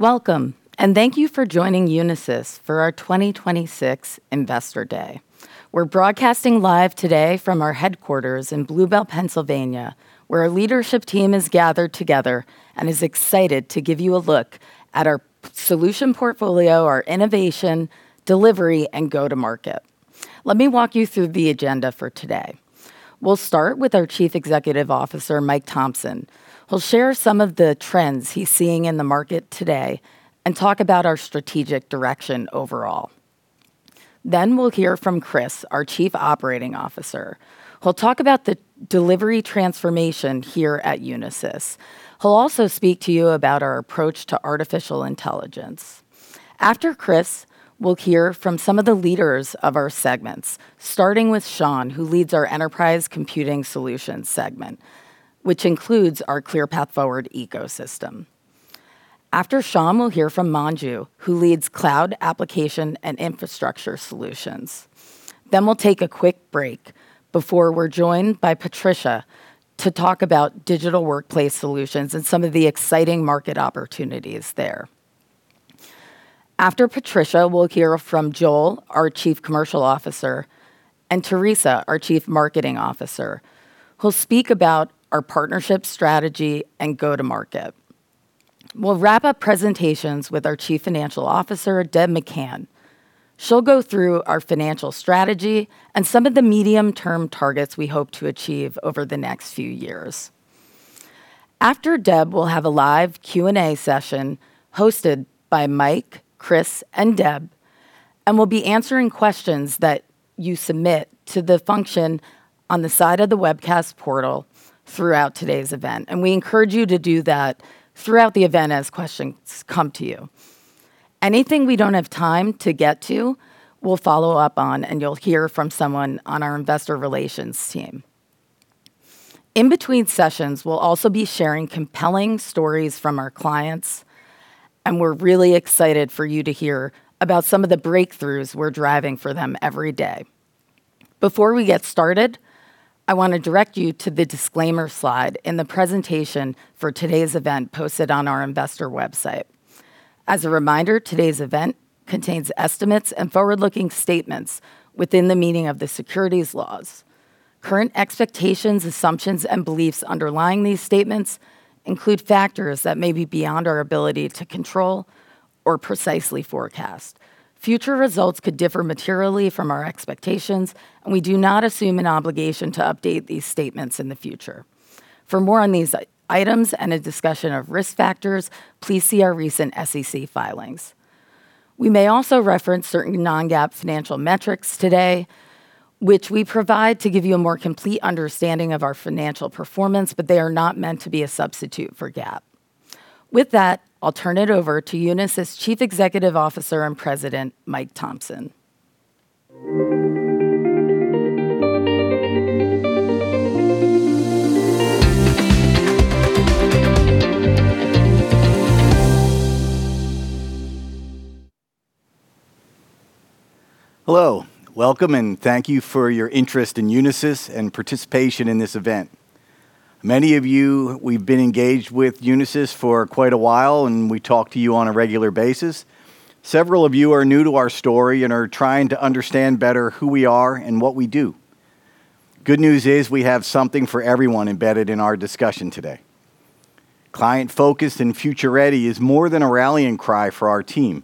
Welcome. Thank you for joining Unisys for our 2026 Investor Day. We're broadcasting live today from our headquarters in Blue Bell, Pennsylvania, where our leadership team is gathered together and is excited to give you a look at our solution portfolio, our innovation, delivery, and go-to-market. Let me walk you through the agenda for today. We'll start with our Chief Executive Officer, Mike Thomson. He'll share some of the trends he's seeing in the market today and talk about our strategic direction overall. We'll hear from Chris, our Chief Operating Officer, who'll talk about the delivery transformation here at Unisys. He'll also speak to you about our approach to artificial intelligence. After Chris, we'll hear from some of the leaders of our segments, starting with Sean, who leads our Enterprise Computing Solutions segment, which includes our ClearPath Forward ecosystem. After Sean, we'll hear from Manju, who leads Cloud, Applications & Infrastructure Solutions. We'll take a quick break before we're joined by Patrycja to talk about Digital Workplace Solutions and some of the exciting market opportunities there. After Patrycja, we'll hear from Joel, our Chief Commercial Officer, and Teresa, our Chief Marketing Officer, who'll speak about our partnership strategy and go-to-market. We'll wrap up presentations with our Chief Financial Officer, Deb McCann. She'll go through our financial strategy and some of the medium-term targets we hope to achieve over the next few years. After Deb, we'll have a live Q&A session hosted by Mike, Chris, and Deb, and we'll be answering questions that you submit to the function on the side of the webcast portal throughout today's event, and we encourage you to do that throughout the event as questions come to you. Anything we don't have time to get to, we'll follow up on, and you'll hear from someone on our Investor Relations team. In between sessions, we'll also be sharing compelling stories from our clients, and we're really excited for you to hear about some of the breakthroughs we're driving for them every day. Before we get started, I want to direct you to the disclaimer slide in the presentation for today's event posted on our investor website. As a reminder, today's event contains estimates and forward-looking statements within the meaning of the securities laws. Current expectations, assumptions, and beliefs underlying these statements include factors that may be beyond our ability to control or precisely forecast. Future results could differ materially from our expectations, and we do not assume an obligation to update these statements in the future. For more on these items and a discussion of risk factors, please see our recent SEC filings. We may also reference certain non-GAAP financial metrics today, which we provide to give you a more complete understanding of our financial performance, but they are not meant to be a substitute for GAAP. With that, I'll turn it over to Unisys' Chief Executive Officer and President, Mike Thomson. Hello. Welcome, and thank you for your interest in Unisys and participation in this event. Many of you, we've been engaged with Unisys for quite a while, and we talk to you on a regular basis. Several of you are new to our story and are trying to understand better who we are and what we do. Good news is we have something for everyone embedded in our discussion today. Client focused and future ready is more than a rallying cry for our team.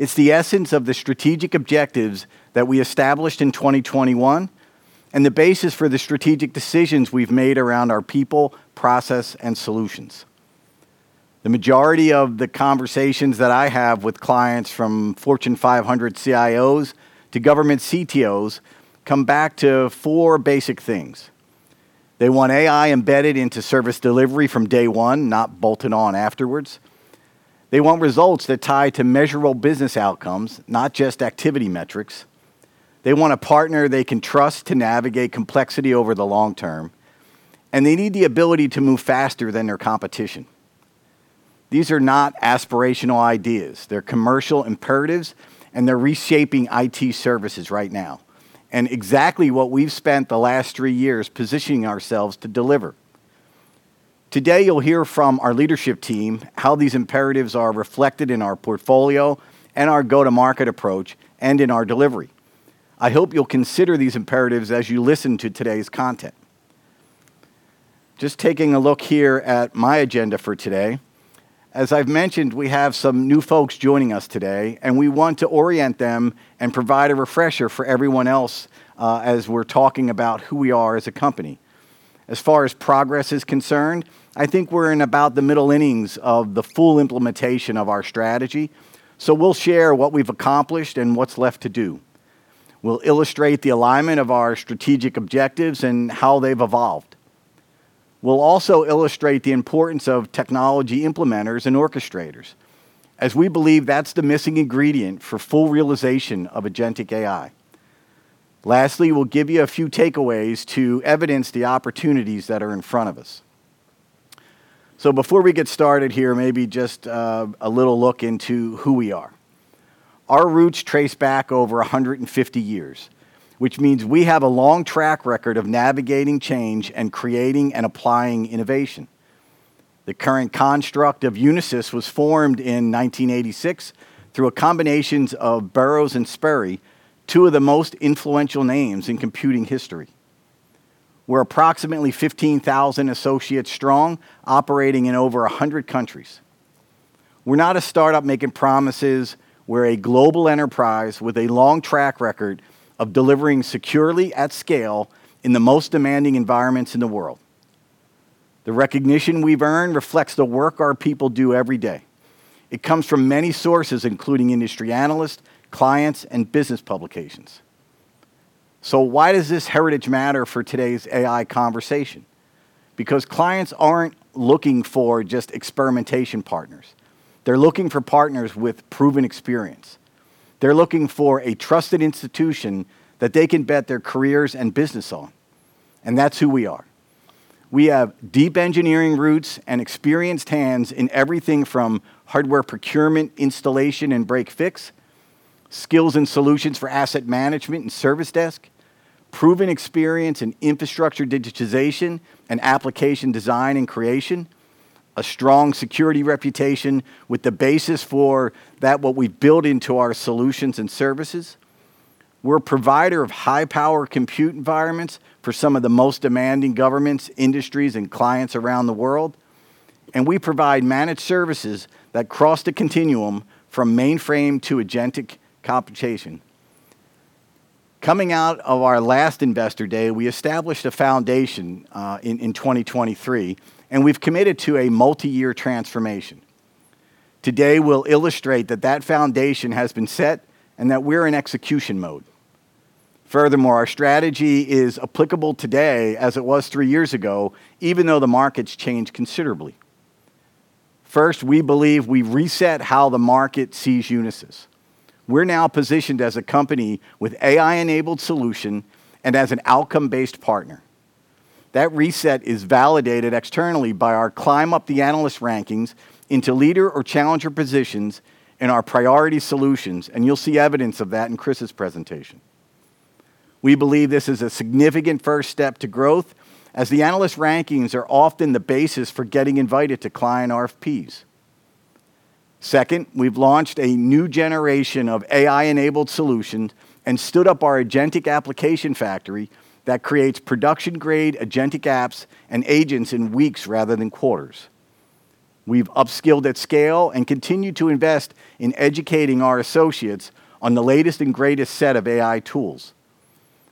It's the essence of the strategic objectives that we established in 2021 and the basis for the strategic decisions we've made around our people, process, and solutions. The majority of the conversations that I have with clients, from Fortune 500 CIOs to government CTOs, come back to four basic things. They want AI embedded into service delivery from day one, not bolted on afterwards. They want results that tie to measurable business outcomes, not just activity metrics. They want a partner they can trust to navigate complexity over the long term, and they need the ability to move faster than their competition. These are not aspirational ideas. They're commercial imperatives, and they're reshaping IT services right now, and exactly what we've spent the last three years positioning ourselves to deliver. Today, you'll hear from our leadership team how these imperatives are reflected in our portfolio and our go-to-market approach and in our delivery. I hope you'll consider these imperatives as you listen to today's content. Just taking a look here at my agenda for today. As I've mentioned, we have some new folks joining us today, and we want to orient them and provide a refresher for everyone else as we're talking about who we are as a company. As far as progress is concerned, I think we're in about the middle innings of the full implementation of our strategy, so we'll share what we've accomplished and what's left to do. We'll illustrate the alignment of our strategic objectives and how they've evolved. We'll also illustrate the importance of technology implementers and orchestrators, as we believe that's the missing ingredient for full realization of agentic AI. Lastly, we'll give you a few takeaways to evidence the opportunities that are in front of us. Before we get started here, maybe just a little look into who we are. Our roots trace back over 150 years, which means we have a long track record of navigating change and creating and applying innovation. The current construct of Unisys was formed in 1986 through a combinations of Burroughs and Sperry, two of the most influential names in computing history. We're approximately 15,000 associates strong, operating in over 100 countries. We're not a startup making promises. We're a global enterprise with a long track record of delivering securely at scale in the most demanding environments in the world. The recognition we've earned reflects the work our people do every day. It comes from many sources, including industry analysts, clients, and business publications. Why does this heritage matter for today's AI conversation? Clients aren't looking for just experimentation partners. They're looking for partners with proven experience. They're looking for a trusted institution that they can bet their careers and business on, that's who we are. We have deep engineering roots and experienced hands in everything from hardware procurement, installation, and break fix, skills and solutions for asset management and service desk, proven experience in infrastructure digitization and application design and creation, a strong security reputation with the basis for that what we build into our solutions and services. We provide managed services that cross the continuum from mainframe to agentic computation. Coming out of our last Investor Day, we established a foundation in 2023. We've committed to a multi-year transformation. Today, we'll illustrate that foundation has been set and that we're in execution mode. Furthermore, our strategy is applicable today as it was three years ago, even though the market's changed considerably. First, we believe we've reset how the market sees Unisys. We're now positioned as a company with AI-enabled solution and as an outcome-based partner. That reset is validated externally by our climb up the analyst rankings into leader or challenger positions in our priority solutions, and you'll see evidence of that in Chris's presentation. We believe this is a significant first step to growth, as the analyst rankings are often the basis for getting invited to client RFPs. Second, we've launched a new generation of AI-enabled solution and stood up our agentic application factory that creates production-grade agentic apps and agents in weeks rather than quarters. We've upskilled at scale and continue to invest in educating our associates on the latest and greatest set of AI tools.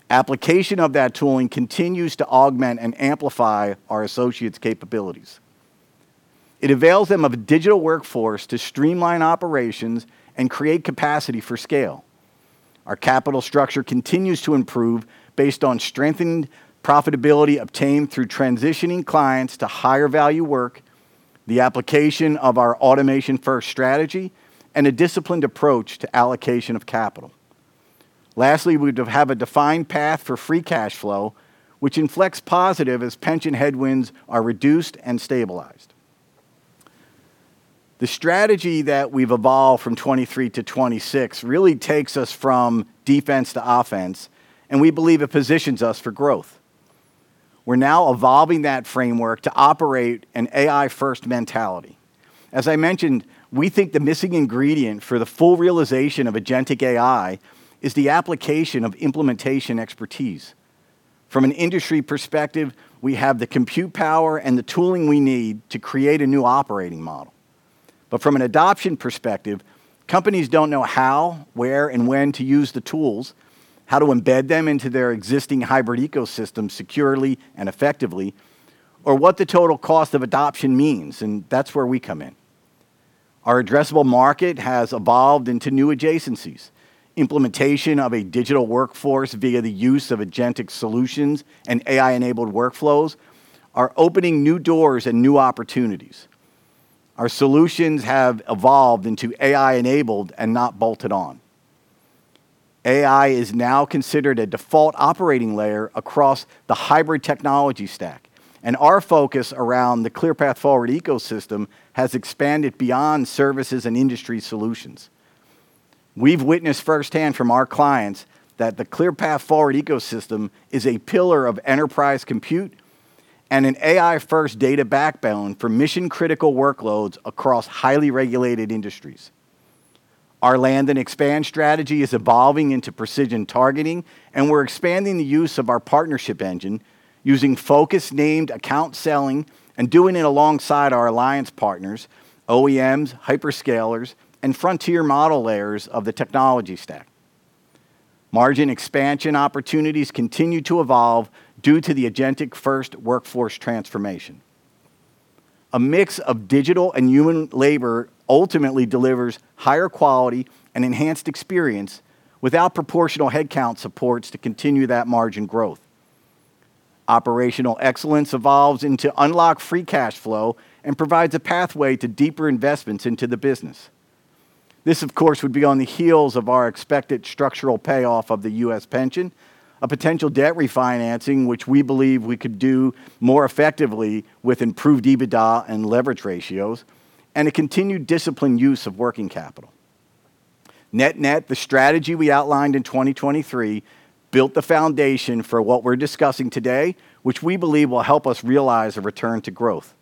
Application of that tooling continues to augment and amplify our associates' capabilities. It avails them of a digital workforce to streamline operations and create capacity for scale. Our capital structure continues to improve based on strengthened profitability obtained through transitioning clients to higher value work, the application of our automation-first strategy, and a disciplined approach to allocation of capital. Lastly, we have a defined path for free cash flow, which inflects positive as pension headwinds are reduced and stabilized. The strategy that we've evolved from 2023 to 2026 really takes us from defense to offense, and we believe it positions us for growth. We're now evolving that framework to operate an AI-first mentality. As I mentioned, we think the missing ingredient for the full realization of agentic AI is the application of implementation expertise. From an industry perspective, we have the compute power and the tooling we need to create a new operating model. From an adoption perspective, companies don't know how, where, and when to use the tools, how to embed them into their existing hybrid ecosystem securely and effectively, or what the total cost of adoption means, and that's where we come in. Our addressable market has evolved into new adjacencies. Implementation of a digital workforce via the use of agentic solutions and AI-enabled workflows are opening new doors and new opportunities. Our solutions have evolved into AI-enabled and not bolted on. AI is now considered a default operating layer across the hybrid technology stack, and our focus around the ClearPath Forward ecosystem has expanded beyond services and industry solutions. We've witnessed firsthand from our clients that the ClearPath Forward ecosystem is a pillar of enterprise compute and an AI-first data backbone for mission-critical workloads across highly regulated industries. Our land and expand strategy is evolving into precision targeting, and we're expanding the use of our partnership engine using focused named account selling and doing it alongside our alliance partners, OEMs, hyperscalers, and frontier model layers of the technology stack. Margin expansion opportunities continue to evolve due to the agentic-first workforce transformation. A mix of digital and human labor ultimately delivers higher quality and enhanced experience without proportional headcount supports to continue that margin growth. Operational excellence evolves into unlocked free cash flow and provides a pathway to deeper investments into the business. This, of course, would be on the heels of our expected structural payoff of the U.S. pension, a potential debt refinancing, which we believe we could do more effectively with improved EBITDA and leverage ratios, and a continued disciplined use of working capital. Net net, the strategy we outlined in 2023 built the foundation for what we're discussing today, which we believe will help us realize a return to growth.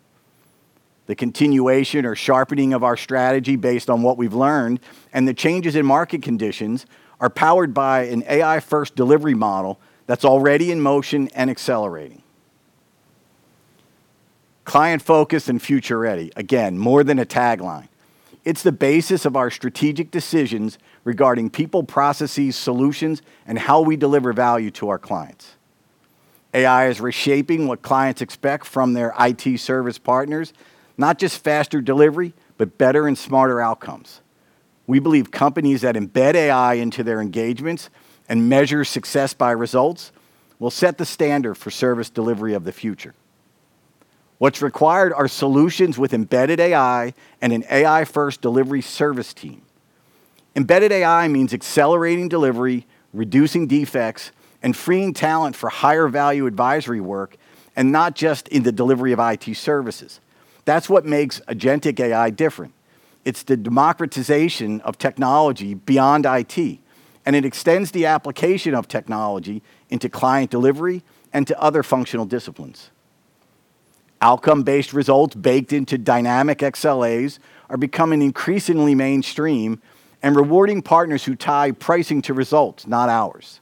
The continuation or sharpening of our strategy based on what we've learned and the changes in market conditions are powered by an AI-first delivery model that's already in motion and accelerating. Client-focused and future-ready, again, more than a tagline. It's the basis of our strategic decisions regarding people, processes, solutions, and how we deliver value to our clients. AI is reshaping what clients expect from their IT service partners, not just faster delivery, but better and smarter outcomes. We believe companies that embed AI into their engagements and measure success by results will set the standard for service delivery of the future. What's required are solutions with embedded AI and an AI-first delivery service team. Embedded AI means accelerating delivery, reducing defects, and freeing talent for higher value advisory work, and not just in the delivery of IT services. That's what makes agentic AI different. It's the democratization of technology beyond IT, and it extends the application of technology into client delivery and to other functional disciplines. Outcome-based results baked into dynamic XLAs are becoming increasingly mainstream and rewarding partners who tie pricing to results, not hours.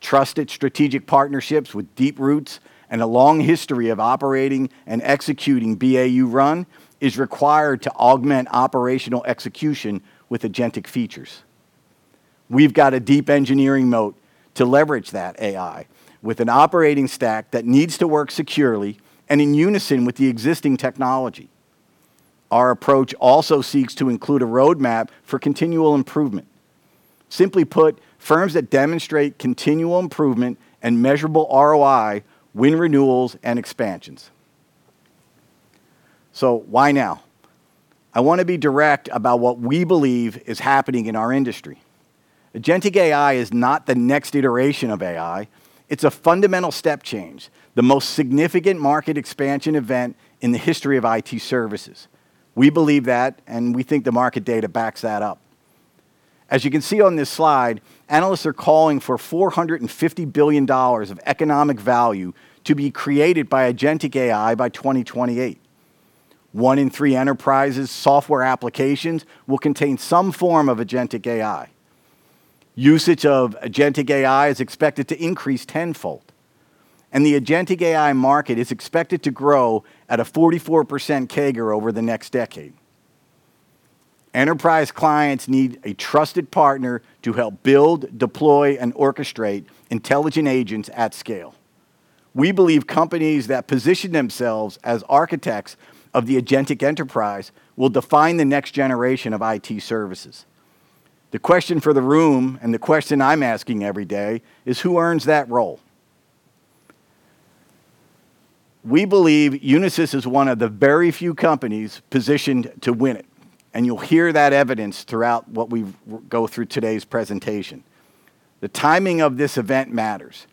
Trusted strategic partnerships with deep roots and a long history of operating and executing BAU run is required to augment operational execution with agentic features. We've got a deep engineering moat to leverage that AI with an operating stack that needs to work securely and in unison with the existing technology. Our approach also seeks to include a roadmap for continual improvement. Simply put, firms that demonstrate continual improvement and measurable ROI win renewals and expansions. Why now? I want to be direct about what we believe is happening in our industry. Agentic AI is not the next iteration of AI. It's a fundamental step change, the most significant market expansion event in the history of IT services. We believe that, and we think the market data backs that up. As you can see on this slide, analysts are calling for $450 billion of economic value to be created by agentic AI by 2028. 1 in 3 enterprises' software applications will contain some form of agentic AI. Usage of agentic AI is expected to increase tenfold. The agentic AI market is expected to grow at a 44% CAGR over the next decade. Enterprise clients need a trusted partner to help build, deploy, and orchestrate intelligent agents at scale. We believe companies that position themselves as architects of the agentic enterprise will define the next generation of IT services. The question for the room, and the question I'm asking every day, is who earns that role? We believe Unisys is one of the very few companies positioned to win it, and you'll hear that evidence throughout what we go through today's presentation. The timing of this event matters.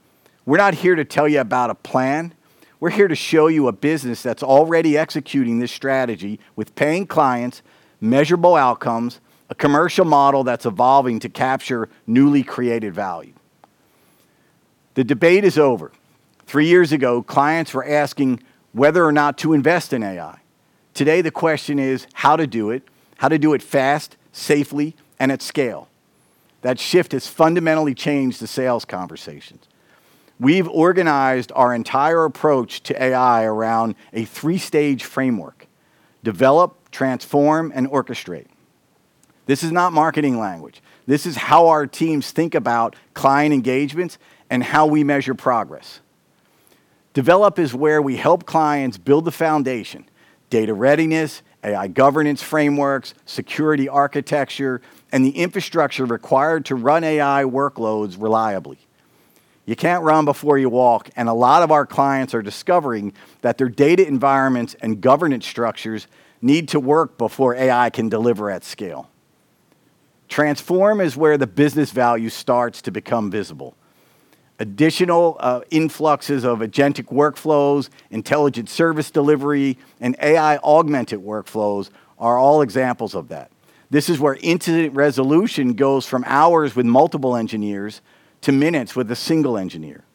We're not here to tell you about a plan. We're here to show you a business that's already executing this strategy with paying clients measurable outcomes, a commercial model that's evolving to capture newly created value. The debate is over. Three years ago, clients were asking whether or not to invest in AI. Today, the question is how to do it, how to do it fast, safely, and at scale. That shift has fundamentally changed the sales conversations. We've organized our entire approach to AI around a 3-stage framework, Develop, Transform, and Orchestrate. This is not marketing language. This is how our teams think about client engagements and how we measure progress. Develop is where we help clients build the foundation, data readiness, AI governance frameworks, security architecture, and the infrastructure required to run AI workloads reliably. You can't run before you walk, and a lot of our clients are discovering that their data environments and governance structures need to work before AI can deliver at scale. Transform is where the business value starts to become visible. Additional influxes of agentic workflows, intelligent service delivery, and AI-augmented workflows are all examples of that. This is where incident resolution goes from hours with multiple engineers to minutes with a single engineer.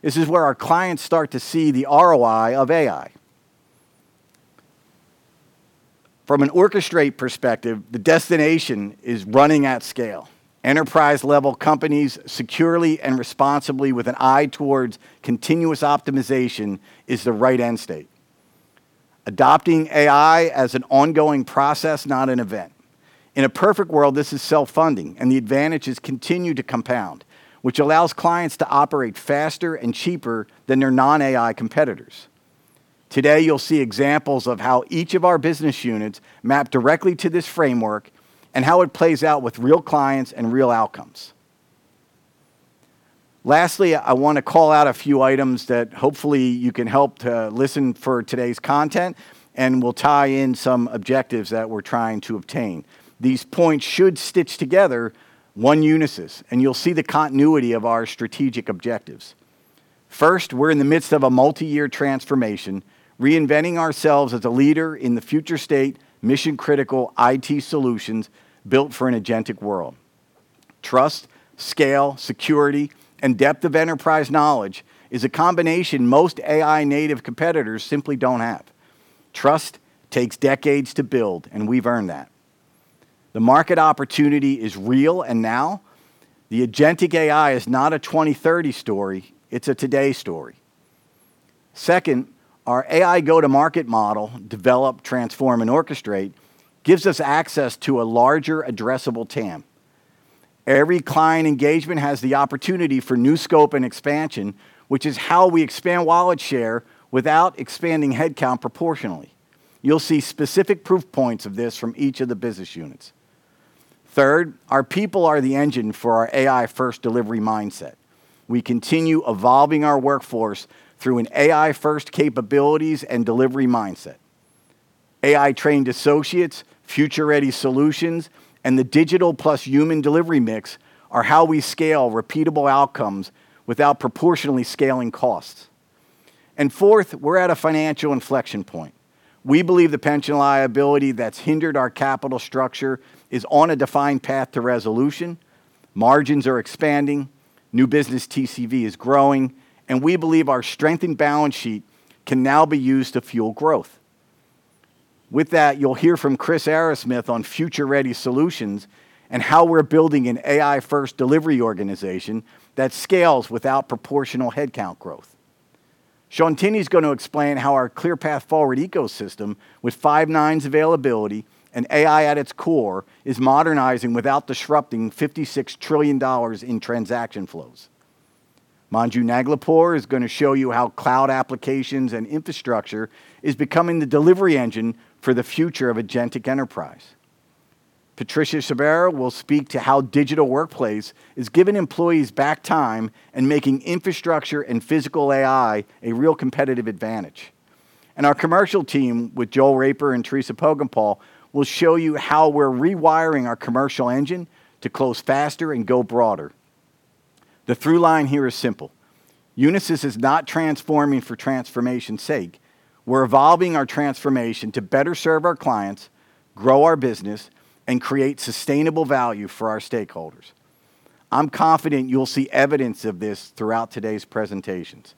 This is where our clients start to see the ROI of AI. From an orchestrate perspective, the destination is running at scale. Enterprise-level companies securely and responsibly with an eye towards continuous optimization is the right end state. Adopting AI as an ongoing process, not an event. In a perfect world, this is self-funding, and the advantages continue to compound, which allows clients to operate faster and cheaper than their non-AI competitors. Today, you'll see examples of how each of our business units map directly to this framework and how it plays out with real clients and real outcomes. Lastly, I want to call out a few items that hopefully you can help to listen for today's content, and we'll tie in some objectives that we're trying to obtain. These points should stitch together one Unisys. You'll see the continuity of our strategic objectives. First, we're in the midst of a multi-year transformation, reinventing ourselves as a leader in the future state, mission-critical IT solutions built for an agentic world. Trust, scale, security, and depth of enterprise knowledge is a combination most AI-native competitors simply don't have. Trust takes decades to build. We've earned that. The market opportunity is real and now. The agentic AI is not a 2030 story, it's a today story. Second, our AI go-to-market model, develop, transform, and orchestrate, gives us access to a larger addressable TAM. Every client engagement has the opportunity for new scope and expansion, which is how we expand wallet share without expanding headcount proportionally. You'll see specific proof points of this from each of the business units. Third, our people are the engine for our AI-first delivery mindset. We continue evolving our workforce through an AI-first capabilities and delivery mindset. AI-trained associates, future-ready solutions, and the digital plus human delivery mix are how we scale repeatable outcomes without proportionally scaling costs. Fourth, we're at a financial inflection point. We believe the pension liability that's hindered our capital structure is on a defined path to resolution. Margins are expanding, new business TCV is growing, and we believe our strengthened balance sheet can now be used to fuel growth. With that, you'll hear from Chris Arrasmith on future-ready solutions and how we're building an AI-first delivery organization that scales without proportional headcount growth. Sean Tinney's going to explain how our ClearPath Forward ecosystem with five nines availability and AI at its core is modernizing without disrupting $56 trillion in transaction flows. Manju Naglapur is going to show you how Cloud, Applications & Infrastructure is becoming the delivery engine for the future of agentic enterprise. Patrycja Sobera will speak to how Digital Workplace Solutions is giving employees back time and making infrastructure and physical AI a real competitive advantage. Our commercial team with Joel Raper and Teresa Poggenpohl will show you how we're rewiring our commercial engine to close faster and go broader. The through line here is simple. Unisys is not transforming for transformation's sake. We're evolving our transformation to better serve our clients, grow our business, and create sustainable value for our stakeholders. I'm confident you'll see evidence of this throughout today's presentations.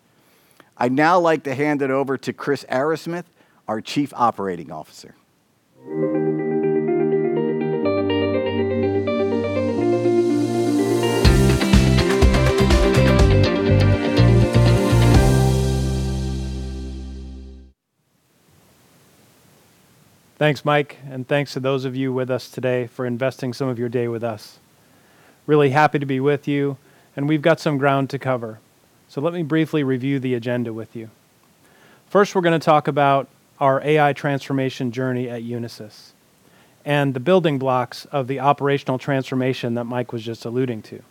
I'd now like to hand it over to Chris Arrasmith, our Chief Operating Officer. Thanks, Mike. Thanks to those of you with us today for investing some of your day with us. Really happy to be with you. We've got some ground to cover. Let me briefly review the agenda with you. First, we're going to talk about our AI transformation journey at Unisys and the building blocks of the operational transformation that Mike was just alluding to.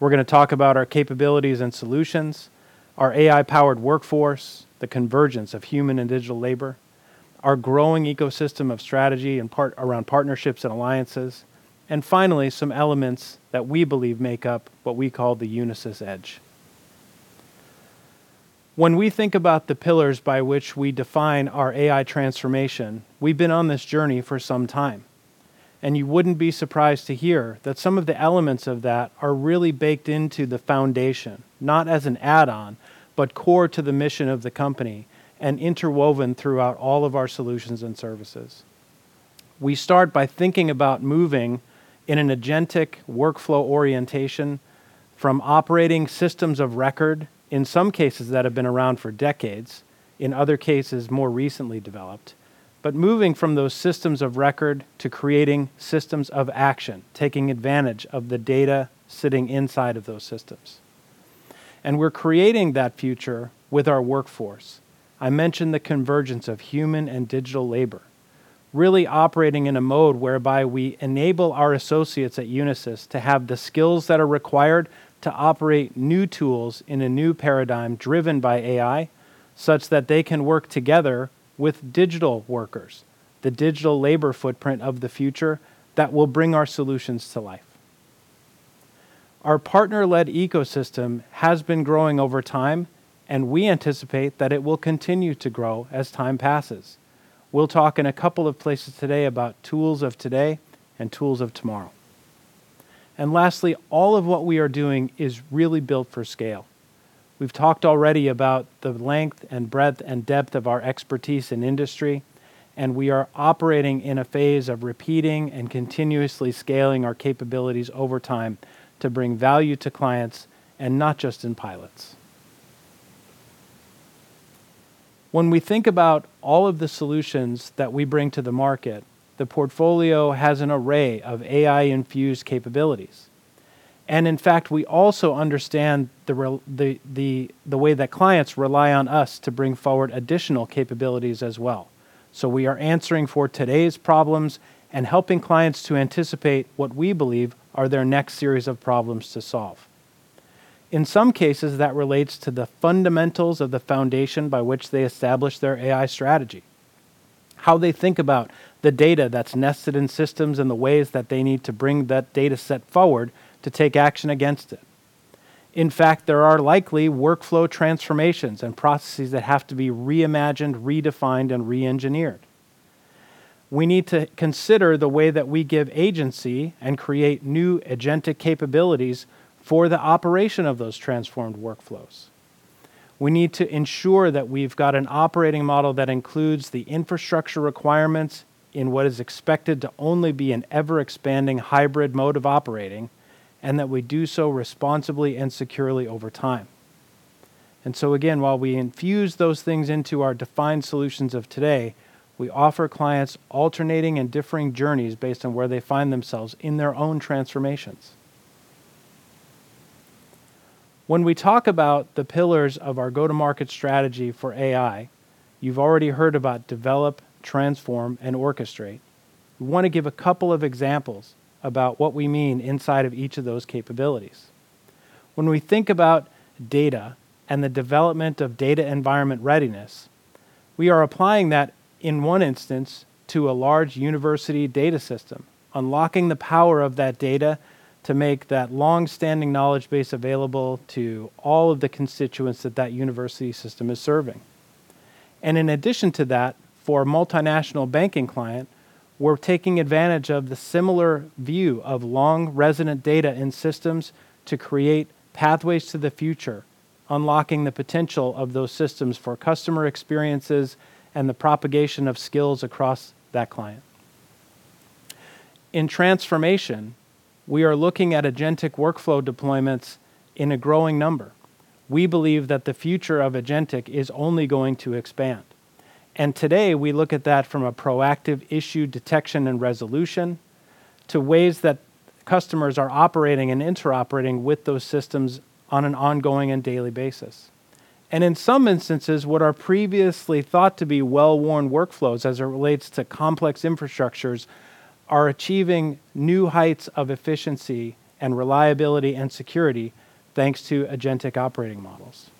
We're going to talk about our capabilities and solutions, our AI-powered workforce, the convergence of human and digital labor, our growing ecosystem of strategy around partnerships and alliances, and finally, some elements that we believe make up what we call the Unisys Edge. When we think about the pillars by which we define our AI transformation, we've been on this journey for some time, and you wouldn't be surprised to hear that some of the elements of that are really baked into the foundation, not as an add-on, but core to the mission of the company and interwoven throughout all of our solutions and services. We start by thinking about moving in an agentic workflow orientation from operating systems of record, in some cases that have been around for decades, in other cases, more recently developed, but moving from those systems of record to creating systems of action, taking advantage of the data sitting inside of those systems. We're creating that future with our workforce. I mentioned the convergence of human and digital labor, really operating in a mode whereby we enable our associates at Unisys to have the skills that are required to operate new tools in a new paradigm driven by AI, such that they can work together with digital workers, the digital labor footprint of the future that will bring our solutions to life. Our partner-led ecosystem has been growing over time. We anticipate that it will continue to grow as time passes. We'll talk in a couple of places today about tools of today and tools of tomorrow. Lastly, all of what we are doing is really built for scale. We've talked already about the length and breadth and depth of our expertise in industry. We are operating in a phase of repeating and continuously scaling our capabilities over time to bring value to clients and not just in pilots. When we think about all of the solutions that we bring to the market, the portfolio has an array of AI-infused capabilities. In fact, we also understand the way that clients rely on us to bring forward additional capabilities as well. We are answering for today's problems and helping clients to anticipate what we believe are their next series of problems to solve. In some cases, that relates to the fundamentals of the foundation by which they establish their AI strategy. How they think about the data that's nested in systems and the ways that they need to bring that data set forward to take action against it. In fact, there are likely workflow transformations and processes that have to be reimagined, redefined, and re-engineered. We need to consider the way that we give agency and create new agentic capabilities for the operation of those transformed workflows. We need to ensure that we've got an operating model that includes the infrastructure requirements in what is expected to only be an ever-expanding hybrid mode of operating, and that we do so responsibly and securely over time. Again, while we infuse those things into our defined solutions of today, we offer clients alternating and differing journeys based on where they find themselves in their own transformations. When we talk about the pillars of our go-to-market strategy for AI, you've already heard about develop, transform, and orchestrate. We want to give a couple of examples about what we mean inside of each of those capabilities. When we think about data and the development of data environment readiness, we are applying that in one instance to a large university data system, unlocking the power of that data to make that longstanding knowledge base available to all of the constituents that that university system is serving. In addition to that, for a multinational banking client, we're taking advantage of the similar view of long resident data in systems to create pathways to the future, unlocking the potential of those systems for customer experiences and the propagation of skills across that client. In transformation, we are looking at agentic workflow deployments in a growing number. We believe that the future of agentic is only going to expand. Today, we look at that from a proactive issue detection and resolution to ways that customers are operating and interoperating with those systems on an ongoing and daily basis. In some instances, what are previously thought to be well-worn workflows as it relates to complex infrastructures are achieving new heights of efficiency and reliability and security, thanks to agentic operating models.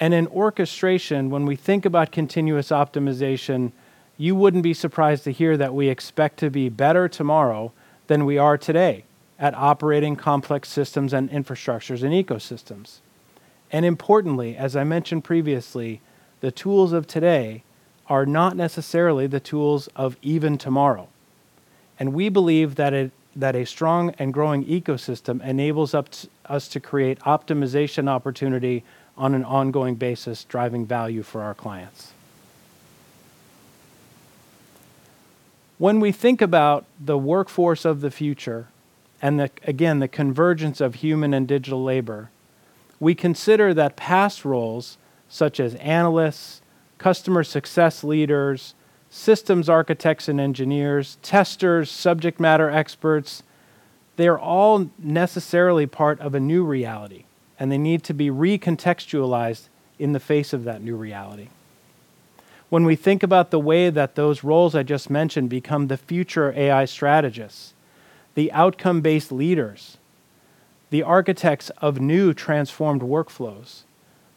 In orchestration, when we think about continuous optimization, you wouldn't be surprised to hear that we expect to be better tomorrow than we are today at operating complex systems and infrastructures and ecosystems. Importantly, as I mentioned previously, the tools of today are not necessarily the tools of even tomorrow, and we believe that a strong and growing ecosystem enables us to create optimization opportunity on an ongoing basis, driving value for our clients. When we think about the workforce of the future and, again, the convergence of human and digital labor, we consider that past roles, such as analysts, customer success leaders, systems architects and engineers, testers, subject matter experts, they're all necessarily part of a new reality, and they need to be recontextualized in the face of that new reality. When we think about the way that those roles I just mentioned become the future AI strategists, the outcome-based leaders, the architects of new transformed workflows,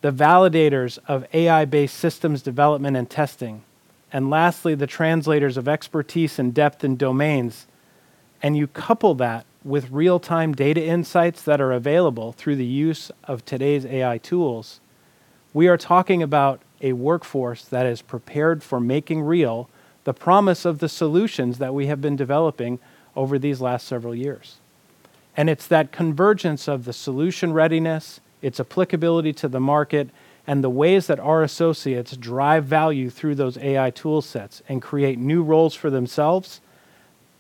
the validators of AI-based systems development and testing, and lastly, the translators of expertise and depth in domains, and you couple that with real-time data insights that are available through the use of today's AI tools, we are talking about a workforce that is prepared for making real the promise of the solutions that we have been developing over these last several years. It's that convergence of the solution readiness, its applicability to the market, and the ways that our associates drive value through those AI tool sets and create new roles for themselves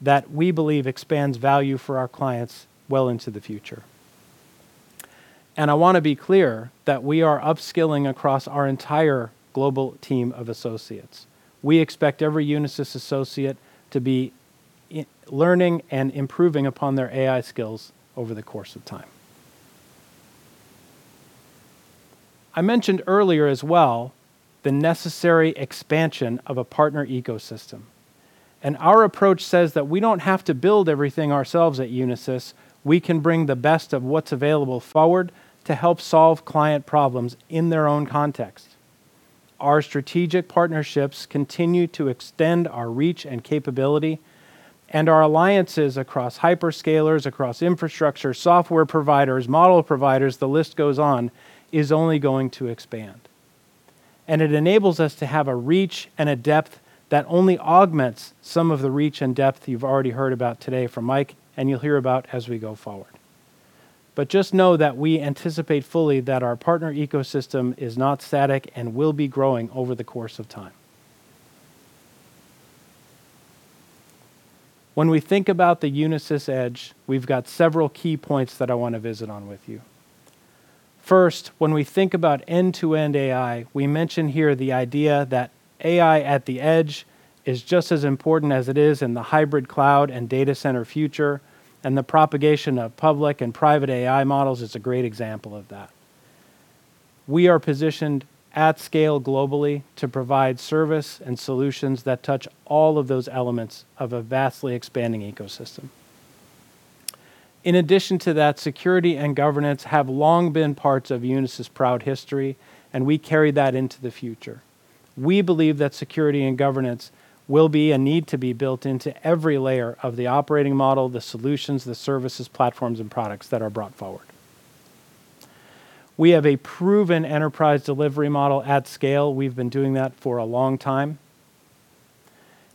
that we believe expands value for our clients well into the future. I want to be clear that we are upskilling across our entire global team of associates. We expect every Unisys associate to be learning and improving upon their AI skills over the course of time. I mentioned earlier as well the necessary expansion of a partner ecosystem, and our approach says that we don't have to build everything ourselves at Unisys. We can bring the best of what's available forward to help solve client problems in their own context. Our strategic partnerships continue to extend our reach and capability and our alliances across hyperscalers, across infrastructure, software providers, model providers, the list goes on, is only going to expand. It enables us to have a reach and a depth that only augments some of the reach and depth you've already heard about today from Mike, and you'll hear about as we go forward. Just know that we anticipate fully that our partner ecosystem is not static and will be growing over the course of time. When we think about the Unisys Edge, we've got several key points that I want to visit on with you. First, when we think about end-to-end AI, we mention here the idea that AI at the edge is just as important as it is in the hybrid cloud and data center future, and the propagation of public and private AI models is a great example of that. We are positioned at scale globally to provide service and solutions that touch all of those elements of a vastly expanding ecosystem. In addition to that, security and governance have long been parts of Unisys' proud history, and we carry that into the future. We believe that security and governance will be a need to be built into every layer of the operating model, the solutions, the services, platforms, and products that are brought forward. We have a proven enterprise delivery model at scale. We've been doing that for a long time.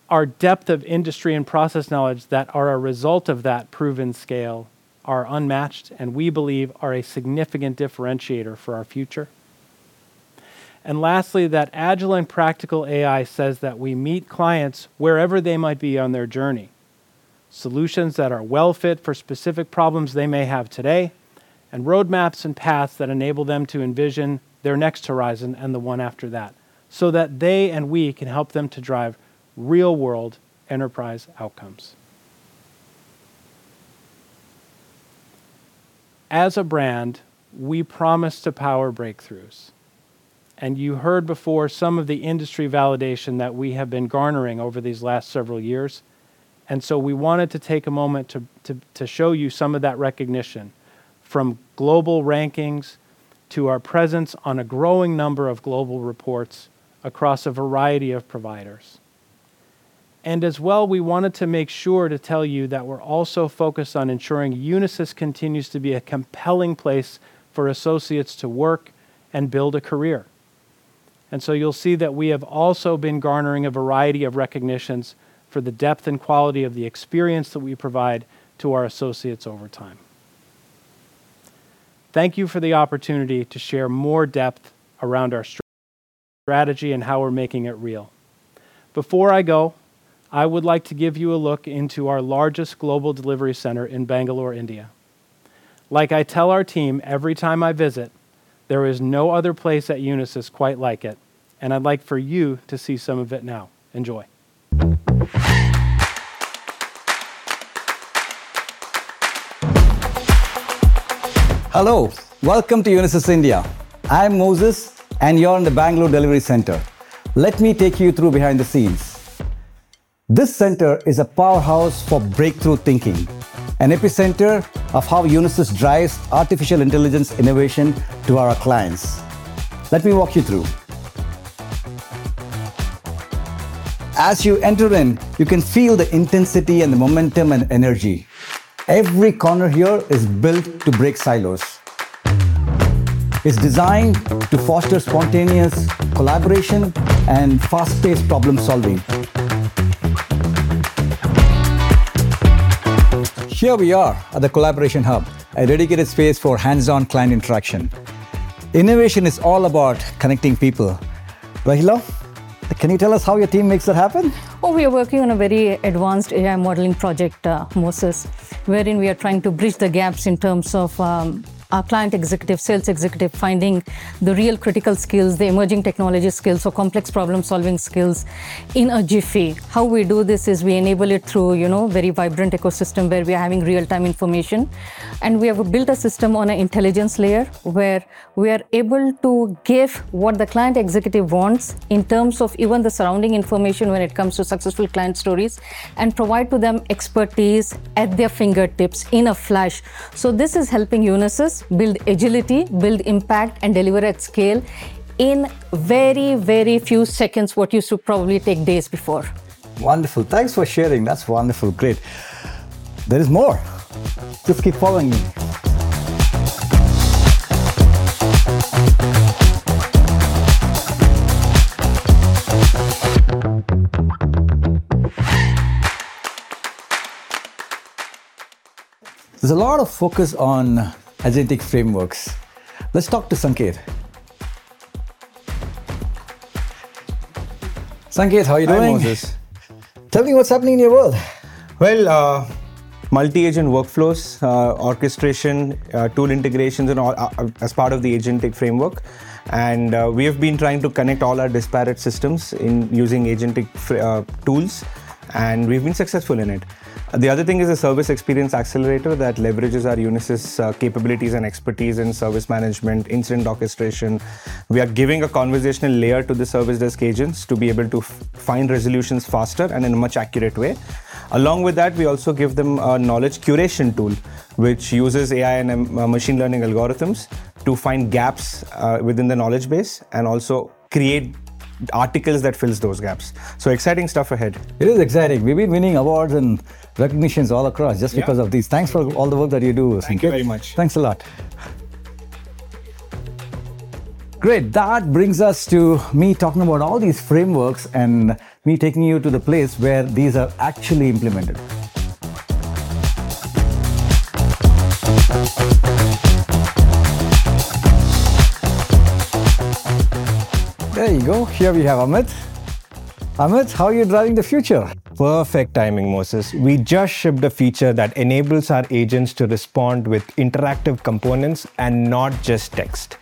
Our depth of industry and process knowledge that are a result of that proven scale are unmatched and we believe are a significant differentiator for our future. Lastly, that agile and practical AI says that we meet clients wherever they might be on their journey. Solutions that are well-fit for specific problems they may have today, and roadmaps and paths that enable them to envision their next horizon and the one after that, so that they and we can help them to drive real-world enterprise outcomes. As a brand, we promise to power breakthroughs. You heard before some of the industry validation that we have been garnering over these last several years, we wanted to take a moment to show you some of that recognition, from global rankings to our presence on a growing number of global reports across a variety of providers. As well, we wanted to make sure to tell you that we're also focused on ensuring Unisys continues to be a compelling place for associates to work and build a career. You'll see that we have also been garnering a variety of recognitions for the depth and quality of the experience that we provide to our associates over time. Thank you for the opportunity to share more depth around our strategy and how we're making it real. Before I go, I would like to give you a look into our largest global delivery center in Bangalore, India. Like I tell our team every time I visit, there is no other place at Unisys quite like it, and I'd like for you to see some of it now. Enjoy. Hello. Welcome to Unisys, India. I'm Moses, and you're in the Bangalore Delivery Center. Let me take you through behind the scenes. This center is a powerhouse for breakthrough thinking, an epicenter of how Unisys drives artificial intelligence innovation to our clients. Let me walk you through. As you enter in, you can feel the intensity and the momentum and energy. Every corner here is built to break silos. It's designed to foster spontaneous collaboration and fast-paced problem-solving. Here we are at the collaboration hub, a dedicated space for hands-on client interaction. Innovation is all about connecting people. Rahila, can you tell us how your team makes that happen? We are working on a very advanced AI modeling project, Moses, wherein we are trying to bridge the gaps in terms of our client executive, sales executive, finding the real critical skills, the emerging technology skills, complex problem-solving skills in a jiffy. How we do this is we enable it through a very vibrant ecosystem where we are having real-time information, and we have built a system on an intelligence layer where we are able to give what the client executive wants in terms of even the surrounding information when it comes to successful client stories and provide to them expertise at their fingertips in a flash. This is helping Unisys build agility, build impact, and deliver at scale in very few seconds what used to probably take days before. Wonderful. Thanks for sharing. That's wonderful. Great. There is more. Just keep following me. There's a lot of focus on agentic frameworks. Let's talk to Sanket. Sanket, how are you doing? Hi, Moses. Tell me what's happening in your world. Well, multi-agent workflows, orchestration, tool integrations, and all as part of the agentic framework. We have been trying to connect all our disparate systems using agentic tools, and we've been successful in it. The other thing is a Service Experience Accelerator that leverages our Unisys capabilities and expertise in service management, incident orchestration. We are giving a conversational layer to the service desk agents to be able to find resolutions faster and in a much accurate way. Along with that, we also give them a knowledge curation tool, which uses AI and machine learning algorithms to find gaps within the knowledge base and also create articles that fills those gaps. Exciting stuff ahead. It is exciting. We've been winning awards and recognitions all across just because of these. Yeah. Thanks for all the work that you do, Sanket. Thank you very much. Thanks a lot. Great. That brings us to me talking about all these frameworks and me taking you to the place where these are actually implemented. There you go. Here we have Amit. Amit, how are you driving the future? Perfect timing, Moses. We just shipped a feature that enables our agents to respond with interactive components and not just text.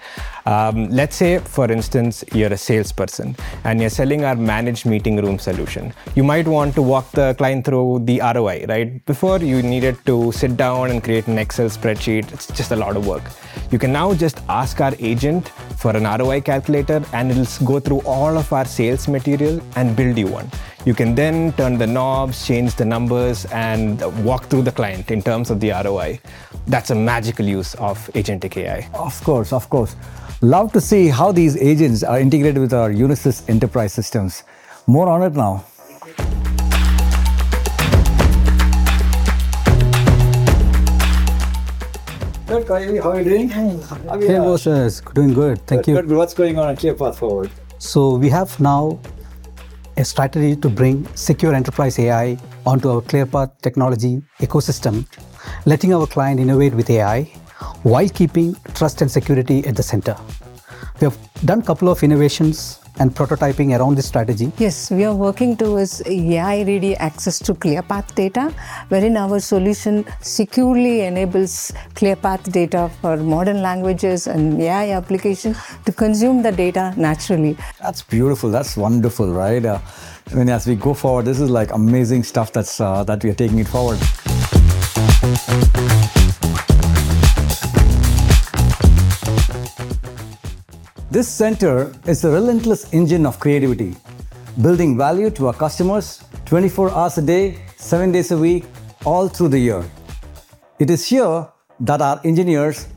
Let's say, for instance, you're a salesperson and you're selling our managed meeting room solution. You might want to walk the client through the ROI, right? Before, you needed to sit down and create an Excel spreadsheet. It's just a lot of work. You can now just ask our agent for an ROI calculator, and it'll go through all of our sales material and build you one. You can turn the knobs, change the numbers, and walk through the client in terms of the ROI. That's a magical use of agentic AI. Of course. Love to see how these agents are integrated with our Unisys enterprise systems. More on it now. Hey, Kayi. How are you doing? Hey. How are you? Hey, Moses. Doing good. Thank you. Good. What's going on at ClearPath Forward? We have now a strategy to bring secure enterprise AI onto our ClearPath technology ecosystem, letting our client innovate with AI while keeping trust and security at the center. We have done a couple of innovations and prototyping around this strategy. Yes, we are working towards AI-ready access to ClearPath data, wherein our solution securely enables ClearPath data for modern languages and AI application to consume the data naturally. That's beautiful. That's wonderful, right? As we go forward, this is amazing stuff that we are taking it forward. This center is a relentless engine of creativity, building value to our customers 24 hours a day, seven days a week, all through the year. It is here that our engineers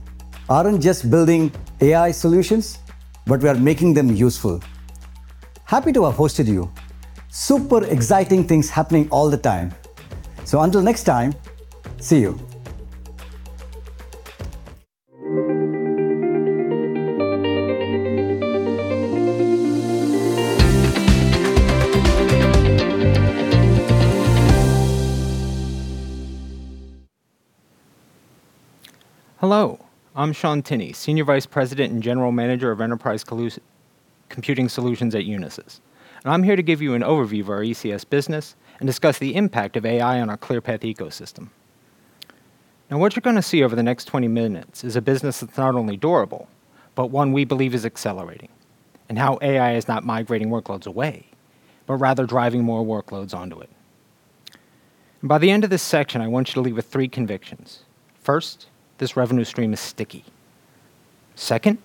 aren't just building AI solutions, but we are making them useful. Happy to have hosted you. Super exciting things happening all the time. Until next time, see you. Hello, I'm Sean Tinney, Senior Vice President and General Manager of Enterprise Computing Solutions at Unisys. I'm here to give you an overview of our ECS business and discuss the impact of AI on our ClearPath ecosystem. What you're going to see over the next 20 minutes is a business that's not only durable, but one we believe is accelerating, and how AI is not migrating workloads away, but rather driving more workloads onto it. By the end of this section, I want you to leave with three convictions. First, this revenue stream is sticky. Second,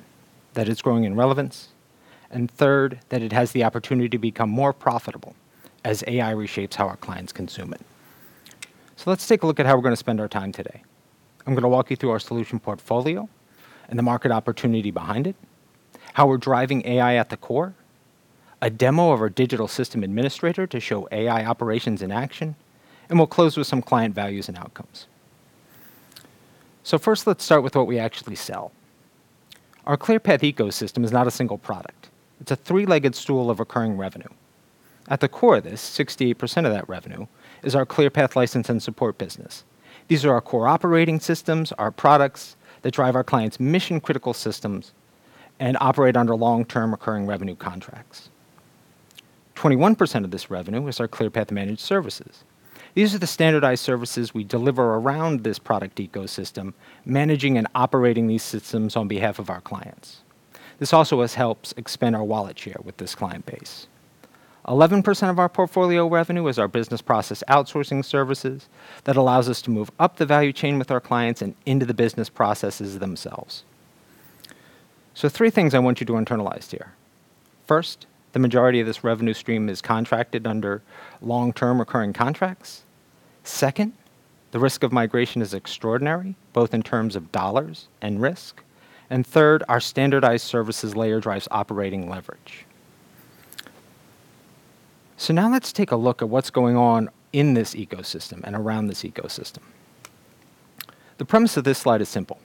that it's growing in relevance. Third, that it has the opportunity to become more profitable as AI reshapes how our clients consume it. Let's take a look at how we're going to spend our time today. I'm going to walk you through our solution portfolio and the market opportunity behind it, how we're driving AI at the core, a demo of our Digital System Administrator to show AI operations in action, and we'll close with some client values and outcomes. First, let's start with what we actually sell. Our ClearPath ecosystem is not a single product. It's a three-legged stool of recurring revenue. At the core of this, 68% of that revenue is our ClearPath license and support business. These are our core operating systems, our products that drive our clients' mission-critical systems, and operate under long-term recurring revenue contracts. 21% of this revenue is our ClearPath managed services. These are the standardized services we deliver around this product ecosystem, managing and operating these systems on behalf of our clients. This also helps expand our wallet share with this client base. 11% of our portfolio revenue is our business process outsourcing services that allows us to move up the value chain with our clients and into the business processes themselves. Three things I want you to internalize here. First, the majority of this revenue stream is contracted under long-term recurring contracts. Second, the risk of migration is extraordinary, both in terms of $ and risk. Third, our standardized services layer drives operating leverage. Now let's take a look at what's going on in this ecosystem and around this ecosystem. The premise of this slide is simple.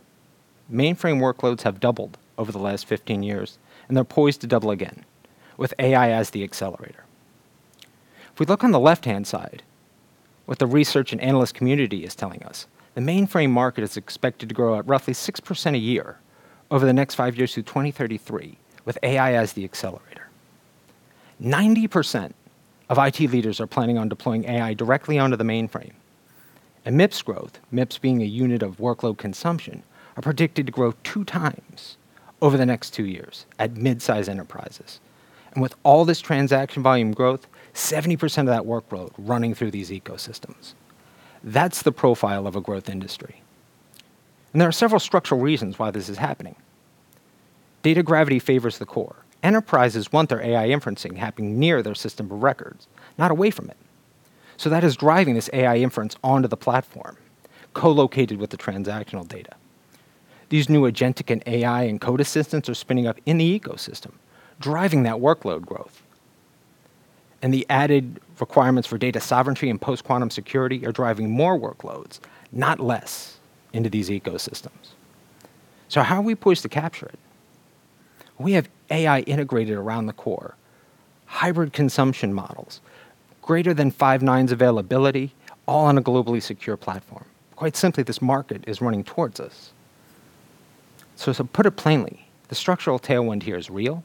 Mainframe workloads have doubled over the last 15 years, and they're poised to double again with AI as the accelerator. If we look on the left-hand side, what the research and analyst community is telling us, the mainframe market is expected to grow at roughly 6% a year over the next five years through 2033, with AI as the accelerator. 90% of IT leaders are planning on deploying AI directly onto the mainframe. MIPS growth, MIPS being a unit of workload consumption, are predicted to grow two times over the next two years at midsize enterprises. With all this transaction volume growth, 70% of that work growth running through these ecosystems. That's the profile of a growth industry. There are several structural reasons why this is happening. Data gravity favors the core. Enterprises want their AI inferencing happening near their system of records, not away from it. That is driving this AI inference onto the platform, co-located with the transactional data. These new agentic and AI and code assistants are spinning up in the ecosystem, driving that workload growth. The added requirements for data sovereignty and post-quantum security are driving more workloads, not less, into these ecosystems. How are we poised to capture it? We have AI integrated around the core, hybrid consumption models, greater than five nines availability, all on a globally secure platform. Quite simply, this market is running towards us. To put it plainly, the structural tailwind here is real,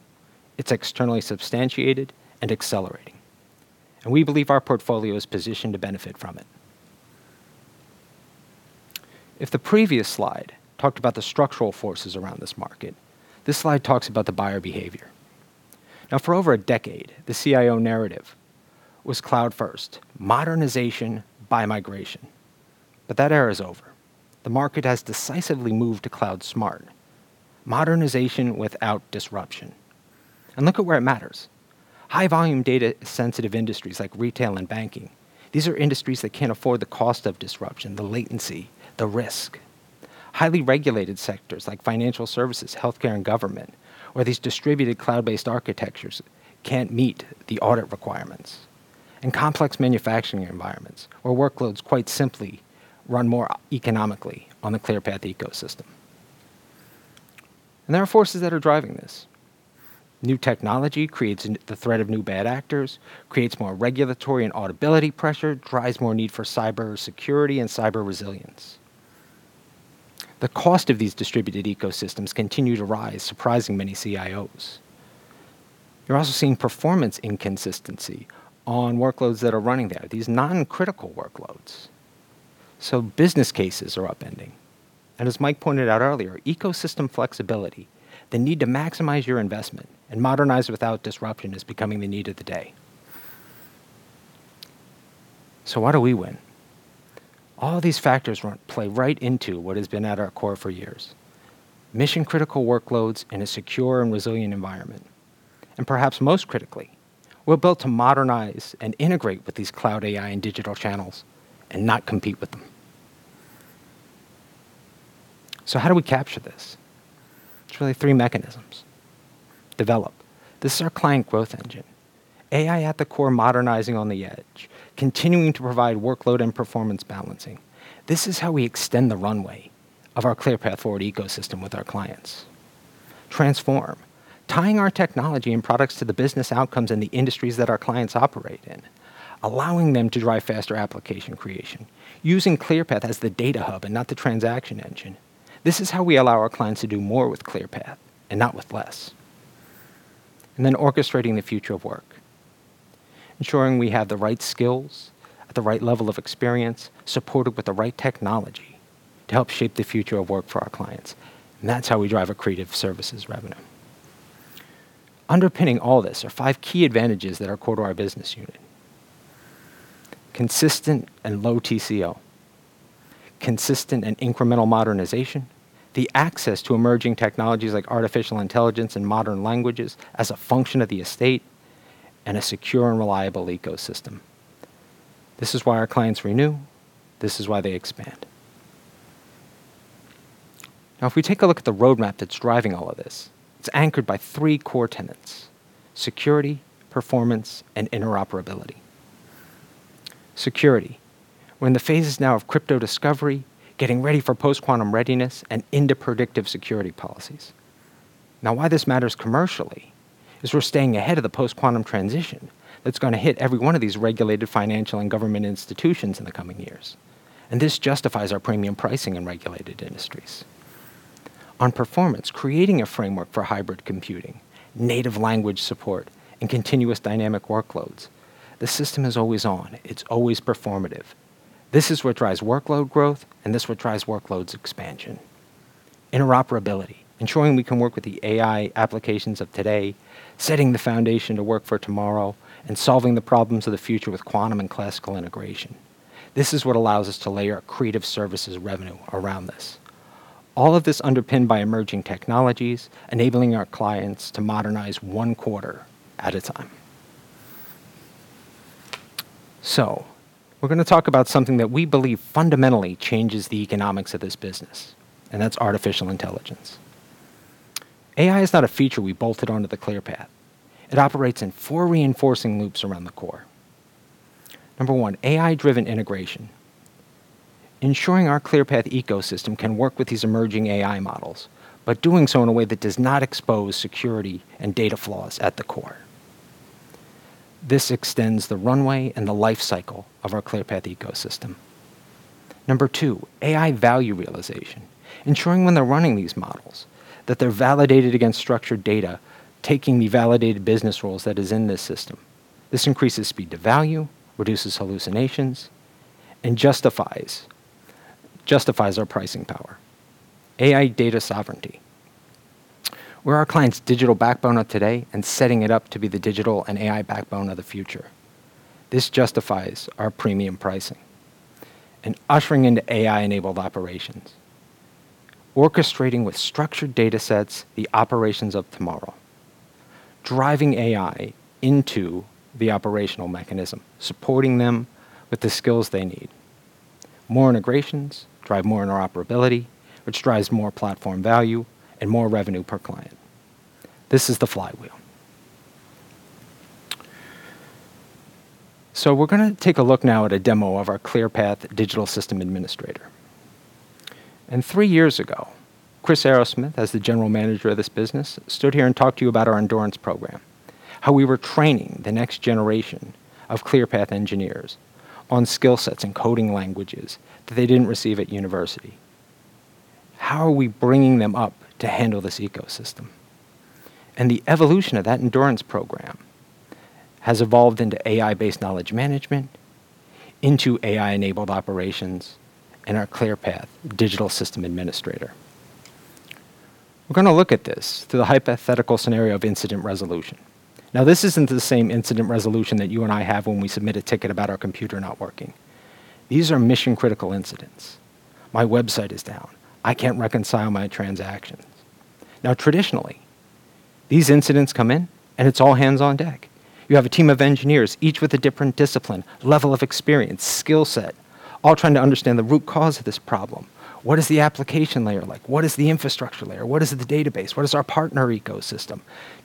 it's externally substantiated and accelerating, and we believe our portfolio is positioned to benefit from it. If the previous slide talked about the structural forces around this market, this slide talks about the buyer behavior. Now, for over a decade, the CIO narrative was cloud first, modernization by migration. That era is over. The market has decisively moved to cloud smart. Modernization without disruption. Look at where it matters. High-volume, data-sensitive industries like retail and banking. These are industries that can't afford the cost of disruption, the latency, the risk. Highly regulated sectors like financial services, healthcare, and government, where these distributed cloud-based architectures can't meet the audit requirements. Complex manufacturing environments where workloads quite simply run more economically on the ClearPath ecosystem. There are forces that are driving this. New technology creates the threat of new bad actors, creates more regulatory and auditability pressure, drives more need for cybersecurity and cyber resilience. The cost of these distributed ecosystems continue to rise, surprising many CIOs. You're also seeing performance inconsistency on workloads that are running there, these non-critical workloads. Business cases are upending. As Mike pointed out earlier, ecosystem flexibility, the need to maximize your investment and modernize without disruption, is becoming the need of the day. Why do we win? All of these factors play right into what has been at our core for years, mission-critical workloads in a secure and resilient environment. Perhaps most critically, we're built to modernize and integrate with these cloud AI and digital channels and not compete with them. How do we capture this? It's really three mechanisms. Develop. This is our client growth engine. AI at the core, modernizing on the edge, continuing to provide workload and performance balancing. This is how we extend the runway of our ClearPath Forward ecosystem with our clients. Transform. Tying our technology and products to the business outcomes and the industries that our clients operate in, allowing them to drive faster application creation, using ClearPath as the data hub and not the transaction engine. This is how we allow our clients to do more with ClearPath and not with less. Orchestrating the future of work. Ensuring we have the right skills at the right level of experience, supported with the right technology to help shape the future of work for our clients. That's how we drive accretive services revenue. Underpinning all this are five key advantages that are core to our business unit. Consistent and low TCO, consistent and incremental modernization, the access to emerging technologies like artificial intelligence and modern languages as a function of the estate, and a secure and reliable ecosystem. This is why our clients renew, this is why they expand. If we take a look at the roadmap that's driving all of this, it's anchored by three core tenets, security, performance, and interoperability. Security. We're in the phases now of crypto discovery, getting ready for post-quantum readiness, and into predictive security policies. Why this matters commercially is we're staying ahead of the post-quantum transition that's going to hit every one of these regulated financial and government institutions in the coming years. This justifies our premium pricing in regulated industries. On performance, creating a framework for hybrid computing, native language support, and continuous dynamic workloads. The system is always on, it's always performative. This is what drives workload growth. This is what drives workloads expansion. Interoperability. Ensuring we can work with the AI applications of today, setting the foundation to work for tomorrow, and solving the problems of the future with quantum and classical integration. This is what allows us to layer accretive services revenue around this. All of this underpinned by emerging technologies, enabling our clients to modernize one quarter at a time. We're going to talk about something that we believe fundamentally changes the economics of this business, and that's artificial intelligence. AI is not a feature we bolted onto the ClearPath. It operates in four reinforcing loops around the core. Number 1, AI-driven integration. Ensuring our ClearPath ecosystem can work with these emerging AI models, but doing so in a way that does not expose security and data flaws at the core. This extends the runway and the life cycle of our ClearPath ecosystem. Number 2, AI value realization. Ensuring when they're running these models, that they're validated against structured data, taking the validated business rules that is in this system. This increases speed to value, reduces hallucinations, and justifies our pricing power. AI data sovereignty. We're our clients' digital backbone of today and setting it up to be the digital and AI backbone of the future. This justifies our premium pricing. Ushering into AI-enabled operations. Orchestrating with structured datasets the operations of tomorrow. Driving AI into the operational mechanism, supporting them with the skills they need. More integrations drive more interoperability, which drives more platform value and more revenue per client. This is the flywheel. We're going to take a look now at a demo of our ClearPath Digital System Administrator. Three years ago, Chris Arrasmith, as the general manager of this business, stood here and talked to you about our Endurance Program, how we were training the next generation of ClearPath engineers on skill sets and coding languages that they didn't receive at university. How are we bringing them up to handle this ecosystem? The evolution of that Endurance Program has evolved into AI-based knowledge management, into AI-enabled operations, and our ClearPath Digital System Administrator. We're going to look at this through the hypothetical scenario of incident resolution. This isn't the same incident resolution that you and I have when we submit a ticket about our computer not working. These are mission-critical incidents. My website is down. I can't reconcile my transactions. Traditionally, these incidents come in and it's all hands on deck. You have a team of engineers, each with a different discipline, level of experience, skill set, all trying to understand the root cause of this problem. What is the application layer like? What is the infrastructure layer? What is the database? What is our partner ecosystem?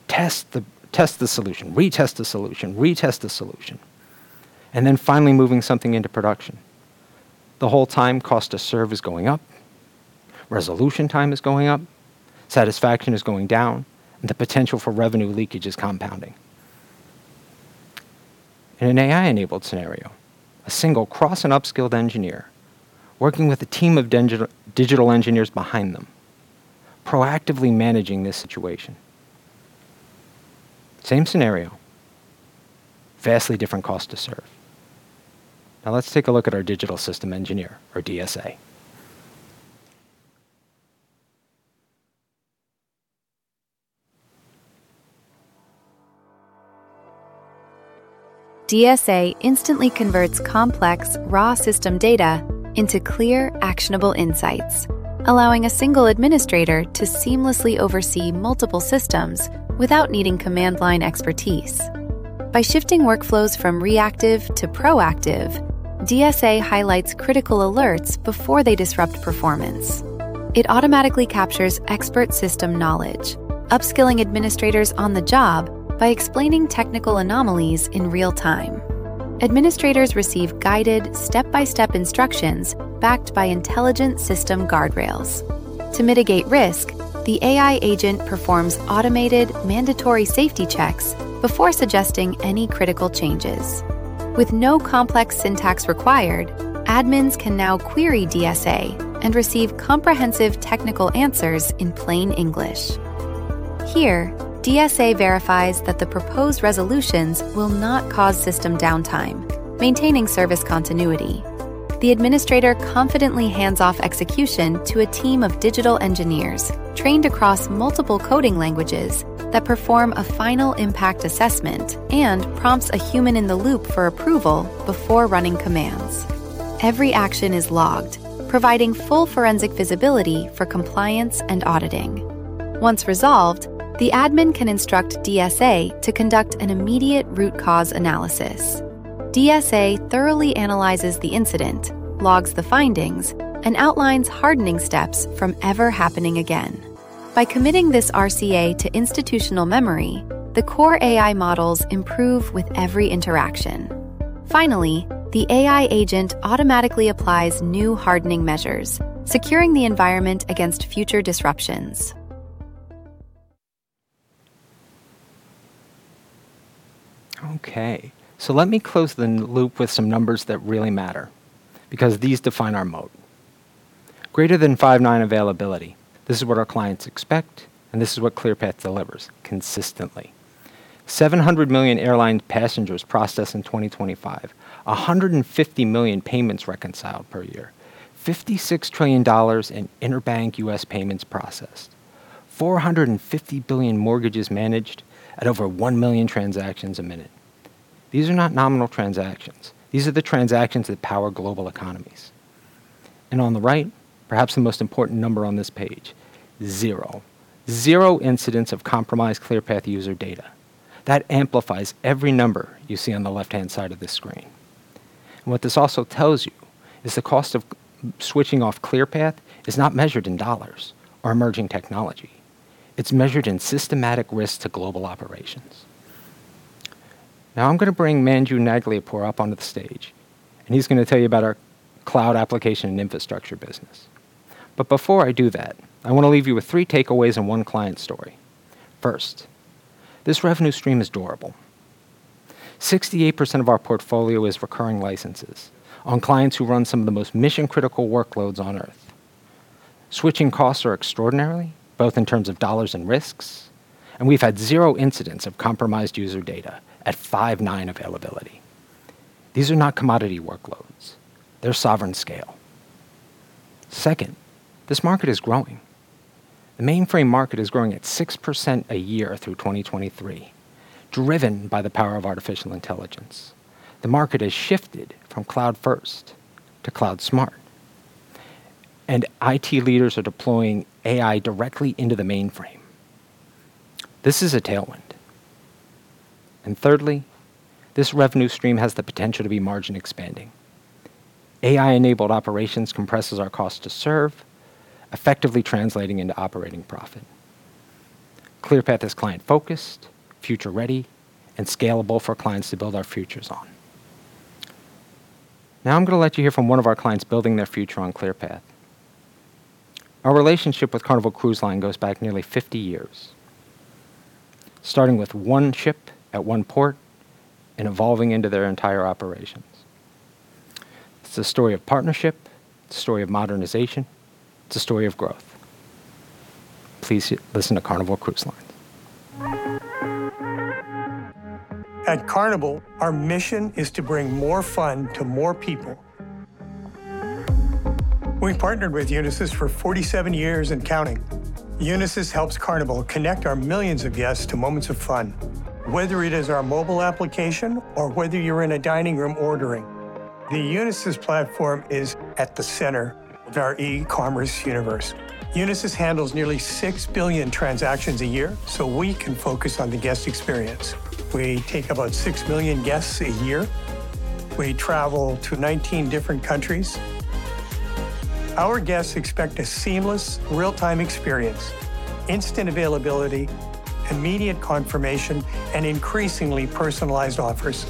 Test the solution, retest the solution, retest the solution. Finally moving something into production. The whole time, cost to serve is going up, resolution time is going up, satisfaction is going down, and the potential for revenue leakage is compounding. In an AI-enabled scenario, a single cross and upskilled engineer working with a team of digital engineers behind them, proactively managing this situation. Same scenario, vastly different cost to serve. Let's take a look at our digital system engineer, or DSA. DSA instantly converts complex raw system data into clear, actionable insights, allowing a single administrator to seamlessly oversee multiple systems without needing command line expertise. By shifting workflows from reactive to proactive, DSA highlights critical alerts before they disrupt performance. It automatically captures expert system knowledge, upskilling administrators on the job by explaining technical anomalies in real time. Administrators receive guided step-by-step instructions backed by intelligent system guardrails. To mitigate risk, the AI agent performs automated mandatory safety checks before suggesting any critical changes. With no complex syntax required, admins can now query DSA and receive comprehensive technical answers in plain English. Here, DSA verifies that the proposed resolutions will not cause system downtime, maintaining service continuity. The administrator confidently hands off execution to a team of digital engineers trained across multiple coding languages that perform a final impact assessment and prompts a human in the loop for approval before running commands. Every action is logged, providing full forensic visibility for compliance and auditing. Once resolved, the admin can instruct DSA to conduct an immediate root cause analysis. DSA thoroughly analyzes the incident, logs the findings, and outlines hardening steps from ever happening again. By committing this RCA to institutional memory, the core AI models improve with every interaction. Finally, the AI agent automatically applies new hardening measures, securing the environment against future disruptions. Okay, let me close the loop with some numbers that really matter, because these define our mode. Greater than five nine availability. This is what our clients expect, and this is what ClearPath delivers consistently. 700 million airline passengers processed in 2025, 150 million payments reconciled per year. $56 trillion in interbank U.S. payments processed. $450 billion mortgages managed at over 1 million transactions a minute. These are not nominal transactions. These are the transactions that power global economies. On the right, perhaps the most important number on this page, zero. Zero incidents of compromised ClearPath user data. That amplifies every number you see on the left-hand side of this screen. What this also tells you is the cost of switching off ClearPath is not measured in dollars or emerging technology. It's measured in systematic risk to global operations. Now I'm going to bring Manju Naglapur up onto the stage, and he's going to tell you about our Cloud, Applications & Infrastructure business. Before I do that, I want to leave you with three takeaways and one client story. First, this revenue stream is durable. 68% of our portfolio is recurring licenses on clients who run some of the most mission-critical workloads on Earth. Switching costs are extraordinary, both in terms of dollars and risks, and we've had zero incidents of compromised user data at five nine availability. These are not commodity workloads. They're sovereign scale. Second, this market is growing. The mainframe market is growing at 6% a year through 2023, driven by the power of artificial intelligence. The market has shifted from cloud-first to cloud-smart, and IT leaders are deploying AI directly into the mainframe. This is a tailwind. Thirdly, this revenue stream has the potential to be margin expanding. AI-enabled operations compresses our cost to serve, effectively translating into operating profit. ClearPath is client-focused, future-ready, and scalable for clients to build our futures on. I'm going to let you hear from one of our clients building their future on ClearPath. Our relationship with Carnival Cruise Line goes back nearly 50 years, starting with one ship at one port and evolving into their entire operations. It's a story of partnership. It's a story of modernization. It's a story of growth. Please listen to Carnival Cruise Line. At Carnival, our mission is to bring more fun to more people. We've partnered with Unisys for 47 years and counting. Unisys helps Carnival connect our millions of guests to moments of fun. Whether it is our mobile application or whether you're in a dining room ordering, the Unisys platform is at the center of our e-commerce universe. Unisys handles nearly six billion transactions a year, so we can focus on the guest experience. We take about six million guests a year. We travel to 19 different countries. Our guests expect a seamless real-time experience, instant availability, immediate confirmation, and increasingly personalized offers.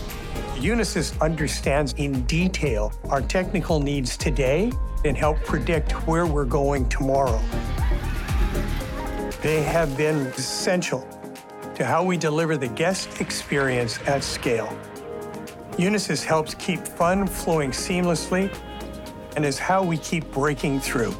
Unisys understands in detail our technical needs today and help predict where we're going tomorrow. They have been essential to how we deliver the guest experience at scale. Unisys helps keep fun flowing seamlessly and is how we keep breaking through.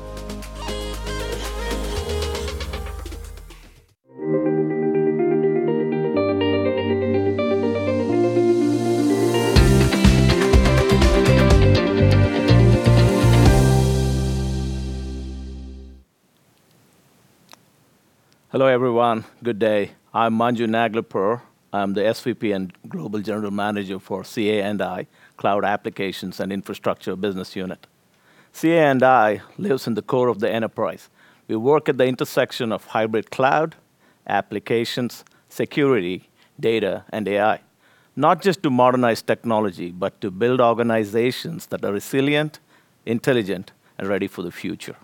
Hello, everyone. Good day. I'm Manju Naglapur. I'm the SVP and Global General Manager for C&I, Cloud, Applications & Infrastructure business unit. C&I lives in the core of the enterprise. We work at the intersection of hybrid cloud, applications, security, data, and AI. Not just to modernize technology, but to build organizations that are resilient, intelligent, and ready for the future.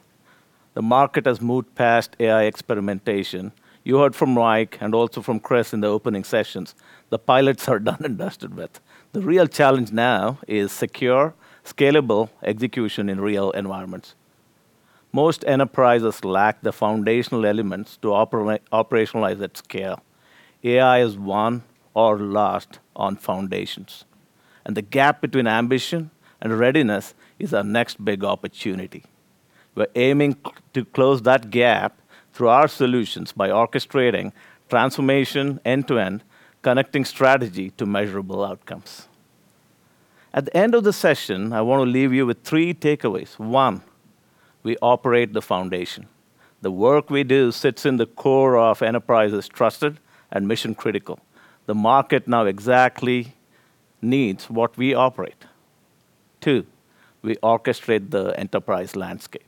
The market has moved past AI experimentation. You heard from Mike and also from Chris in the opening sessions. The pilots are done and dusted with. The real challenge now is secure, scalable execution in real environments. Most enterprises lack the foundational elements to operationalize at scale. AI is won or lost on foundations, and the gap between ambition and readiness is our next big opportunity. We're aiming to close that gap through our solutions by orchestrating transformation end to end, connecting strategy to measurable outcomes. At the end of the session, I want to leave you with three takeaways. One, we operate the foundation. The work we do sits in the core of enterprises trusted and mission-critical. The market now exactly needs what we operate. Two, we orchestrate the enterprise landscape.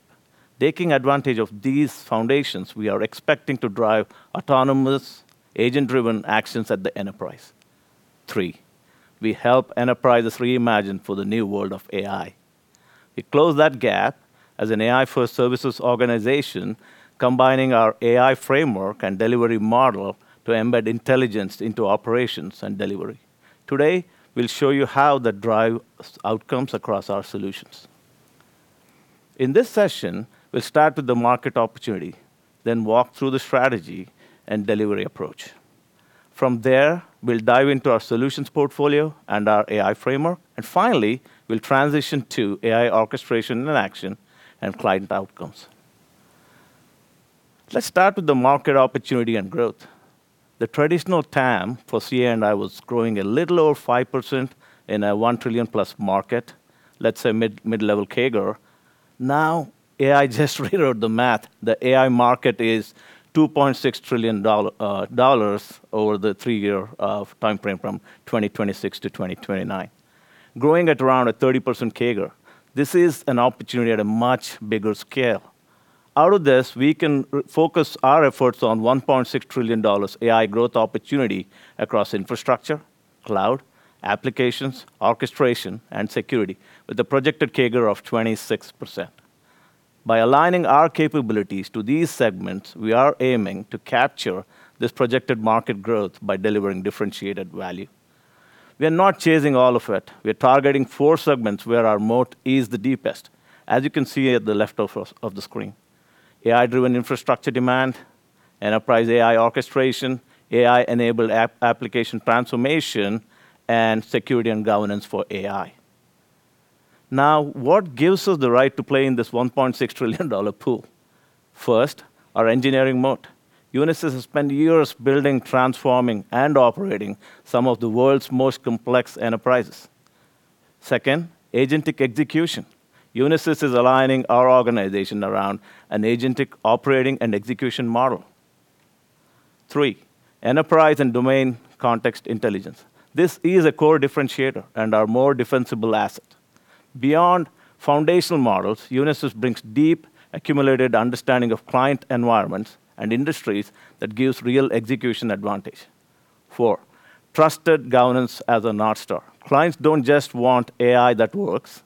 Taking advantage of these foundations, we are expecting to drive autonomous agent-driven actions at the enterprise. Three, we help enterprises reimagine for the new world of AI. We close that gap as an AI-first services organization, combining our AI framework and delivery model to embed intelligence into operations and delivery. Today, we'll show you how that drives outcomes across our solutions. In this session, we'll start with the market opportunity, then walk through the strategy and delivery approach. From there, we'll dive into our solutions portfolio and our AI framework, and finally, we'll transition to AI orchestration and action and client outcomes. Let's start with the market opportunity and growth. The traditional TAM for C&I was growing a little over 5% in a $1 trillion plus market. Let's say mid-level CAGR. AI just rewrote the math. The AI market is $2.6 trillion over the three-year timeframe from 2026 to 2029, growing at around a 30% CAGR. This is an opportunity at a much bigger scale. Out of this, we can focus our efforts on $1.6 trillion AI growth opportunity across infrastructure, cloud, applications, orchestration, and security with a projected CAGR of 26%. By aligning our capabilities to these segments, we are aiming to capture this projected market growth by delivering differentiated value. We are not chasing all of it. We're targeting four segments where our moat is the deepest, as you can see at the left of the screen: AI-driven infrastructure demand, enterprise AI orchestration, AI-enabled application transformation, and security and governance for AI. What gives us the right to play in this $1.6 trillion pool? First, our engineering moat. Unisys has spent years building, transforming, and operating some of the world's most complex enterprises. Second, agentic execution. Unisys is aligning our organization around an agentic operating and execution model. Three, enterprise and domain context intelligence. This is a core differentiator and our more defensible asset. Beyond foundational models, Unisys brings deep accumulated understanding of client environments and industries that gives real execution advantage. Four, trusted governance as a North Star. Clients don't just want AI that works.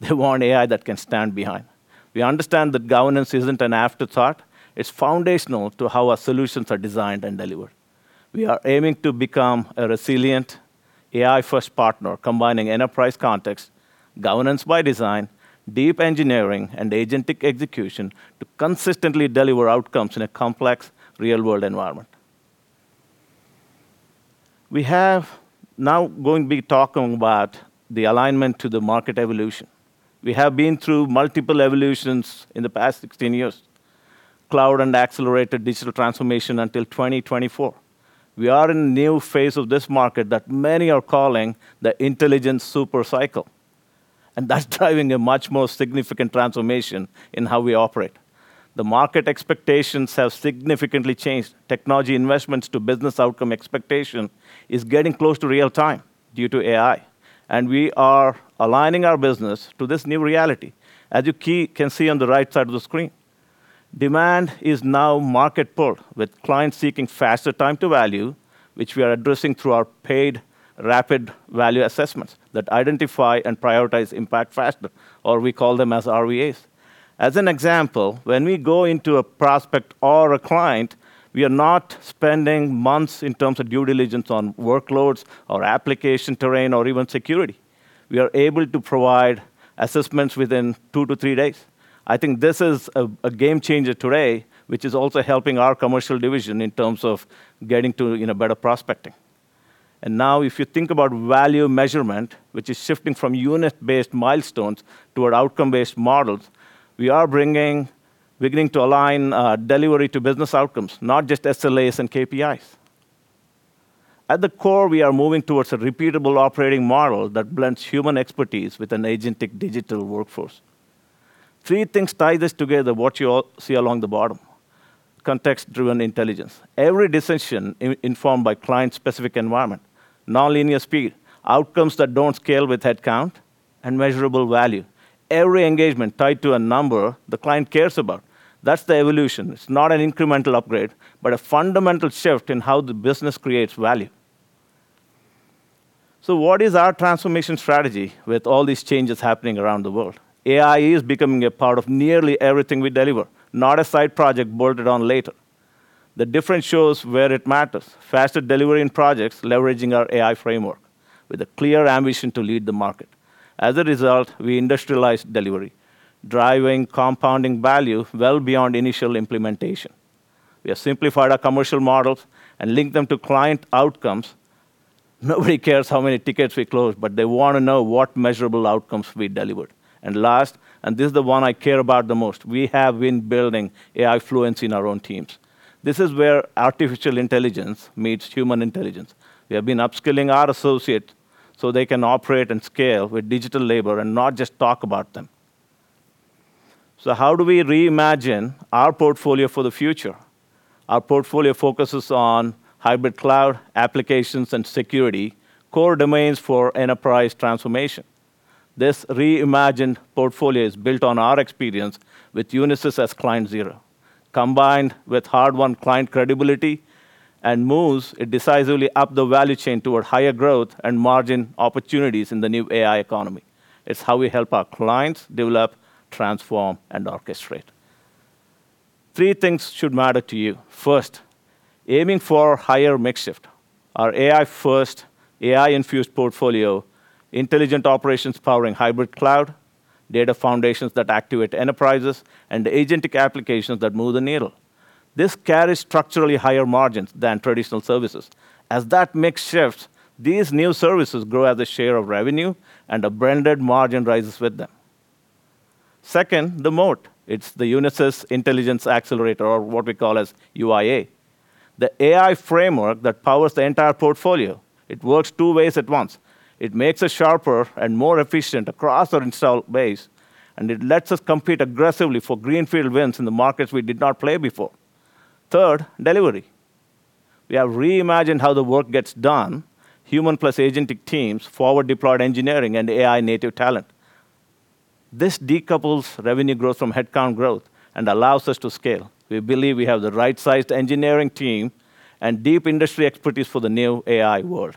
They want AI that can stand behind. We understand that governance isn't an afterthought. It's foundational to how our solutions are designed and delivered. We are aiming to become a resilient AI-first partner, combining enterprise context, governance by design, deep engineering, and agentic execution to consistently deliver outcomes in a complex real-world environment. We are now going to be talking about the alignment to the market evolution. We have been through multiple evolutions in the past 16 years, cloud and accelerated digital transformation until 2024. We are in a new phase of this market that many are calling the intelligence super cycle. That's driving a much more significant transformation in how we operate. The market expectations have significantly changed. Technology investments to business outcome expectation is getting close to real-time due to AI. We are aligning our business to this new reality. As you can see on the right side of the screen, demand is now market pulled with clients seeking faster time to value, which we are addressing through our paid Rapid Value Assessments that identify and prioritize impact faster, or we call them as RVAs. As an example, when we go into a prospect or a client, we are not spending months in terms of due diligence on workloads or application terrain or even security. We are able to provide assessments within two to three days. I think this is a game changer today, which is also helping our commercial division in terms of getting to better prospecting. Now if you think about value measurement, which is shifting from unit-based milestones to our outcome-based models, we are beginning to align delivery to business outcomes, not just SLAs and KPIs. At the core, we are moving towards a repeatable operating model that blends human expertise with an agentic digital workforce. Three things tie this together, what you all see along the bottom, Context-driven intelligence, every decision informed by client-specific environment, Nonlinear speed, outcomes that don't scale with headcount, measurable value, every engagement tied to a number the client cares about. That's the evolution. It's not an incremental upgrade, but a fundamental shift in how the business creates value. What is our transformation strategy with all these changes happening around the world? AI is becoming a part of nearly everything we deliver, not a side project bolted on later. The difference shows where it matters. Faster delivery in projects, leveraging our AI framework with a clear ambition to lead the market. As a result, we industrialize delivery, driving compounding value well beyond initial implementation. We have simplified our commercial models and linked them to client outcomes. Nobody cares how many tickets we close, but they want to know what measurable outcomes we delivered. Last, this is the one I care about the most, we have been building AI fluency in our own teams. This is where artificial intelligence meets human intelligence. We have been upskilling our associates so they can operate and scale with digital labor and not just talk about them. How do we reimagine our portfolio for the future? Our portfolio focuses on hybrid cloud applications and security, core domains for enterprise transformation. This reimagined portfolio is built on our experience with Unisys as client zero, combined with hard-won client credibility and moves it decisively up the value chain toward higher growth and margin opportunities in the new AI economy. It's how we help our clients develop, transform, and orchestrate. Three things should matter to you. First, aiming for higher mix shift. Our AI-first, AI-infused portfolio, intelligent operations powering hybrid cloud, data foundations that activate enterprises, and agentic applications that move the needle. This carries structurally higher margins than traditional services. As that mix shifts, these new services grow as a share of revenue, and a blended margin rises with them. Second, the moat. It's the Unisys Intelligence Accelerator, or what we call as UIA, the AI framework that powers the entire portfolio. It works two ways at once. It makes us sharper and more efficient across our installed base, and it lets us compete aggressively for greenfield wins in the markets we did not play before. Third, delivery. We have reimagined how the work gets done. Human plus agentic teams, forward-deployed engineering, and AI-native talent. This decouples revenue growth from headcount growth and allows us to scale. We believe we have the right-sized engineering team and deep industry expertise for the new AI world.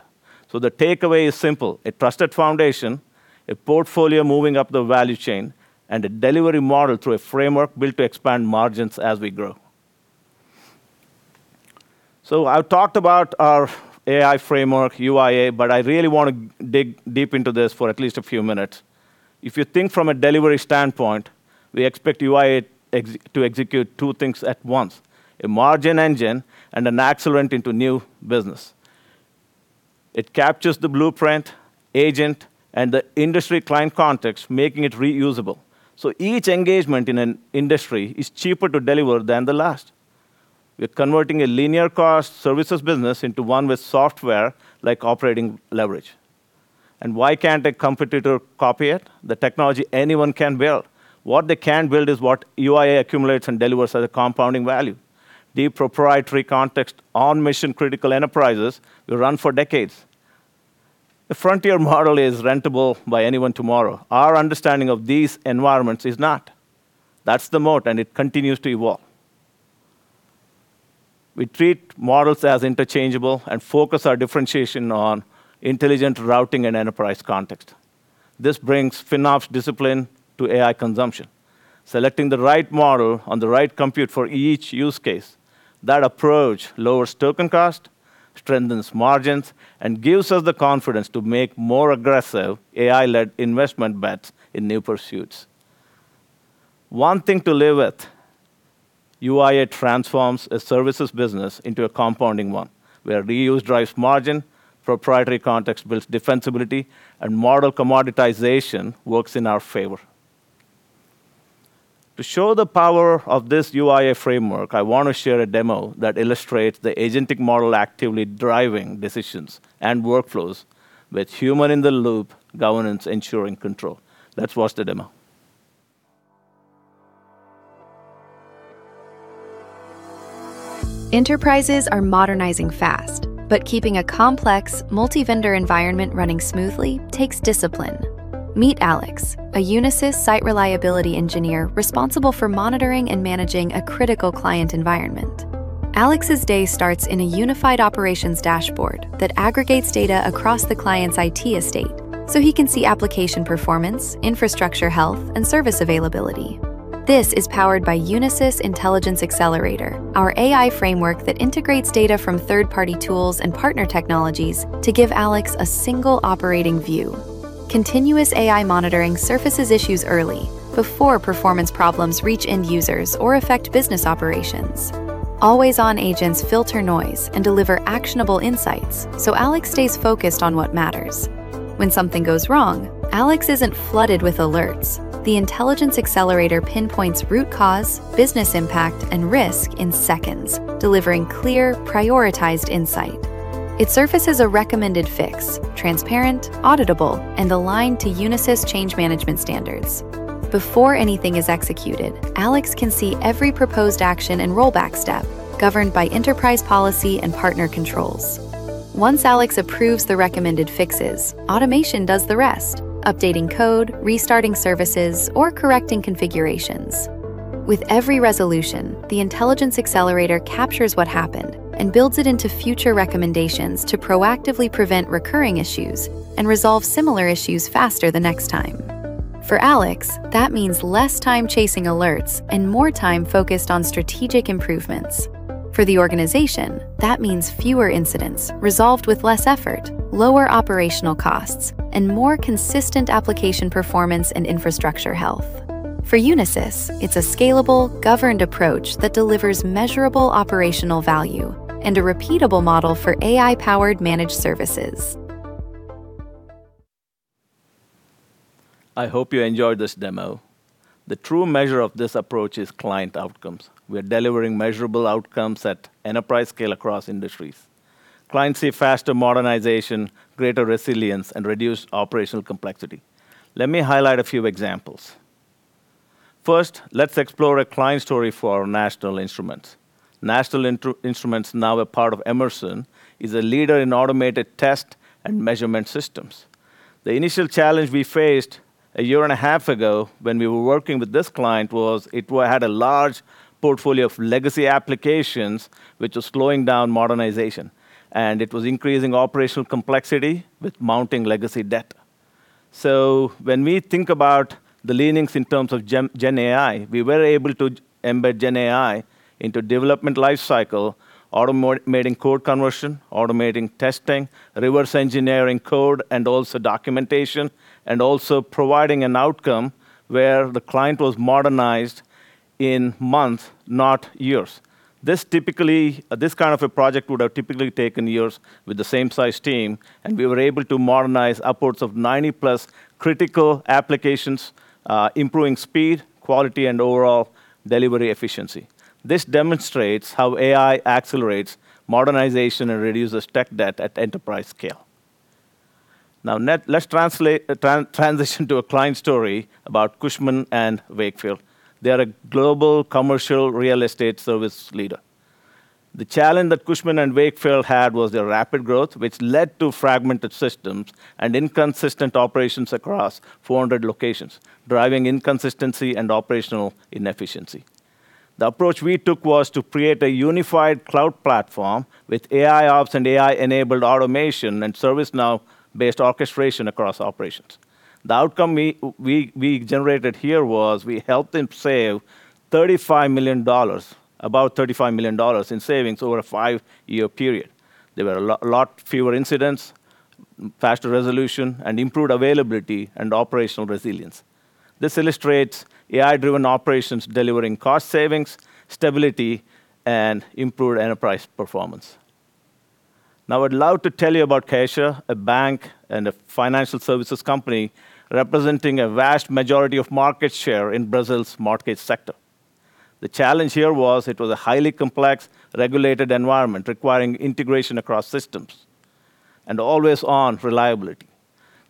The takeaway is simple, a trusted foundation, a portfolio moving up the value chain, and a delivery model through a framework built to expand margins as we grow. I talked about our AI framework, UIA, but I really want to dig deep into this for at least a few minutes. If you think from a delivery standpoint, we expect UIA to execute two things at once, a margin engine and an accelerant into new business. It captures the blueprint, agent, and the industry client context, making it reusable. Each engagement in an industry is cheaper to deliver than the last. We're converting a linear cost services business into one with software-like operating leverage. Why can't a competitor copy it? The technology anyone can build. What they can't build is what UIA accumulates and delivers as a compounding value. Deep proprietary context on mission-critical enterprises we run for decades. The frontier model is rentable by anyone tomorrow. Our understanding of these environments is not. That's the moat, and it continues to evolve. We treat models as interchangeable and focus our differentiation on intelligent routing and enterprise context. This brings FinOps discipline to AI consumption, selecting the right model on the right compute for each use case. That approach lowers token cost, strengthens margins, and gives us the confidence to make more aggressive AI-led investment bets in new pursuits. One thing to live with, UIA transforms a services business into a compounding one, where reuse drives margin, proprietary context builds defensibility, and model commoditization works in our favor. To show the power of this UIA framework, I want to share a demo that illustrates the agentic model actively driving decisions and workflows with human-in-the-loop governance ensuring control. Let's watch the demo. Enterprises are modernizing fast, keeping a complex multi-vendor environment running smoothly takes discipline. Meet Alex, a Unisys site reliability engineer responsible for monitoring and managing a critical client environment. Alex's day starts in a unified operations dashboard that aggregates data across the client's IT estate so he can see application performance, infrastructure health, and service availability. This is powered by Unisys Intelligence Accelerator, our AI framework that integrates data from third-party tools and partner technologies to give Alex a single operating view. Continuous AI monitoring surfaces issues early before performance problems reach end users or affect business operations. Always-on agents filter noise and deliver actionable insights so Alex stays focused on what matters. When something goes wrong, Alex isn't flooded with alerts. The Intelligence Accelerator pinpoints root cause, business impact, and risk in seconds, delivering clear, prioritized insight. It surfaces a recommended fix, transparent, auditable, and aligned to Unisys change management standards. Before anything is executed, Alex can see every proposed action and rollback step governed by enterprise policy and partner controls. Once Alex approves the recommended fixes, automation does the rest, updating code, restarting services, or correcting configurations. With every resolution, the Intelligence Accelerator captures what happened and builds it into future recommendations to proactively prevent recurring issues and resolve similar issues faster the next time. For Alex, that means less time chasing alerts and more time focused on strategic improvements. For the organization, that means fewer incidents resolved with less effort, lower operational costs, and more consistent application performance and infrastructure health. For Unisys, it's a scalable, governed approach that delivers measurable operational value and a repeatable model for AI-powered managed services. I hope you enjoyed this demo. The true measure of this approach is client outcomes. We are delivering measurable outcomes at enterprise scale across industries. Clients see faster modernization, greater resilience, and reduced operational complexity. Let me highlight a few examples. First, let's explore a client story for National Instruments. National Instruments, now a part of Emerson, is a leader in automated test and measurement systems. The initial challenge we faced a year and a half ago when we were working with this client was it had a large portfolio of legacy applications, which was slowing down modernization, and it was increasing operational complexity with mounting legacy debt. When we think about the leanings in terms of GenAI, we were able to embed GenAI into development lifecycle, automating code conversion, automating testing, reverse engineering code, and also documentation, and also providing an outcome where the client was modernized in months, not years. This kind of a project would have typically taken years with the same size team, and we were able to modernize upwards of 90-plus critical applications, improving speed, quality, and overall delivery efficiency. This demonstrates how AI accelerates modernization and reduces tech debt at enterprise scale. Let's transition to a client story about Cushman & Wakefield. They are a global commercial real estate service leader. The challenge that Cushman & Wakefield had was their rapid growth, which led to fragmented systems and inconsistent operations across 400 locations, driving inconsistency and operational inefficiency. The approach we took was to create a unified cloud platform with AIOps and AI-enabled automation and ServiceNow-based orchestration across operations. The outcome we generated here was we helped them save about $35 million in savings over a five-year period. There were a lot fewer incidents, faster resolution, and improved availability and operational resilience. This illustrates AI-driven operations delivering cost savings, stability, and improved enterprise performance. I would love to tell you about CaixaBank, a bank and a financial services company representing a vast majority of market share in Brazil's market sector. The challenge here was it was a highly complex, regulated environment requiring integration across systems and always-on reliability.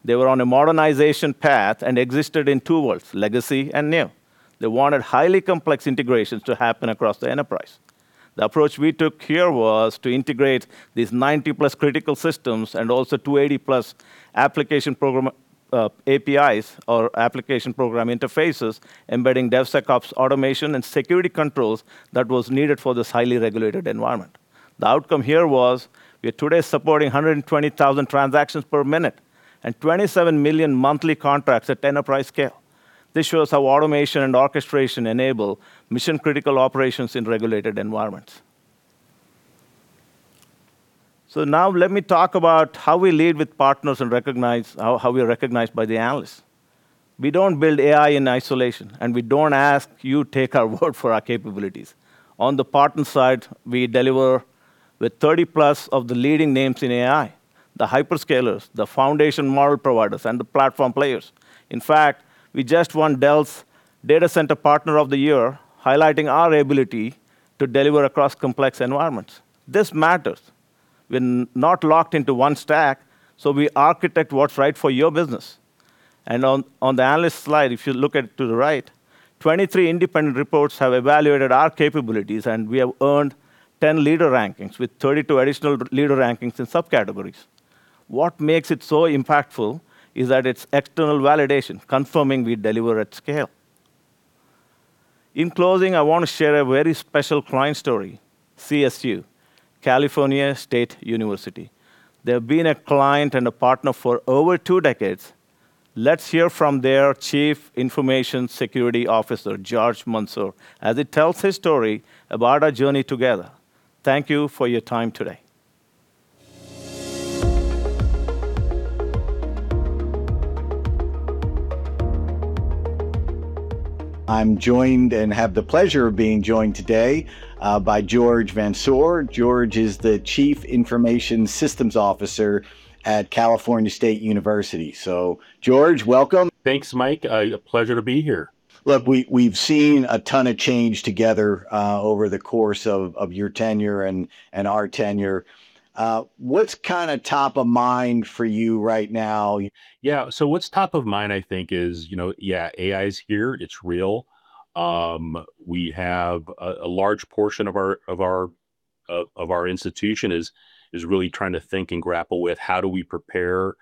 They were on a modernization path and existed in two worlds, legacy and new. They wanted highly complex integrations to happen across the enterprise. The approach we took here was to integrate these 90-plus critical systems and also 280-plus APIs or Application Programming Interfaces, embedding DevSecOps automation and security controls that was needed for this highly regulated environment. The outcome here was we are today supporting 120,000 transactions per minute and 27 million monthly contracts at enterprise scale. This shows how automation and orchestration enable mission-critical operations in regulated environments. Now let me talk about how we lead with partners and how we are recognized by the analysts. We don't build AI in isolation, we don't ask you take our word for our capabilities. On the partner side, we deliver with 30-plus of the leading names in AI, the hyperscalers, the foundation model providers, and the platform players. In fact, we just won Dell's Data Center Partner of the Year, highlighting our ability to deliver across complex environments. This matters. We're not locked into one stack, so we architect what's right for your business. On the analyst slide, if you look to the right, 23 independent reports have evaluated our capabilities, and we have earned 10 leader rankings with 32 additional leader rankings in subcategories. What makes it so impactful is that it's external validation, confirming we deliver at scale. In closing, I want to share a very special client story, CSU, California State University. They've been a client and a partner for over two decades. Let's hear from their chief information security officer, George Vansor, as he tells his story about our journey together. Thank you for your time today. I'm joined, and have the pleasure of being joined today by George Vansor. George is the Chief Information Systems Officer at California State University. George, welcome. Thanks, Mike. A pleasure to be here. Look, we've seen a ton of change together over the course of your tenure and our tenure. What's top of mind for you right now? What's top of mind, I think, is AI is here. It's real. A large portion of our institution is really trying to think and grapple with how do we prepare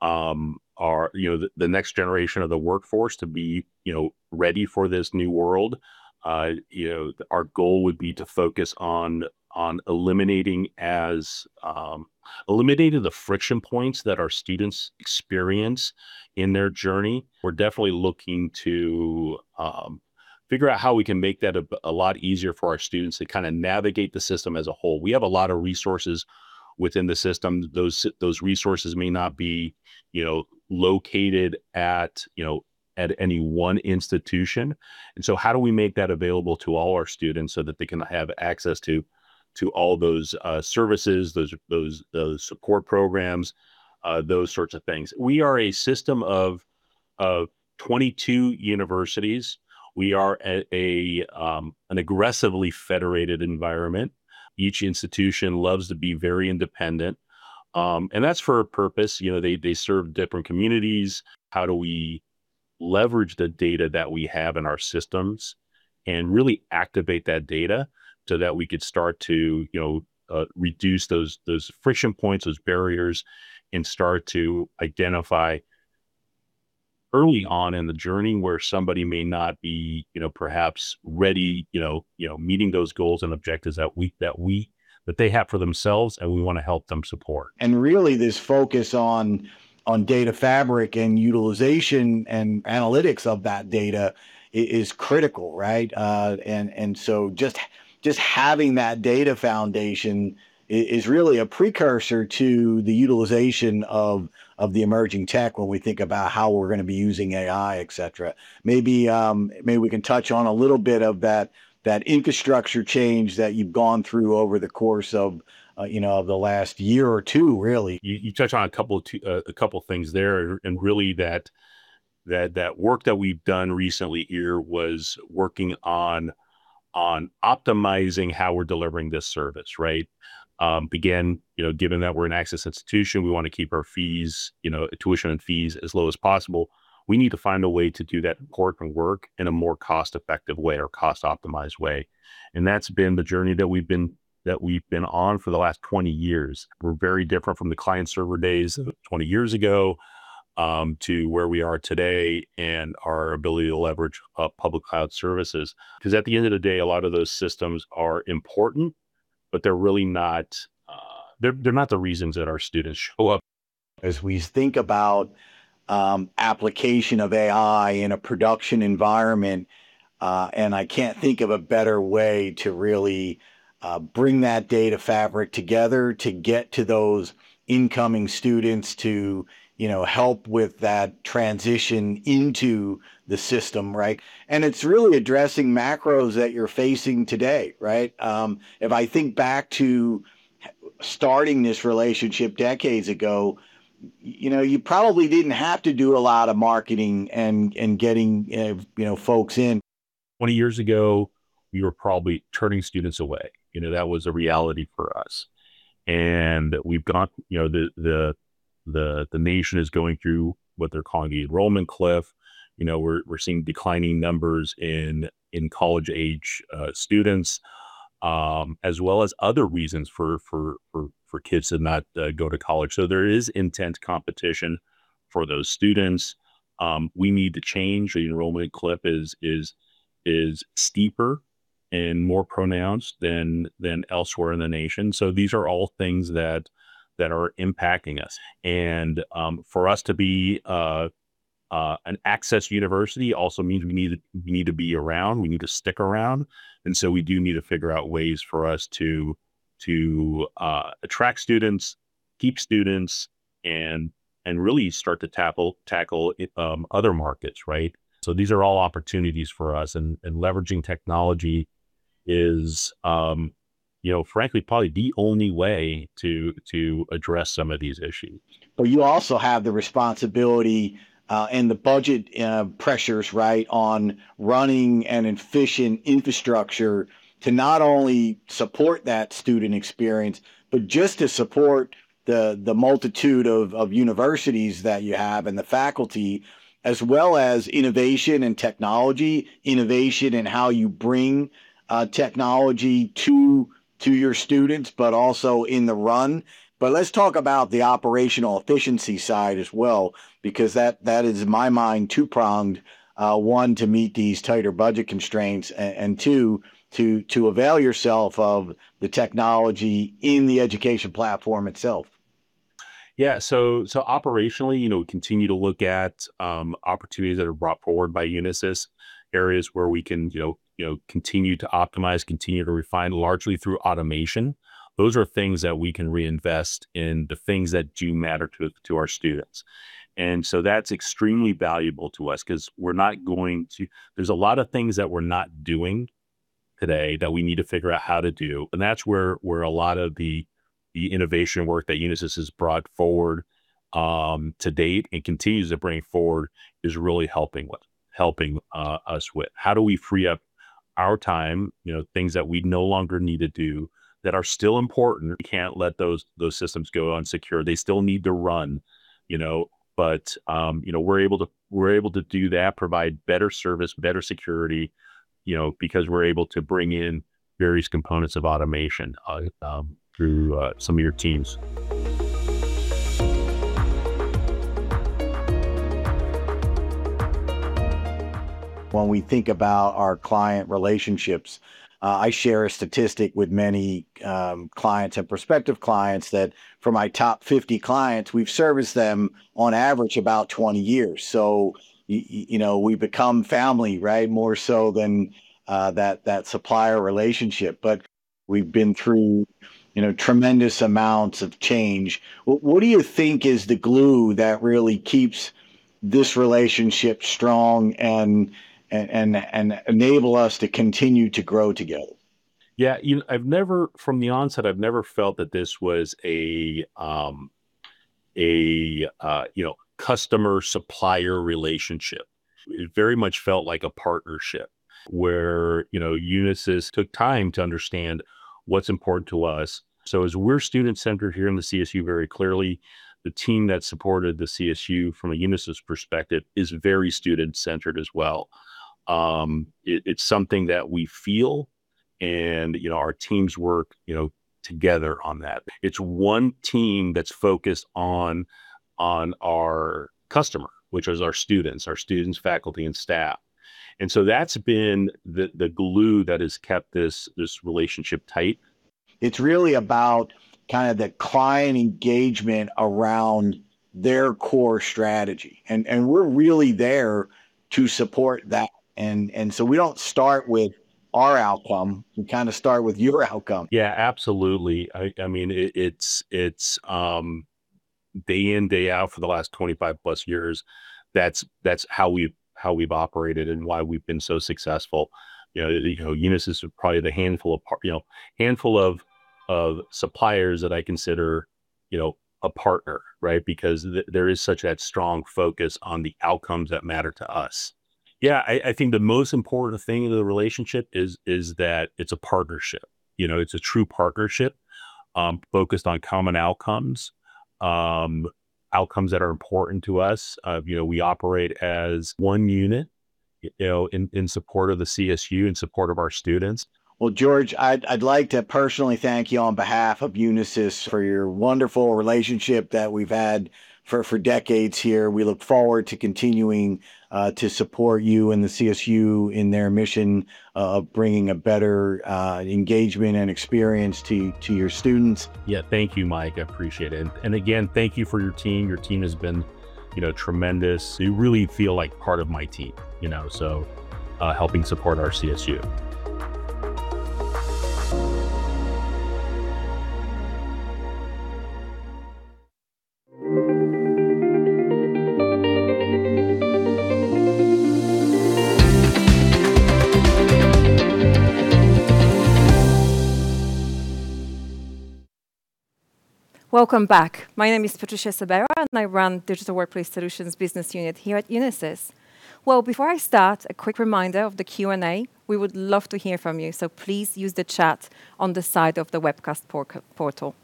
the next generation of the workforce to be ready for this new world. Our goal would be to focus on eliminating the friction points that our students experience in their journey. We're definitely looking to figure out how we can make that a lot easier for our students to navigate the system as a whole. We have a lot of resources within the system. Those resources may not be located at any one institution. How do we make that available to all our students so that they can have access to all those services, those support programs, those sorts of things. We are a system of 22 universities. We are an aggressively federated environment. Each institution loves to be very independent. That's for a purpose. They serve different communities. How do we leverage the data that we have in our systems and really activate that data so that we could start to reduce those friction points, those barriers, and start to identify early on in the journey where somebody may not be perhaps ready, meeting those goals and objectives that they have for themselves? We want to help them support. Really, this focus on data fabric and utilization and analytics of that data is critical, right? Just having that data foundation is really a precursor to the utilization of the emerging tech when we think about how we're going to be using AI, et cetera. Maybe we can touch on a little bit of that infrastructure change that you've gone through over the course of the last year or two, really. You touched on a couple things there. Really that work that we've done recently here was working on optimizing how we're delivering this service. Right? Again, given that we're an access institution, we want to keep our tuition and fees as low as possible. We need to find a way to do that important work in a more cost-effective way or cost-optimized way. That's been the journey that we've been on for the last 20 years. We're very different from the client server days of 20 years ago, to where we are today and our ability to leverage public cloud services. At the end of the day, a lot of those systems are important, but they're not the reasons that our students show up. As we think about application of AI in a production environment, I can't think of a better way to really bring that data fabric together to get to those incoming students to help with that transition into the system, right. It's really addressing macros that you're facing today, right. If I think back to starting this relationship decades ago, you probably didn't have to do a lot of marketing and getting folks in. 20 years ago, we were probably turning students away. That was a reality for us. The nation is going through what they're calling the enrollment cliff. We're seeing declining numbers in college-age students, as well as other reasons for kids to not go to college. There is intense competition for those students. We need to change. The enrollment cliff is steeper and more pronounced than elsewhere in the nation. These are all things that are impacting us. For us to be an access university also means we need to be around, we need to stick around. We do need to figure out ways for us to attract students, keep students, and really start to tackle other markets, right? These are all opportunities for us and leveraging technology is frankly, probably the only way to address some of these issues. You also have the responsibility and the budget pressures on running an efficient infrastructure to not only support that student experience, but just to support the multitude of universities that you have and the faculty, as well as innovation and technology, innovation in how you bring technology to your students, but also in the run. Let's talk about the operational efficiency side as well, because that is, in my mind, two-pronged. One, to meet these tighter budget constraints, and two, to avail yourself of the technology in the education platform itself. Yeah. Operationally, we continue to look at opportunities that are brought forward by Unisys, areas where we can continue to optimize, continue to refine, largely through automation. Those are things that we can reinvest in the things that do matter to our students. That's extremely valuable to us because there's a lot of things that we're not doing today that we need to figure out how to do. That's where a lot of the innovation work that Unisys has brought forward to date and continues to bring forward is really helping us with. How do we free up our time, things that we no longer need to do that are still important? We can't let those systems go unsecured. They still need to run. We're able to do that, provide better service, better security, because we're able to bring in various components of automation through some of your teams. When we think about our client relationships, I share a statistic with many clients and prospective clients that for my top 50 clients, we've serviced them on average about 20 years. We become family, more so than that supplier relationship. We've been through tremendous amounts of change. What do you think is the glue that really keeps this relationship strong and enable us to continue to grow together? Yeah, from the onset, I've never felt that this was a customer-supplier relationship. It very much felt like a partnership where Unisys took time to understand what's important to us. As we're student-centered here in the CSU very clearly, the team that supported the CSU from a Unisys perspective is very student-centered as well. It's something that we feel, and our teams work together on that. It's one team that's focused on our customer, which is our students, faculty, and staff. That's been the glue that has kept this relationship tight. It's really about the client engagement around their core strategy. We're really there to support that. We don't start with our outcome. We start with your outcome. Absolutely. It's day in, day out for the last 25-plus years. That's how we've operated and why we've been so successful. Unisys is probably the handful of suppliers that I consider a partner. There is such that strong focus on the outcomes that matter to us. I think the most important thing in the relationship is that it's a partnership. It's a true partnership focused on common outcomes that are important to us. We operate as one unit in support of the CSU, in support of our students. Well, George, I'd like to personally thank you on behalf of Unisys for your wonderful relationship that we've had for decades here. We look forward to continuing to support you and the CSU in their mission of bringing a better engagement and experience to your students. Yeah. Thank you, Mike. I appreciate it. Again, thank you for your team. Your team has been tremendous. You really feel like part of my team. Helping support our CSU. Welcome back. My name is Patrycja Sobera, and I run Digital Workplace Solutions business unit here at Unisys. Well, before I start, a quick reminder of the Q&A. We would love to hear from you, so please use the chat on the side of the webcast portal.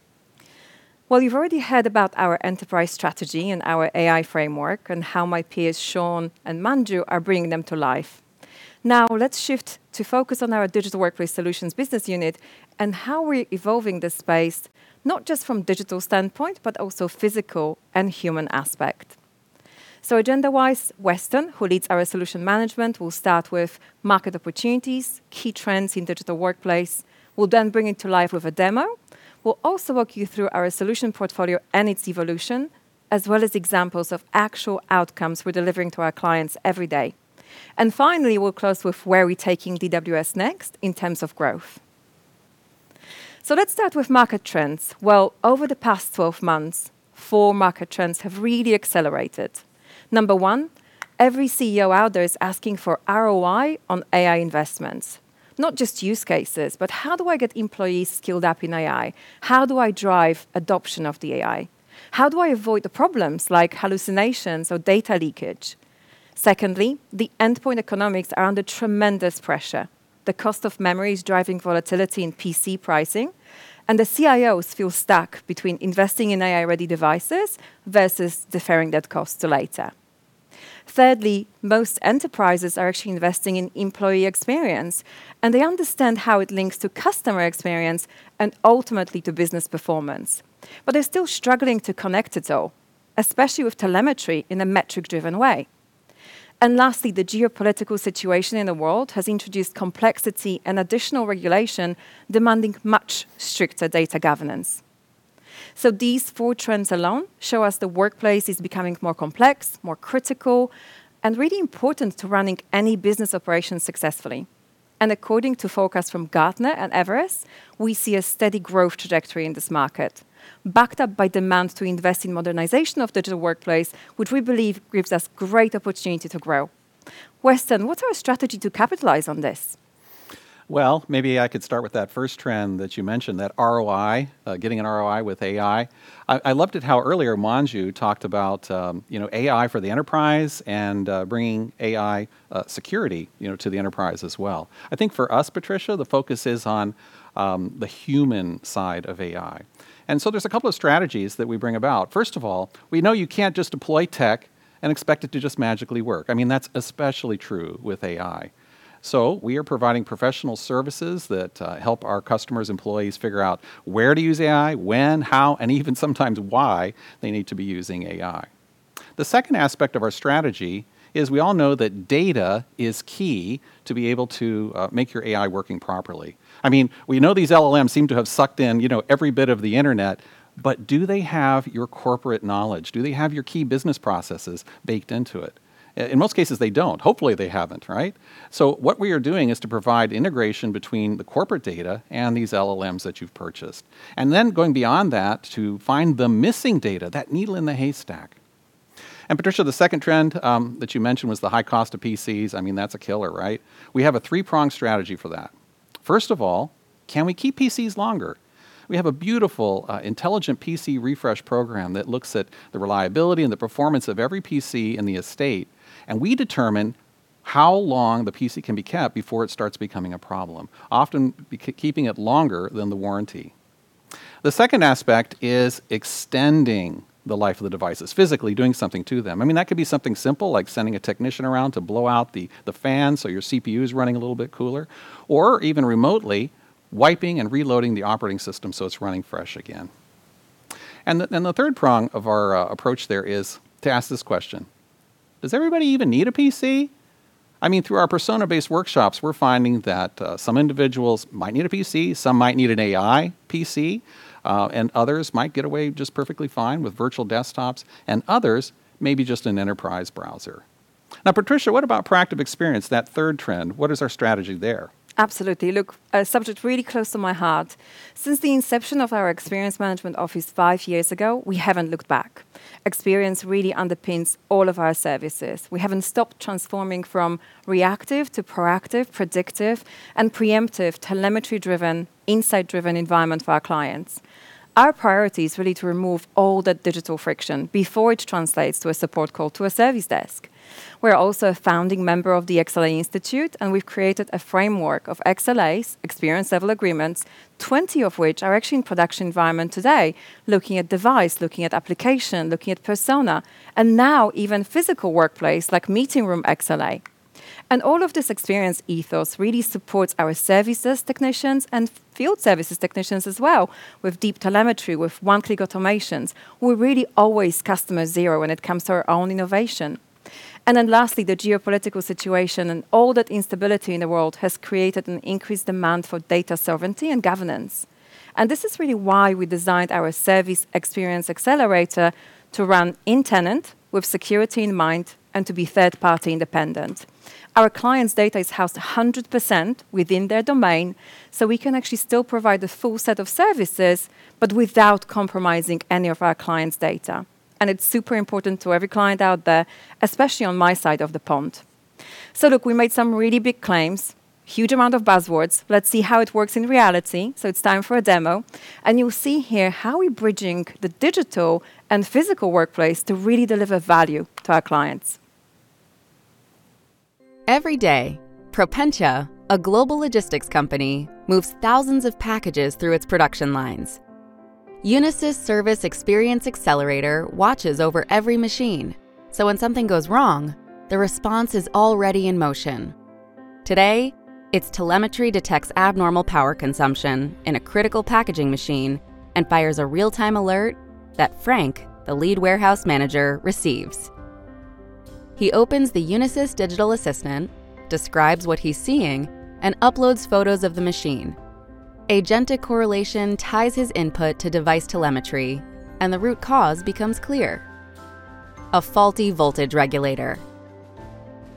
Well, you've already heard about our enterprise strategy and our AI framework and how my peers, Sean and Manju, are bringing them to life. Now, let's shift to focus on our Digital Workplace Solutions business unit and how we're evolving the space, not just from digital standpoint but also physical and human aspect. Agenda-wise, Weston, who leads our solution management, will start with market opportunities, key trends in digital workplace. We'll then bring it to life with a demo. We'll also walk you through our solution portfolio and its evolution, as well as examples of actual outcomes we're delivering to our clients every day. Finally, we'll close with where we're taking DWS next in terms of growth. Let's start with market trends. Well, over the past 12 months, four market trends have really accelerated. Number 1, every CEO out there is asking for ROI on AI investments. Not just use cases, but how do I get employees skilled up in AI? How do I drive adoption of the AI? How do I avoid the problems like hallucinations or data leakage? Secondly, the endpoint economics are under tremendous pressure. The cost of memory is driving volatility in PC pricing, and the CIOs feel stuck between investing in AI-ready devices versus deferring that cost to later. Thirdly, most enterprises are actually investing in employee experience, and they understand how it links to customer experience and ultimately to business performance. They're still struggling to connect it all, especially with telemetry in a metric-driven way. Lastly, the geopolitical situation in the world has introduced complexity and additional regulation demanding much stricter data governance. These four trends alone show us the workplace is becoming more complex, more critical, and really important to running any business operation successfully. According to forecasts from Gartner and Everest, we see a steady growth trajectory in this market, backed up by demand to invest in modernization of digital workplace, which we believe gives us great opportunity to grow. Weston, what's our strategy to capitalize on this? Well, maybe I could start with that first trend that you mentioned, that ROI, getting an ROI with AI. I loved it how earlier Manju talked about AI for the enterprise and bringing AI security to the enterprise as well. I think for us, Patrycja, the focus is on the human side of AI. There's a couple of strategies that we bring about. First of all, we know you can't just deploy tech and expect it to just magically work. I mean, that's especially true with AI. We are providing professional services that help our customers' employees figure out where to use AI, when, how, and even sometimes why they need to be using AI. The second aspect of our strategy is we all know that data is key to be able to make your AI working properly. I mean, we know these LLMs seem to have sucked in every bit of the internet, but do they have your corporate knowledge? Do they have your key business processes baked into it? In most cases, they don't. Hopefully, they haven't. What we are doing is to provide integration between the corporate data and these LLMs that you've purchased. Going beyond that to find the missing data, that needle in the haystack. Patrycja, the second trend that you mentioned was the high cost of PCs. I mean, that's a killer, right? We have a three-pronged strategy for that. First of all, can we keep PCs longer? We have a beautiful intelligent PC refresh program that looks at the reliability and the performance of every PC in the estate, and we determine how long the PC can be kept before it starts becoming a problem, often keeping it longer than the warranty. The second aspect is extending the life of the devices, physically doing something to them. I mean, that could be something simple like sending a technician around to blow out the fan so your CPU is running a little bit cooler, or even remotely wiping and reloading the operating system so it's running fresh again. The third prong of our approach there is to ask this question: Does everybody even need a PC? I mean, through our persona-based workshops, we're finding that some individuals might need a PC, some might need an AI PC, and others might get away just perfectly fine with virtual desktops, and others, maybe just an enterprise browser. Now, Patrycja, what about proactive experience, that third trend? What is our strategy there? Absolutely. Look, a subject really close to my heart. Since the inception of our experience management office five years ago, we haven't looked back. Experience really underpins all of our services. We haven't stopped transforming from reactive to proactive, predictive, and preemptive, telemetry-driven, insight-driven environment for our clients. Our priority is really to remove all that digital friction before it translates to a support call to a service desk. We're also a founding member of the XLA Institute, and we've created a framework of XLAs, experience level agreements, 20 of which are actually in production environment today, looking at device, looking at application, looking at persona, and now even physical workplace like meeting room XLA. All of this experience ethos really supports our services technicians and field services technicians as well with deep telemetry, with one-click automations. We're really always customer zero when it comes to our own innovation. Lastly, the geopolitical situation and all that instability in the world has created an increased demand for data sovereignty and governance. This is really why we designed our Service Experience Accelerator to run in-tenant with security in mind and to be third-party independent. Our clients' data is housed 100% within their domain, so we can actually still provide the full set of services, but without compromising any of our clients' data. It's super important to every client out there, especially on my side of the pond. Look, we made some really big claims, huge amount of buzzwords. Let's see how it works in reality. It's time for a demo. You'll see here how we're bridging the digital and physical workplace to really deliver value to our clients. Every day, Propentia, a global logistics company, moves thousands of packages through its production lines. Unisys Service Experience Accelerator watches over every machine, so when something goes wrong, the response is already in motion. Today, its telemetry detects abnormal power consumption in a critical packaging machine and fires a real-time alert that Frank, the lead warehouse manager, receives. He opens the Unisys Digital Assistant, describes what he's seeing, and uploads photos of the machine. agentic correlation ties his input to device telemetry, and the root cause becomes clear: a faulty voltage regulator.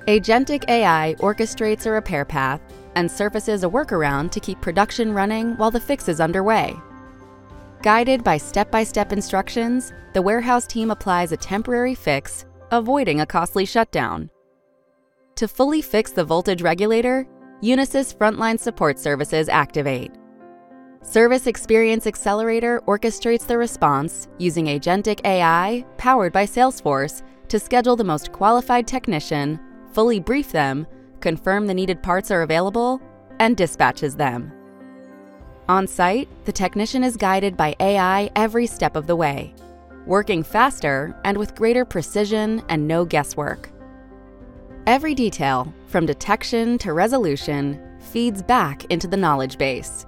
agentic AI orchestrates a repair path and surfaces a workaround to keep production running while the fix is underway. Guided by step-by-step instructions, the warehouse team applies a temporary fix, avoiding a costly shutdown. To fully fix the voltage regulator, Unisys frontline support services activate. Service Experience Accelerator orchestrates the response using agentic AI, powered by Salesforce, to schedule the most qualified technician, fully brief them, confirm the needed parts are available, and dispatches them. On-site, the technician is guided by AI every step of the way, working faster and with greater precision and no guesswork. Every detail, from detection to resolution, feeds back into the knowledge base.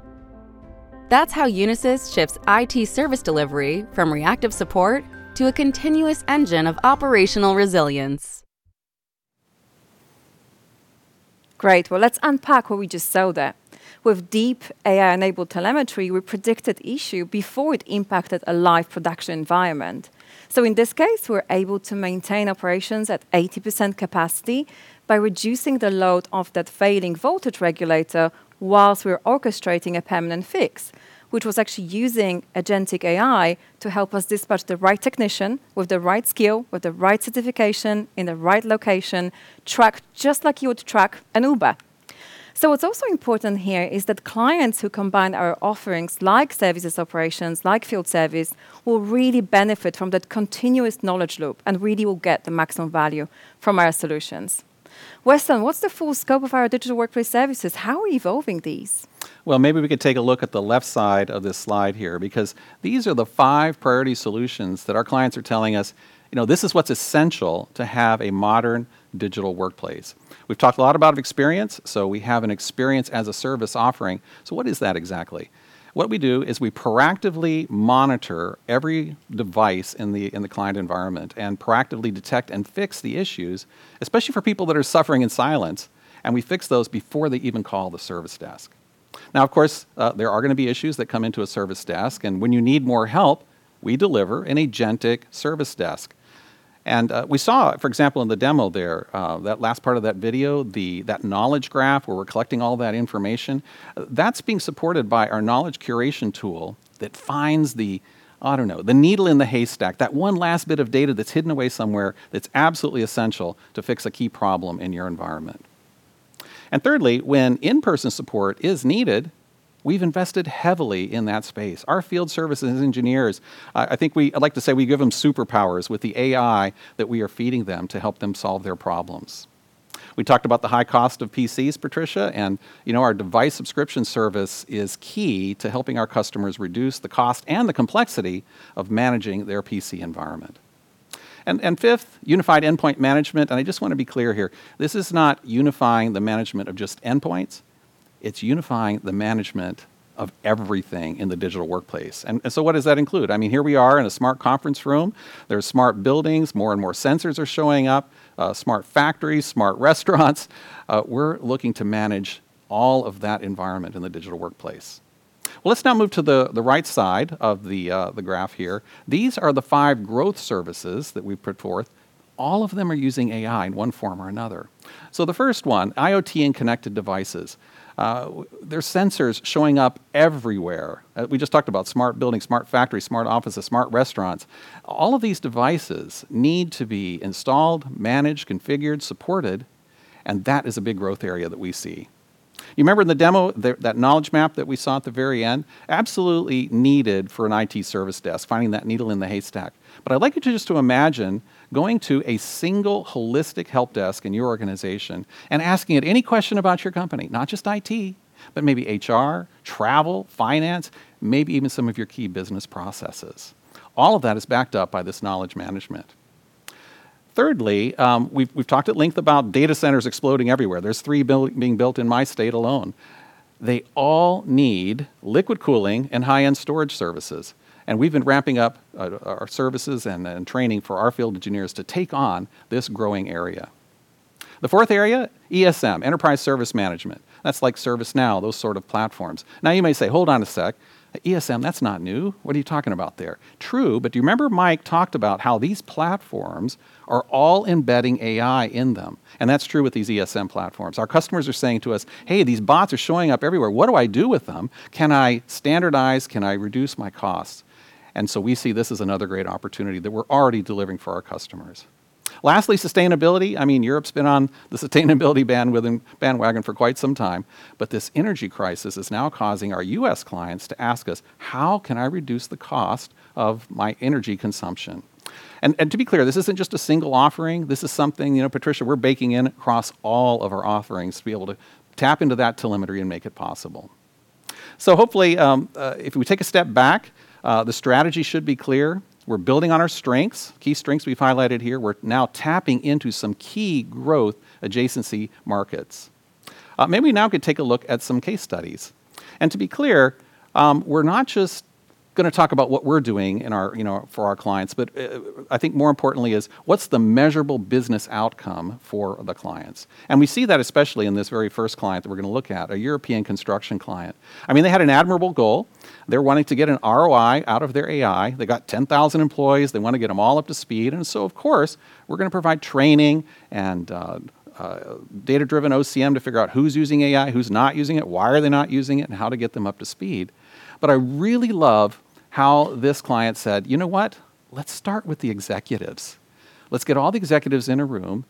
That's how Unisys shifts IT service delivery from reactive support to a continuous engine of operational resilience. Great. Well, let's unpack what we just saw there. With deep AI-enabled telemetry, we predicted issue before it impacted a live production environment. In this case, we're able to maintain operations at 80% capacity by reducing the load of that failing voltage regulator whilst we're orchestrating a permanent fix, which was actually using agentic AI to help us dispatch the right technician with the right skill, with the right certification, in the right location, tracked just like you would track an Uber. What's also important here is that clients who combine our offerings, like services operations, like field service, will really benefit from that continuous knowledge loop and really will get the maximum value from our solutions. Weston, what's the full scope of our digital workplace services? How are we evolving these? Well, maybe we could take a look at the left side of this slide here, because these are the five priority solutions that our clients are telling us, "This is what's essential to have a modern digital workplace." We've talked a lot about experience, we have an experience as a service offering. What is that exactly? What we do is we proactively monitor every device in the client environment and proactively detect and fix the issues, especially for people that are suffering in silence, we fix those before they even call the service desk. Now, of course, there are going to be issues that come into a service desk, when you need more help, we deliver an agentic service desk. We saw, for example, in the demo there, that last part of that video, that knowledge graph where we're collecting all that information. That's being supported by our knowledge curation tool that finds the needle in the haystack, that one last bit of data that's hidden away somewhere that's absolutely essential to fix a key problem in your environment. Thirdly, when in-person support is needed, we've invested heavily in that space. Our field services engineers, I like to say we give them superpowers with the AI that we are feeding them to help them solve their problems. We talked about the high cost of PCs, Patrycja. Our device subscription service is key to helping our customers reduce the cost and the complexity of managing their PC environment. Fifth, unified endpoint management, and I just want to be clear here, this is not unifying the management of just endpoints. It's unifying the management of everything in the digital workplace. What does that include? Here we are in a smart conference room. There are smart buildings. More and more sensors are showing up. Smart factories, smart restaurants. We're looking to manage all of that environment in the Digital Workplace. Well, let's now move to the right side of the graph here. These are the five growth services that we put forth. All of them are using AI in one form or another. The first one, IoT and connected devices. There's sensors showing up everywhere. We just talked about smart buildings, smart factories, smart offices, smart restaurants. All of these devices need to be installed, managed, configured, supported, and that is a big growth area that we see. You remember in the demo, that knowledge map that we saw at the very end? Absolutely needed for an IT service desk, finding that needle in the haystack. I'd like you just to imagine going to a single holistic help desk in your organization and asking it any question about your company. Not just IT, but maybe HR, travel, finance, maybe even some of your key business processes. All of that is backed up by this knowledge management. Thirdly, we've talked at length about data centers exploding everywhere. There's three being built in my state alone. They all need liquid cooling and high-end storage services, and we've been ramping up our services and training for our field engineers to take on this growing area. The fourth area, ESM, enterprise service management. That's like ServiceNow, those sort of platforms. You may say, "Hold on a sec. ESM, that's not new. What are you talking about there?" True, do you remember Mike talked about how these platforms are all embedding AI in them, and that's true with these ESM platforms. Our customers are saying to us, "Hey, these bots are showing up everywhere. What do I do with them? Can I standardize? Can I reduce my costs?" We see this as another great opportunity that we're already delivering for our customers. Lastly, sustainability. Europe's been on the sustainability bandwagon for quite some time. This energy crisis is now causing our U.S. clients to ask us, "How can I reduce the cost of my energy consumption?" To be clear, this isn't just a single offering. This is something, Patrycja, we're baking in across all of our offerings to be able to tap into that telemetry and make it possible. Hopefully, if we take a step back, the strategy should be clear. We're building on our strengths, key strengths we've highlighted here. We're now tapping into some key growth adjacency markets. Maybe we now could take a look at some case studies. To be clear, we're not just going to talk about what we're doing for our clients, but I think more importantly is what's the measurable business outcome for the clients? We see that especially in this very first client that we're going to look at, a European construction client. They had an admirable goal. They're wanting to get an ROI out of their AI. They got 10,000 employees. They want to get them all up to speed. Of course, we're going to provide training and data-driven OCM to figure out who's using AI, who's not using it, why are they not using it, and how to get them up to speed. I really love how this client said, "You know what? Let's start with the executives. Let's get all the executives in a room."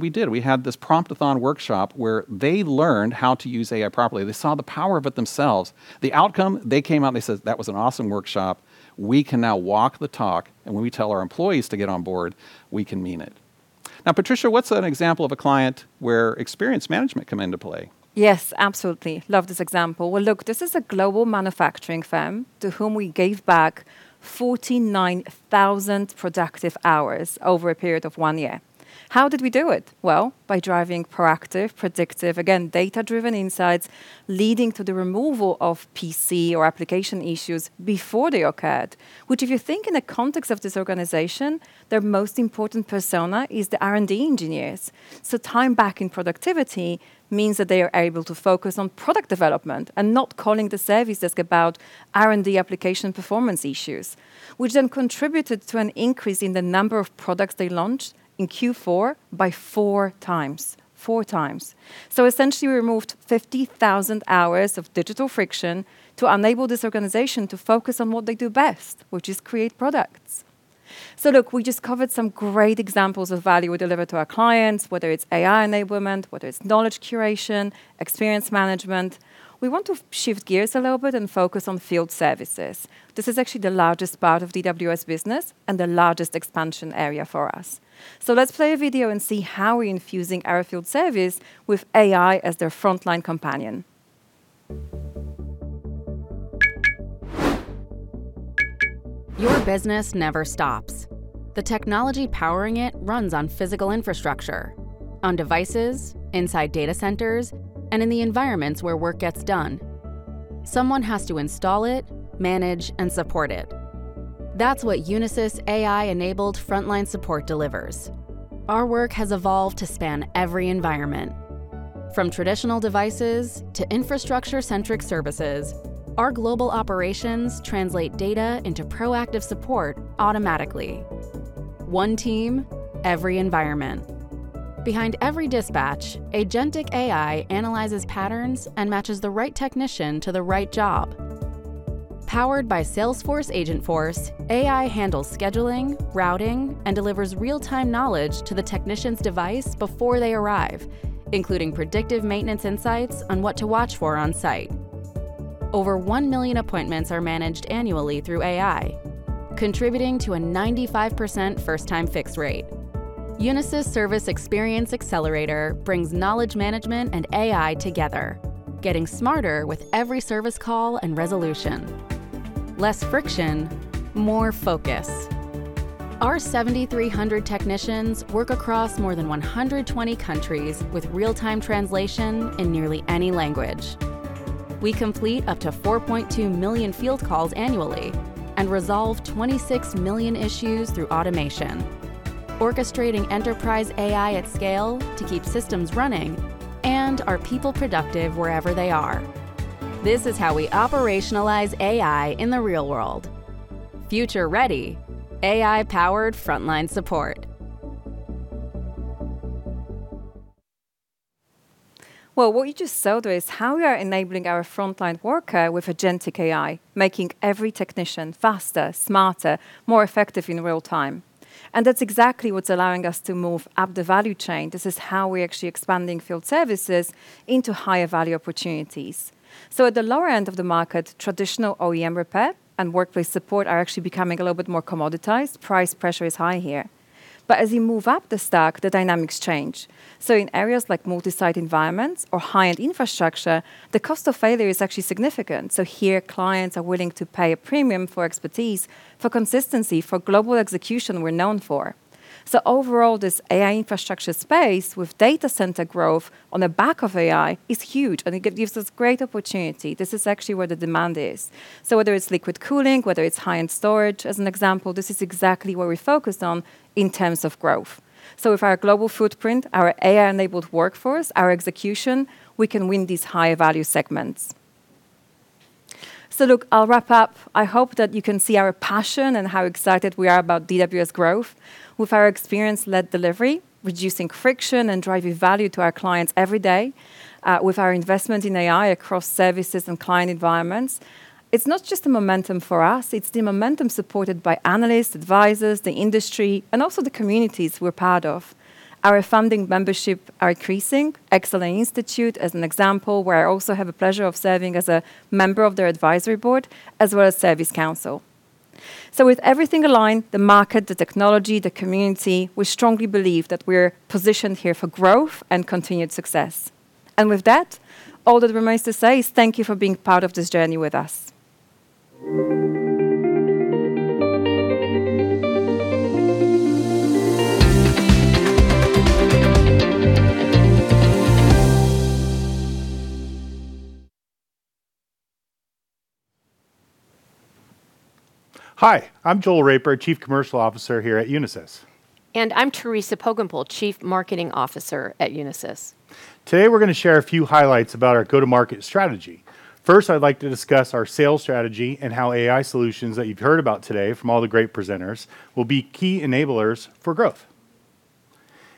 We did. We had this prompt-a-thon workshop where they learned how to use AI properly. They saw the power of it themselves. The outcome, they came out and they said, "That was an awesome workshop. We can now walk the talk, and when we tell our employees to get on board, we can mean it." Now, Patrycja, what's an example of a client where experience management come into play? Yes, absolutely. Love this example. Well, look, this is a global manufacturing firm to whom we gave back 49,000 productive hours over a period of one year. How did we do it? Well, by driving proactive, predictive, again, data-driven insights leading to the removal of PC or application issues before they occurred. Which if you think in the context of this organization, their most important persona is the R&D engineers. Time back in productivity means that they are able to focus on product development and not calling the service desk about R&D application performance issues, which then contributed to an increase in the number of products they launched in Q4 by four times. Four times. Essentially, we removed 50,000 hours of digital friction to enable this organization to focus on what they do best, which is create products. Look, we just covered some great examples of value we deliver to our clients, whether it's AI enablement, whether it's knowledge curation, experience management. We want to shift gears a little bit and focus on field services. This is actually the largest part of DWS business and the largest expansion area for us. Let's play a video and see how we're infusing our field service with AI as their frontline companion. Your business never stops. The technology powering it runs on physical infrastructure, on devices, inside data centers, and in the environments where work gets done. Someone has to install it, manage, and support it. That's what Unisys' AI-enabled frontline support delivers. Our work has evolved to span every environment. From traditional devices to infrastructure-centric services, our global operations translate data into proactive support automatically. One team, every environment. Behind every dispatch, agentic AI analyzes patterns and matches the right technician to the right job. Powered by Salesforce Agentforce, AI handles scheduling, routing, and delivers real-time knowledge to the technician's device before they arrive, including predictive maintenance insights on what to watch for on-site. Over 1 million appointments are managed annually through AI, contributing to a 95% first-time fix rate. Unisys Service Experience Accelerator brings knowledge management and AI together, getting smarter with every service call and resolution. Less friction, more focus. Our 7,300 technicians work across more than 120 countries with real-time translation in nearly any language. We complete up to 4.2 million field calls annually and resolve 26 million issues through automation, orchestrating enterprise AI at scale to keep systems running and our people productive wherever they are. This is how we operationalize AI in the real world. Future-ready, AI-powered frontline support. What you just saw there is how we are enabling our frontline worker with agentic AI, making every technician faster, smarter, more effective in real time. That's exactly what's allowing us to move up the value chain. This is how we're actually expanding field services into higher value opportunities. At the lower end of the market, traditional OEM repair and workplace support are actually becoming a little bit more commoditized. Price pressure is high here. As you move up the stack, the dynamics change. In areas like multi-site environments or high-end infrastructure, the cost of failure is actually significant. Here, clients are willing to pay a premium for expertise, for consistency, for global execution we're known for. Overall, this AI infrastructure space with data center growth on the back of AI is huge, and it gives us great opportunity. This is actually where the demand is. Whether it's liquid cooling, whether it's high-end storage, as an example, this is exactly what we focused on in terms of growth. With our global footprint, our AI-enabled workforce, our execution, we can win these high-value segments. Look, I'll wrap up. I hope that you can see our passion and how excited we are about DWS growth with our experience-led delivery, reducing friction, and driving value to our clients every day with our investment in AI across services and client environments. It's not just the momentum for us, it's the momentum supported by analysts, advisors, the industry, and also the communities we're part of. Our funding membership are increasing. Excellence Institute, as an example, where I also have a pleasure of serving as a member of their advisory board, as well as Service Council. With everything aligned, the market, the technology, the community, we strongly believe that we're positioned here for growth and continued success. With that, all that remains to say is thank you for being part of this journey with us. Hi, I'm Joel Raper, Chief Commercial Officer here at Unisys. I'm Teresa Poggenpohl, Chief Marketing Officer at Unisys. Today, we're going to share a few highlights about our go-to-market strategy. First, I'd like to discuss our sales strategy and how AI solutions that you've heard about today from all the great presenters will be key enablers for growth.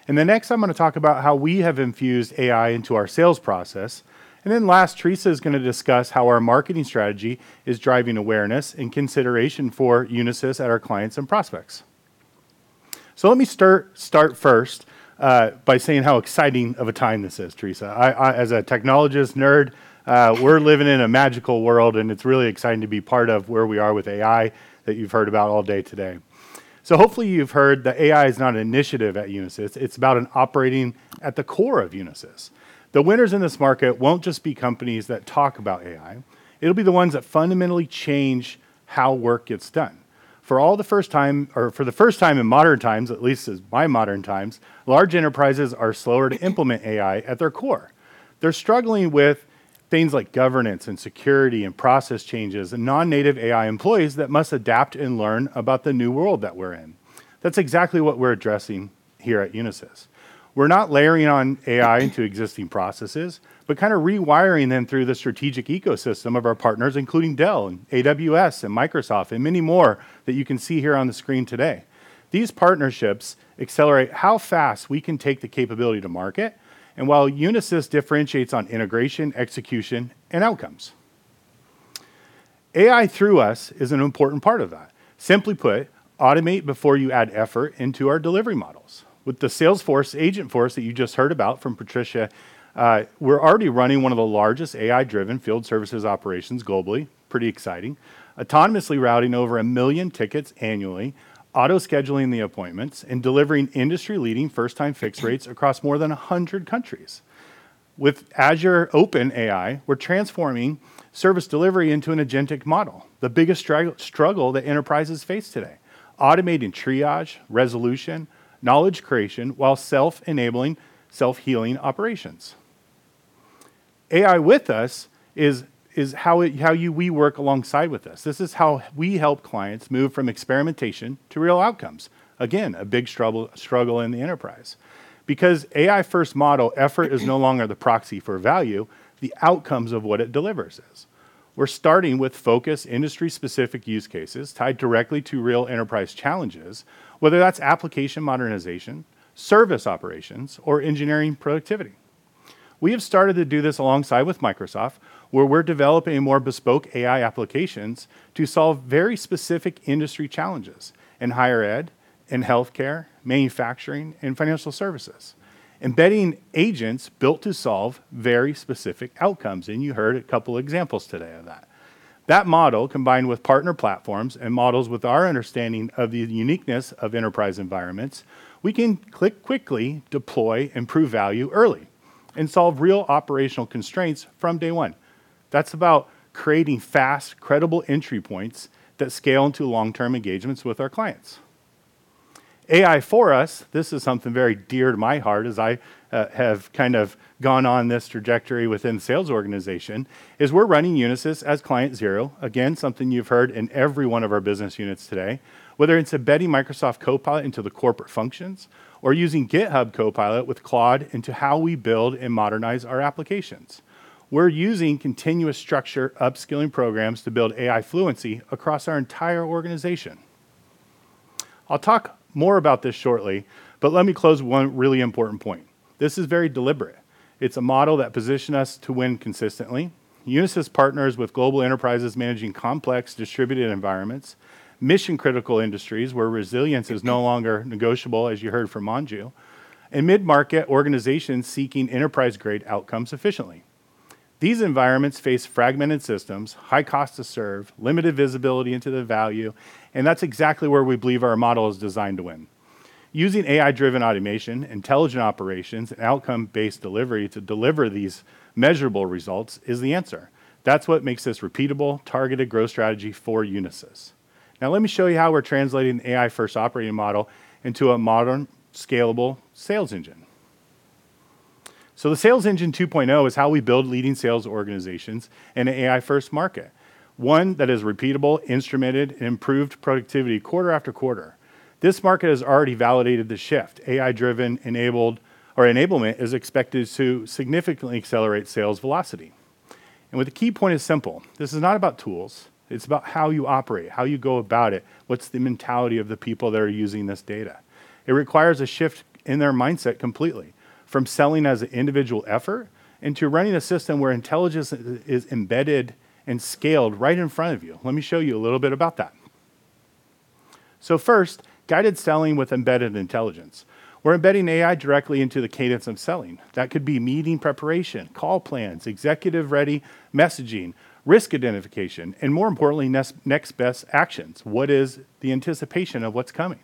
Next, I'm going to talk about how we have infused AI into our sales process. Last, Teresa is going to discuss how our marketing strategy is driving awareness and consideration for Unisys at our clients and prospects. Let me start first by saying how exciting of a time this is, Teresa. I, as a technologist nerd, we're living in a magical world, and it's really exciting to be part of where we are with AI that you've heard about all day today. Hopefully you've heard that AI is not an initiative at Unisys. It's about an operating at the core of Unisys. The winners in this market won't just be companies that talk about AI. It'll be the ones that fundamentally change how work gets done. For the first time in modern times, at least as my modern times, large enterprises are slower to implement AI at their core. They're struggling with things like governance and security and process changes and non-native AI employees that must adapt and learn about the new world that we're in. That's exactly what we're addressing here at Unisys. We're not layering on AI into existing processes, but kind of rewiring them through the strategic ecosystem of our partners, including Dell and AWS and Microsoft and many more that you can see here on the screen today. These partnerships accelerate how fast we can take the capability to market, and while Unisys differentiates on integration, execution, and outcomes. AI through us is an important part of that. Simply put, automate before you add effort into our delivery models. With the Salesforce Agentforce that you just heard about from Patrycja, we're already running one of the largest AI-driven field services operations globally, pretty exciting. Autonomously routing over 1 million tickets annually, auto-scheduling the appointments, and delivering industry-leading first-time fix rates across more than 100 countries. With Azure OpenAI, we're transforming service delivery into an agentic model, the biggest struggle that enterprises face today. Automating triage, resolution, knowledge creation, while self-enabling self-healing operations. AI with us is how we work alongside with us. This is how we help clients move from experimentation to real outcomes. A big struggle in the enterprise. AI-first model effort is no longer the proxy for value, the outcomes of what it delivers is. We're starting with focus industry-specific use cases tied directly to real enterprise challenges, whether that's application modernization, service operations, or engineering productivity. We have started to do this alongside with Microsoft, where we're developing more bespoke AI applications to solve very specific industry challenges in higher ed and healthcare, manufacturing, and financial services. Embedding agents built to solve very specific outcomes, and you heard a couple examples today of that. That model, combined with partner platforms and models with our understanding of the uniqueness of enterprise environments, we can quickly deploy and prove value early and solve real operational constraints from day one. That's about creating fast, credible entry points that scale into long-term engagements with our clients. AI for us, this is something very dear to my heart as I have kind of gone on this trajectory within sales organization, is we're running Unisys as client zero. Again, something you've heard in every one of our business units today, whether it's embedding Microsoft Copilot into the corporate functions or using GitHub Copilot with Claude into how we build and modernize our applications. We're using continuous structure upskilling programs to build AI fluency across our entire organization. I'll talk more about this shortly, but let me close one really important point. This is very deliberate. It's a model that position us to win consistently. Unisys partners with global enterprises managing complex distributed environments, mission-critical industries where resilience is no longer negotiable, as you heard from Manju, and mid-market organizations seeking enterprise-grade outcomes efficiently. These environments face fragmented systems, high cost to serve, limited visibility into the value, that's exactly where we believe our model is designed to win. Using AI-driven automation, intelligent operations, and outcome-based delivery to deliver these measurable results is the answer. That's what makes this repeatable, targeted growth strategy for Unisys. Let me show you how we're translating the AI first operating model into a modern, scalable sales engine. The sales engine 2.0 is how we build leading sales organizations in an AI first market. One that is repeatable, instrumented, improved productivity quarter after quarter. This market has already validated the shift. AI enablement is expected to significantly accelerate sales velocity. With the key point is simple. This is not about tools. It's about how you operate, how you go about it, what's the mentality of the people that are using this data. It requires a shift in their mindset completely from selling as an individual effort into running a system where intelligence is embedded and scaled right in front of you. Let me show you a little bit about that. First, guided selling with embedded intelligence. We're embedding AI directly into the cadence of selling. That could be meeting preparation, call plans, executive ready messaging, risk identification, and more importantly, next best actions. What is the anticipation of what's coming?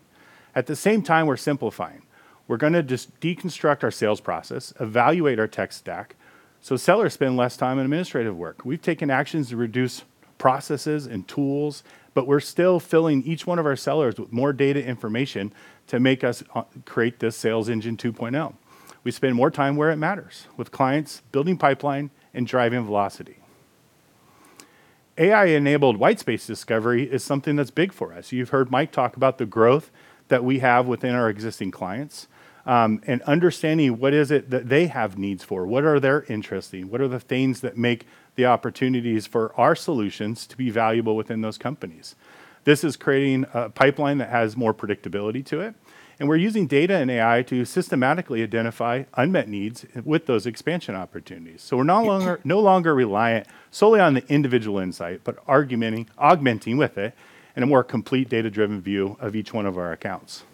At the same time, we're simplifying. We're going to just deconstruct our sales process, evaluate our tech stack, so sellers spend less time in administrative work. We've taken actions to reduce processes and tools, but we're still filling each one of our sellers with more data information to make us create this Sales engine 2.0. We spend more time where it matters with clients, building pipeline, and driving velocity. AI-enabled whitespace discovery is something that's big for us. You've heard Mike talk about the growth that we have within our existing clients, understanding what is it that they have needs for, what are their interests, and what are the things that make the opportunities for our solutions to be valuable within those companies. This is creating a pipeline that has more predictability to it, we're using data and AI to systematically identify unmet needs with those expansion opportunities. We're no longer reliant solely on the individual insight, but augmenting with it in a more complete data-driven view of each one of our accounts.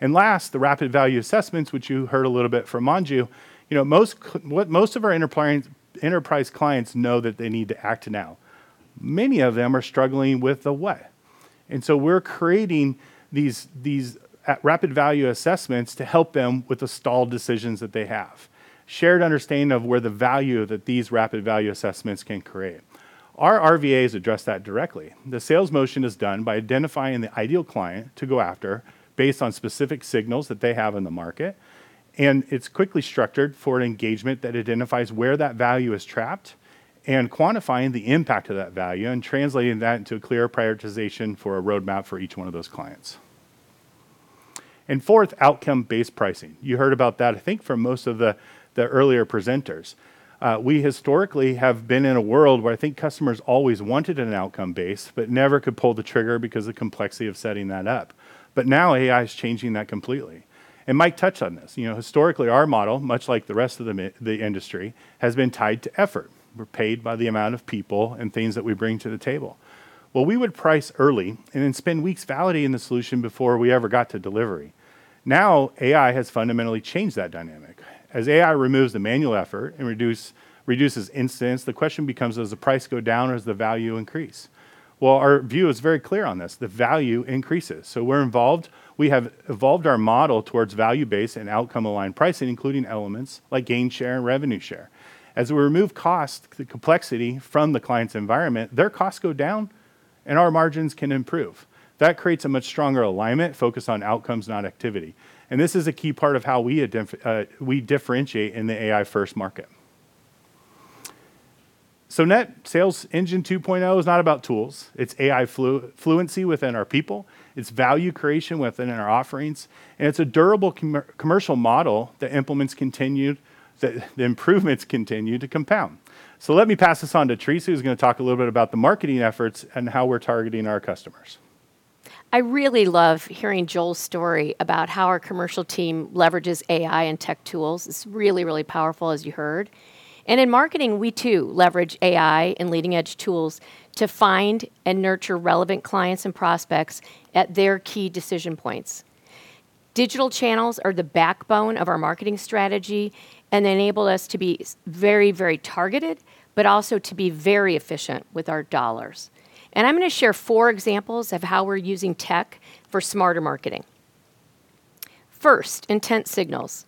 Last, the Rapid Value Assessments, which you heard a little bit from Manju. Most of our enterprise clients know that they need to act now. Many of them are struggling with the way. We're creating these Rapid Value Assessments to help them with the stalled decisions that they have. Shared understanding of where the value that these Rapid Value Assessments can create. Our RVAs address that directly. The sales motion is done by identifying the ideal client to go after based on specific signals that they have in the market, and it's quickly structured for an engagement that identifies where that value is trapped, and quantifying the impact of that value and translating that into a clear prioritization for a roadmap for each one of those clients. Fourth, outcome-based pricing. You heard about that, I think, from most of the earlier presenters. We historically have been in a world where I think customers always wanted an outcome base but never could pull the trigger because of the complexity of setting that up. Now AI is changing that completely. Mike touched on this. Historically, our model, much like the rest of the industry, has been tied to effort. We're paid by the amount of people and things that we bring to the table. Well, we would price early and then spend weeks validating the solution before we ever got to delivery. Now, AI has fundamentally changed that dynamic. As AI removes the manual effort and reduces incidents, the question becomes, does the price go down or does the value increase? Well, our view is very clear on this. The value increases. We're involved. We have evolved our model towards value-based and outcome-aligned pricing, including elements like gain share and revenue share. As we remove cost, the complexity from the client's environment, their costs go down, and our margins can improve. That creates a much stronger alignment focused on outcomes, not activity. This is a key part of how we differentiate in the AI-first market. Net Sales engine 2.0 is not about tools. It's AI fluency within our people. It's value creation within our offerings, and it's a durable commercial model that the improvements continue to compound. Let me pass this on to Teresa, who's going to talk a little bit about the marketing efforts and how we're targeting our customers. I really love hearing Joel's story about how our commercial team leverages AI and tech tools. It's really, really powerful, as you heard. In marketing, we too leverage AI and leading-edge tools to find and nurture relevant clients and prospects at their key decision points. Digital channels are the backbone of our marketing strategy and enable us to be very, very targeted, but also to be very efficient with our dollars. I'm going to share four examples of how we're using tech for smarter marketing. First, intent signals.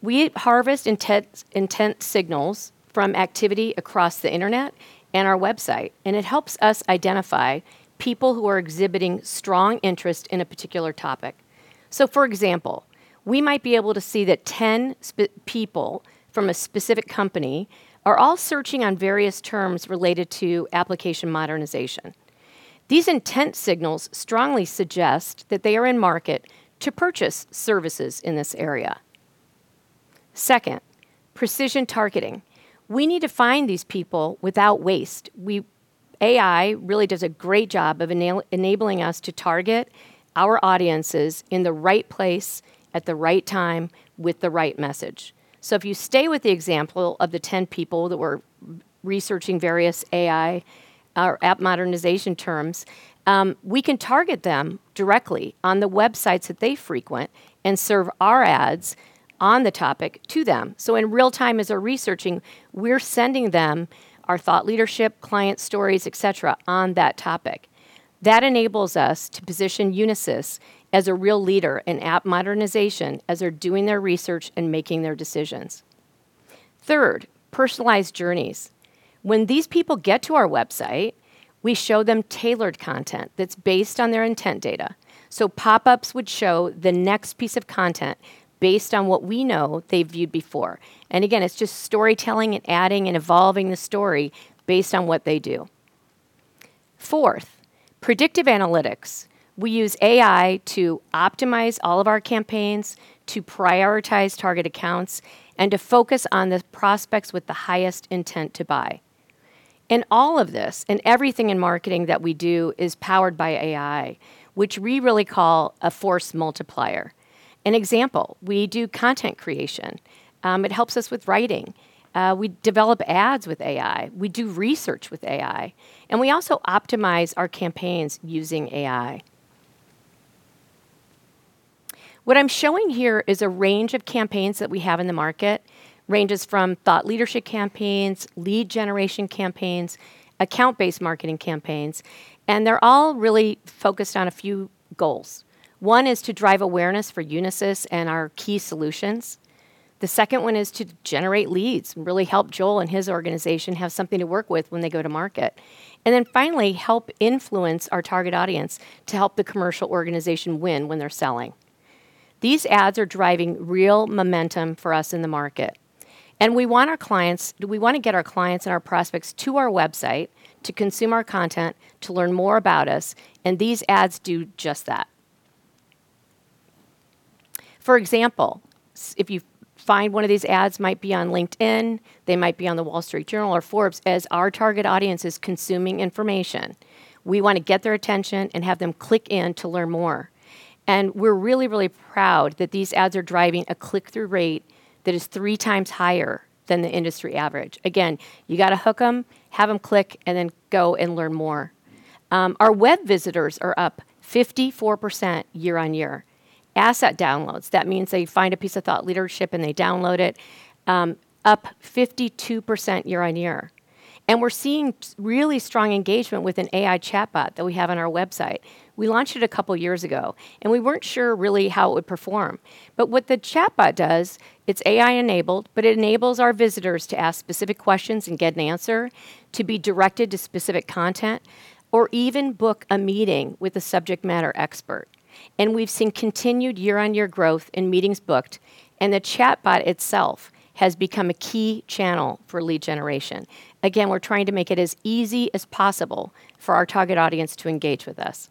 We harvest intent signals from activity across the internet and our website, and it helps us identify people who are exhibiting strong interest in a particular topic. For example, we might be able to see that 10 people from a specific company are all searching on various terms related to application modernization. These intent signals strongly suggest that they are in market to purchase services in this area. Second, precision targeting. We need to find these people without waste. AI really does a great job of enabling us to target our audiences in the right place at the right time with the right message. If you stay with the example of the 10 people that were researching various AI or app modernization terms, we can target them directly on the websites that they frequent and serve our ads on the topic to them. In real-time as they're researching, we're sending them our thought leadership, client stories, et cetera, on that topic. That enables us to position Unisys as a real leader in app modernization as they're doing their research and making their decisions. Third, personalized journeys. When these people get to our website, we show them tailored content that is based on their intent data. Pop-ups would show the next piece of content based on what we know they viewed before. Again, it is just storytelling and adding and evolving the story based on what they do. Fourth, predictive analytics. We use AI to optimize all of our campaigns, to prioritize target accounts, and to focus on the prospects with the highest intent to buy. All of this, and everything in marketing that we do is powered by AI, which we really call a force multiplier. An example, we do content creation. It helps us with writing. We develop ads with AI, we do research with AI, and we also optimize our campaigns using AI. What I'm showing here is a range of campaigns that we have in the market, ranges from thought leadership campaigns, lead generation campaigns, account-based marketing campaigns. They're all really focused on a few goals. One is to drive awareness for Unisys and our key solutions. The second one is to generate leads and really help Joel and his organization have something to work with when they go to market. Finally, help influence our target audience to help the commercial organization win when they're selling. These ads are driving real momentum for us in the market. We want to get our clients and our prospects to our website to consume our content, to learn more about us, and these ads do just that. For example, if you find one of these ads, might be on LinkedIn, they might be on The Wall Street Journal or Forbes, as our target audience is consuming information. We want to get their attention and have them click in to learn more. We're really, really proud that these ads are driving a click-through rate that is three times higher than the industry average. Again, you got to hook them, have them click, then go and learn more. Our web visitors are up 54% year-on-year. Asset downloads, that means they find a piece of thought leadership and they download it, up 52% year-on-year. We're seeing really strong engagement with an AI chatbot that we have on our website. We launched it a couple of years ago, and we weren't sure really how it would perform. What the chatbot does, it's AI-enabled, but it enables our visitors to ask specific questions and get an answer, to be directed to specific content, or even book a meeting with a subject matter expert. We've seen continued year-on-year growth in meetings booked, and the chatbot itself has become a key channel for lead generation. Again, we're trying to make it as easy as possible for our target audience to engage with us.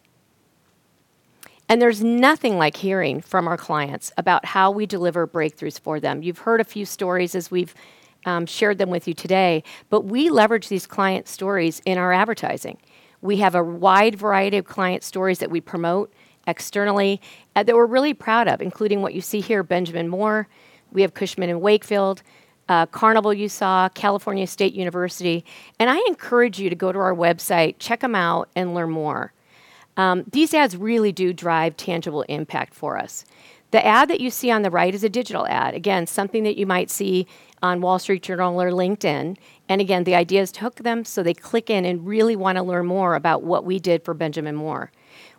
There's nothing like hearing from our clients about how we deliver breakthroughs for them. You've heard a few stories as we've shared them with you today, we leverage these client stories in our advertising. We have a wide variety of client stories that we promote externally that we're really proud of, including what you see here, Benjamin Moore. We have Cushman & Wakefield, Carnival you saw, California State University, and I encourage you to go to our website, check them out, and learn more. These ads really do drive tangible impact for us. The ad that you see on the right is a digital ad. Again, something that you might see on The Wall Street Journal or LinkedIn. Again, the idea is to hook them so they click in and really want to learn more about what we did for Benjamin Moore.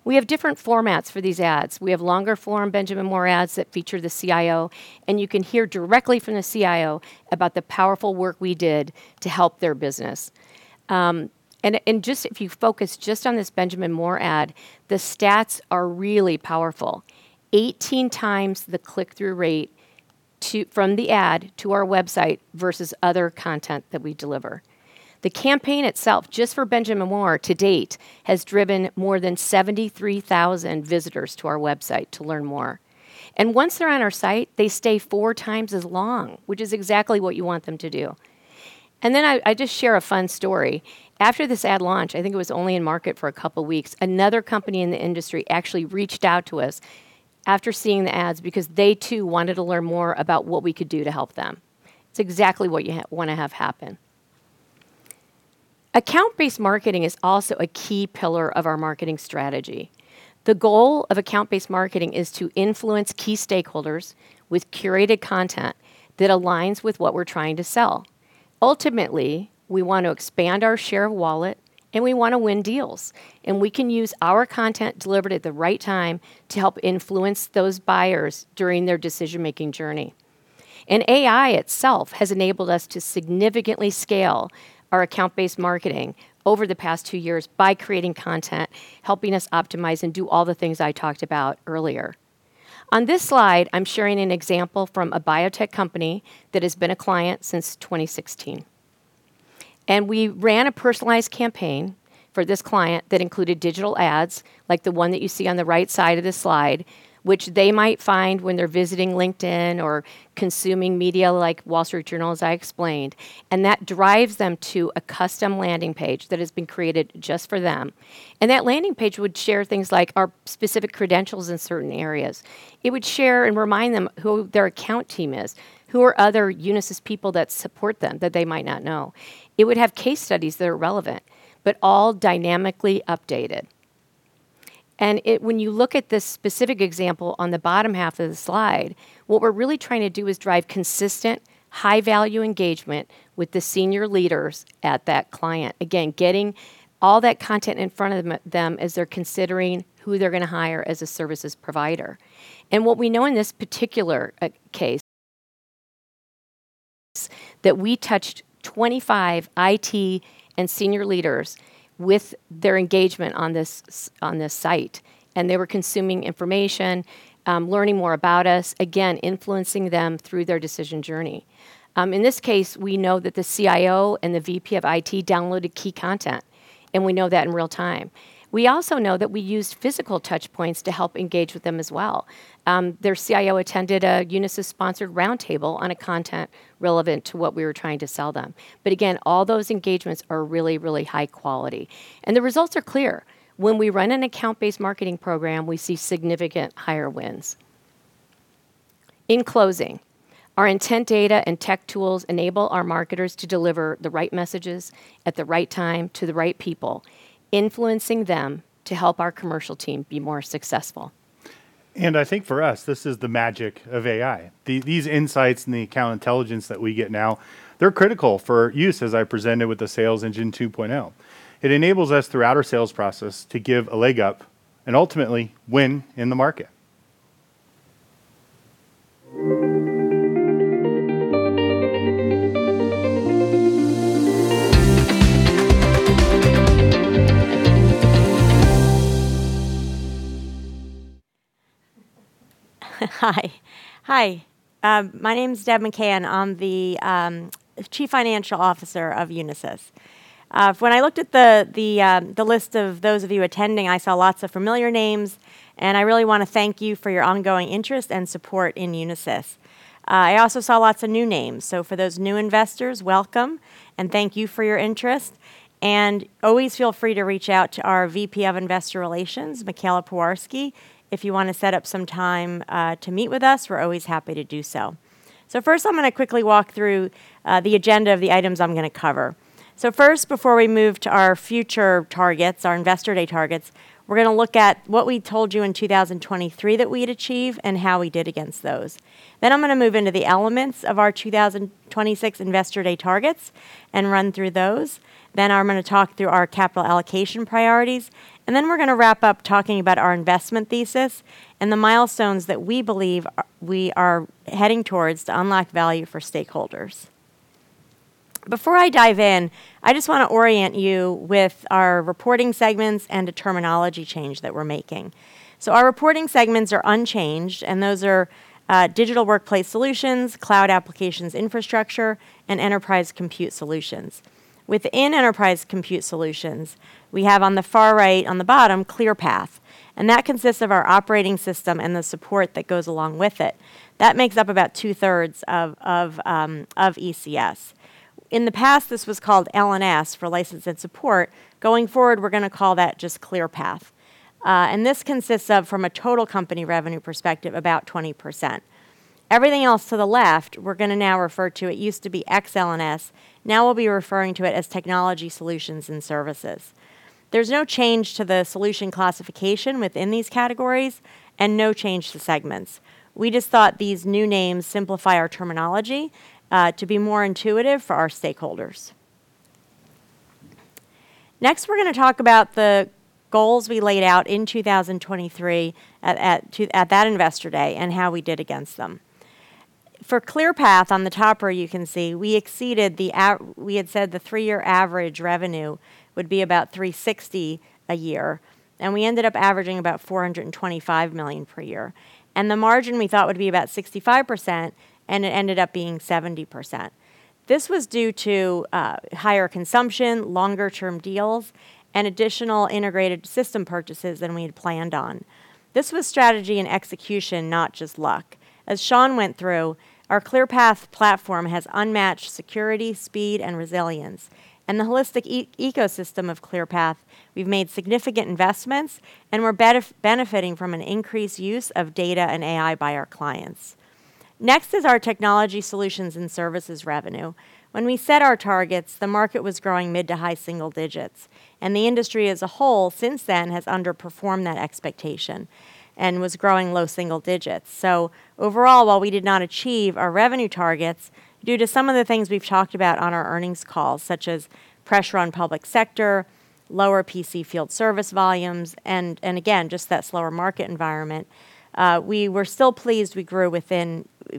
We have different formats for these ads. We have longer form Benjamin Moore ads that feature the CIO, and you can hear directly from the CIO about the powerful work we did to help their business. If you focus just on this Benjamin Moore ad, the stats are really powerful. 18 times the click-through rate from the ad to our website versus other content that we deliver. The campaign itself, just for Benjamin Moore to date, has driven more than 73,000 visitors to our website to learn more. Once they're on our site, they stay four times as long, which is exactly what you want them to do. I just share a fun story. After this ad launch, I think it was only in market for a couple of weeks, another company in the industry actually reached out to us after seeing the ads because they too wanted to learn more about what we could do to help them. It's exactly what you want to have happen. Account-based marketing is also a key pillar of our marketing strategy. The goal of account-based marketing is to influence key stakeholders with curated content that aligns with what we're trying to sell. Ultimately, we want to expand our share of wallet, and we want to win deals, and we can use our content delivered at the right time to help influence those buyers during their decision-making journey. AI itself has enabled us to significantly scale our account-based marketing over the past two years by creating content, helping us optimize and do all the things I talked about earlier. On this slide, I'm sharing an example from a biotech company that has been a client since 2016. We ran a personalized campaign for this client that included digital ads like the one that you see on the right side of this slide, which they might find when they're visiting LinkedIn or consuming media like Wall Street Journal, as I explained. That drives them to a custom landing page that has been created just for them. That landing page would share things like our specific credentials in certain areas. It would share and remind them who their account team is, who are other Unisys people that support them that they might not know. It would have case studies that are relevant, but all dynamically updated. When you look at this specific example on the bottom half of the slide, what we're really trying to do is drive consistent, high-value engagement with the senior leaders at that client. Again, getting all that content in front of them as they're considering who they're going to hire as a services provider. What we know in this particular case, that we touched 25 IT and senior leaders with their engagement on this site, and they were consuming information, learning more about us, again, influencing them through their decision journey. In this case, we know that the CIO and the VP of IT downloaded key content, and we know that in real time. We also know that we used physical touchpoints to help engage with them as well. Their CIO attended a Unisys-sponsored roundtable on a content relevant to what we were trying to sell them. Again, all those engagements are really, really high quality. The results are clear. When we run an account-based marketing program, we see significant higher wins. In closing, our intent data and tech tools enable our marketers to deliver the right messages at the right time to the right people, influencing them to help our commercial team be more successful. I think for us, this is the magic of AI. These insights and the account intelligence that we get now, they're critical for use as I presented with the Sales engine 2.0. It enables us throughout our sales process to give a leg up and ultimately win in the market. Hi. My name's Deb McCann. I'm the Chief Financial Officer of Unisys. When I looked at the list of those of you attending, I saw lots of familiar names, and I really want to thank you for your ongoing interest and support in Unisys. I also saw lots of new names. For those new investors, welcome, and thank you for your interest. Always feel free to reach out to our VP of Investor Relations, Michaela Pewarski. If you want to set up some time to meet with us, we're always happy to do so. First, I'm going to quickly walk through the agenda of the items I'm going to cover. First, before we move to our future targets, our Investor Day targets, we're going to look at what we told you in 2023 that we'd achieve and how we did against those. I'm going to move into the elements of our 2026 Investor Day targets and run through those. I'm going to talk through our capital allocation priorities, and then we're going to wrap up talking about our investment thesis and the milestones that we believe we are heading towards to unlock value for stakeholders. Before I dive in, I just want to orient you with our reporting segments and a terminology change that we're making. Our reporting segments are unchanged, and those are Digital Workplace Solutions, Cloud, Applications & Infrastructure, and Enterprise Computing Solutions. Within Enterprise Computing Solutions, we have on the far right on the bottom, ClearPath, and that consists of our operating system and the support that goes along with it. That makes up about two-thirds of ECS. In the past, this was called L&S for license and support. Going forward, we're going to call that just ClearPath. This consists of, from a total company revenue perspective, about 20%. Everything else to the left, we're going to now refer to, it used to be ex-L&S, now we'll be referring to it as Technology Solutions and Services. There's no change to the solution classification within these categories and no change to segments. We just thought these new names simplify our terminology to be more intuitive for our stakeholders. Next, we're going to talk about the goals we laid out in 2023 at that Investor Day and how we did against them. For ClearPath, on the top row you can see we had said the 3-year average revenue would be about $360 million a year, and we ended up averaging about $425 million per year. The margin we thought would be about 65%, and it ended up being 70%. This was due to higher consumption, longer-term deals, and additional integrated system purchases than we had planned on. This was strategy and execution, not just luck. As Sean went through, our ClearPath platform has unmatched security, speed, and resilience. The holistic ecosystem of ClearPath, we've made significant investments and we're benefiting from an increased use of data and AI by our clients. Next is our Technology Solutions and Services revenue. When we set our targets, the market was growing mid to high single digits, and the industry as a whole since then has underperformed that expectation and was growing low single digits. Overall, while we did not achieve our revenue targets, due to some of the things we've talked about on our earnings calls, such as pressure on public sector, lower PC field service volumes, and again, just that slower market environment, we were still pleased we grew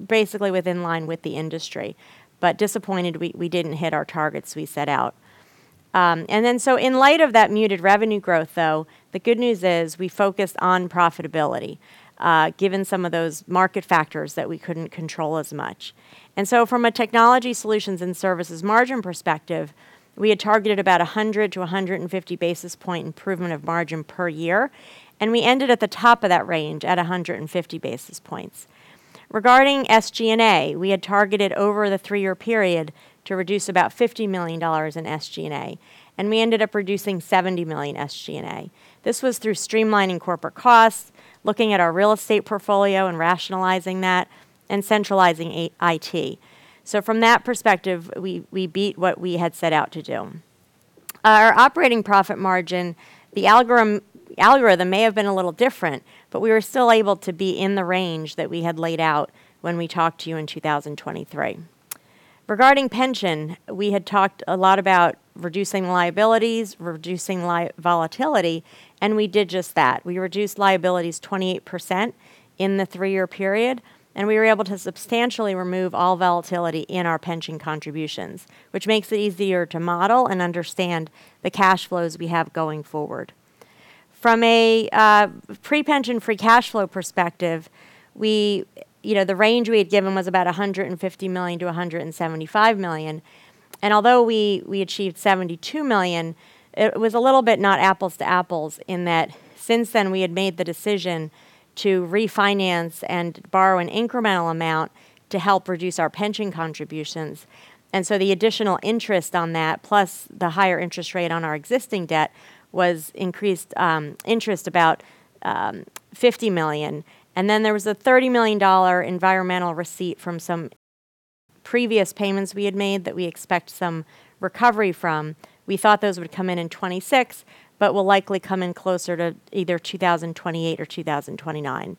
basically within line with the industry, but disappointed we didn't hit our targets we set out. In light of that muted revenue growth, though, the good news is we focused on profitability, given some of those market factors that we couldn't control as much. From a Technology Solutions and Services margin perspective, we had targeted about 100 to 150 basis point improvement of margin per year, and we ended at the top of that range at 150 basis points. Regarding SG&A, we had targeted over the three-year period to reduce about $50 million in SG&A, and we ended up reducing $70 million SG&A. This was through streamlining corporate costs, looking at our real estate portfolio and rationalizing that, and centralizing IT. From that perspective, we beat what we had set out to do. Our operating profit margin, the algorithm may have been a little different, but we were still able to be in the range that we had laid out when we talked to you in 2023. Regarding pension, we had talked a lot about reducing liabilities, reducing volatility, and we did just that. We reduced liabilities 28% in the three-year period, and we were able to substantially remove all volatility in our pension contributions, which makes it easier to model and understand the cash flows we have going forward. From a pre-pension free cash flow perspective, the range we had given was about $150 million-$175 million. Although we achieved $72 million, it was a little bit not apples to apples in that since then we had made the decision to refinance and borrow an incremental amount to help reduce our pension contributions. The additional interest on that, plus the higher interest rate on our existing debt, was increased interest about $50 million. There was a $30 million environmental receipt from some previous payments we had made that we expect some recovery from. We thought those would come in in 2026, but will likely come in closer to either 2028 or 2029.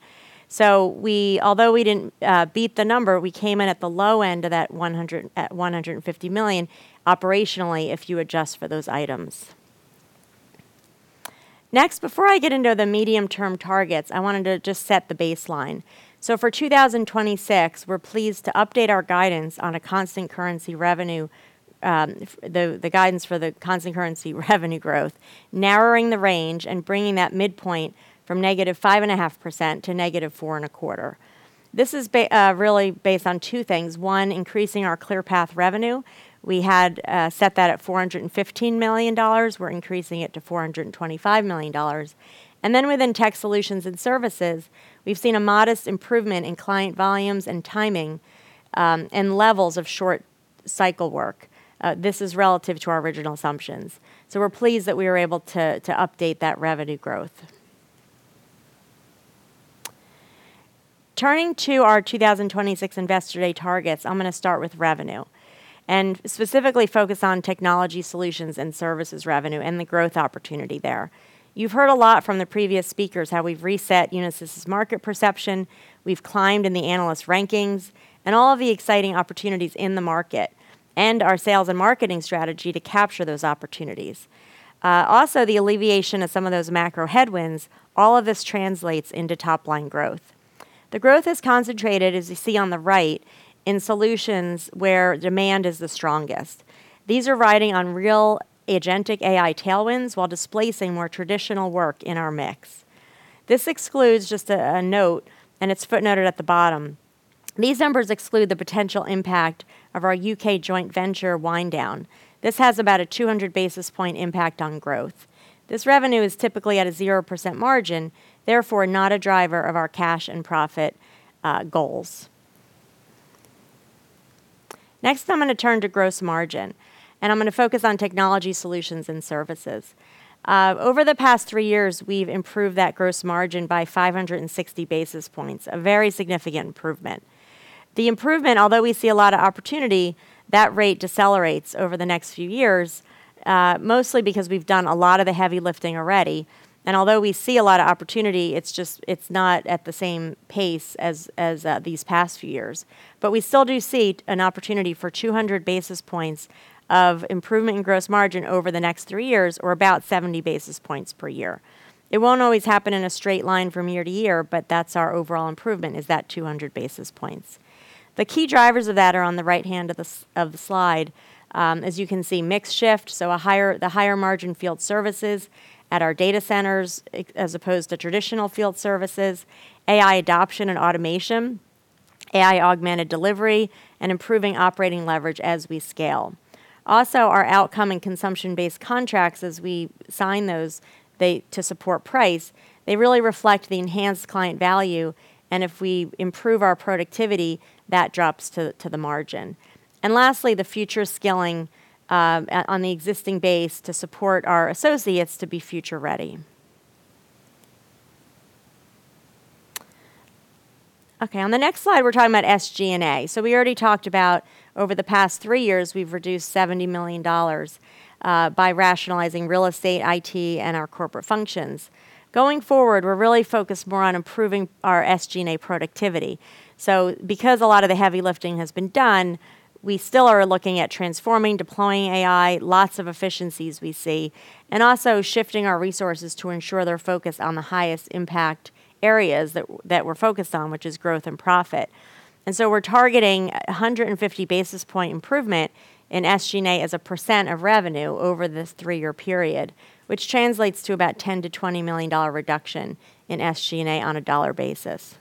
Although we didn't beat the number, we came in at the low end of that $150 million operationally, if you adjust for those items. Next, before I get into the medium-term targets, I wanted to just set the baseline. For 2026, we're pleased to update our guidance on a constant currency revenue, the guidance for the constant currency revenue growth, narrowing the range and bringing that midpoint from -5.5% to -4.25%. This is really based on two things. One, increasing our ClearPath revenue. We had set that at $415 million. We're increasing it to $425 million. Then within Technology Solutions and Services, we've seen a modest improvement in client volumes and timing, and levels of short cycle work. This is relative to our original assumptions. We're pleased that we were able to update that revenue growth. Turning to our 2026 Investor Day targets, I'm going to start with revenue and specifically focus on Technology Solutions and Services revenue and the growth opportunity there. You've heard a lot from the previous speakers how we've reset Unisys' market perception, we've climbed in the analyst rankings, and all of the exciting opportunities in the market and our sales and marketing strategy to capture those opportunities. The alleviation of some of those macro headwinds, all of this translates into top-line growth. The growth is concentrated, as you see on the right, in solutions where demand is the strongest. These are riding on real agentic AI tailwinds while displacing more traditional work in our mix. This excludes, just a note, and it's footnoted at the bottom, these numbers exclude the potential impact of our U.K. joint venture wind down. This has about a 200 basis point impact on growth. This revenue is typically at a 0% margin, therefore not a driver of our cash and profit goals. I'm going to turn to gross margin. I'm going to focus on Technology Solutions and Services. Over the past three years, we've improved that gross margin by 560 basis points, a very significant improvement. The improvement, although we see a lot of opportunity, that rate decelerates over the next few years, mostly because we've done a lot of the heavy lifting already. Although we see a lot of opportunity, it's not at the same pace as these past few years. We still do see an opportunity for 200 basis points of improvement in gross margin over the next three years or about 70 basis points per year. It won't always happen in a straight line from year to year, that's our overall improvement, is that 200 basis points. The key drivers of that are on the right-hand of the slide. As you can see, mix shift, the higher margin field services at our data centers as opposed to traditional field services, AI adoption and automation, AI-augmented delivery, and improving operating leverage as we scale. Also, our outcome and consumption-based contracts as we sign those to support price, they really reflect the enhanced client value, and if we improve our productivity, that drops to the margin. Lastly, the future skilling on the existing base to support our associates to be future-ready. Okay, on the next slide, we're talking about SG&A. We already talked about over the past three years, we've reduced $70 million by rationalizing real estate, IT, and our corporate functions. We're really focused more on improving our SG&A productivity. Because a lot of the heavy lifting has been done, we still are looking at transforming, deploying AI, lots of efficiencies we see, and also shifting our resources to ensure they're focused on the highest impact areas that we're focused on, which is growth and profit. We're targeting 150 basis point improvement in SG&A as a % of revenue over this three-year period, which translates to about $10 million-$20 million reduction in SG&A on a dollar basis.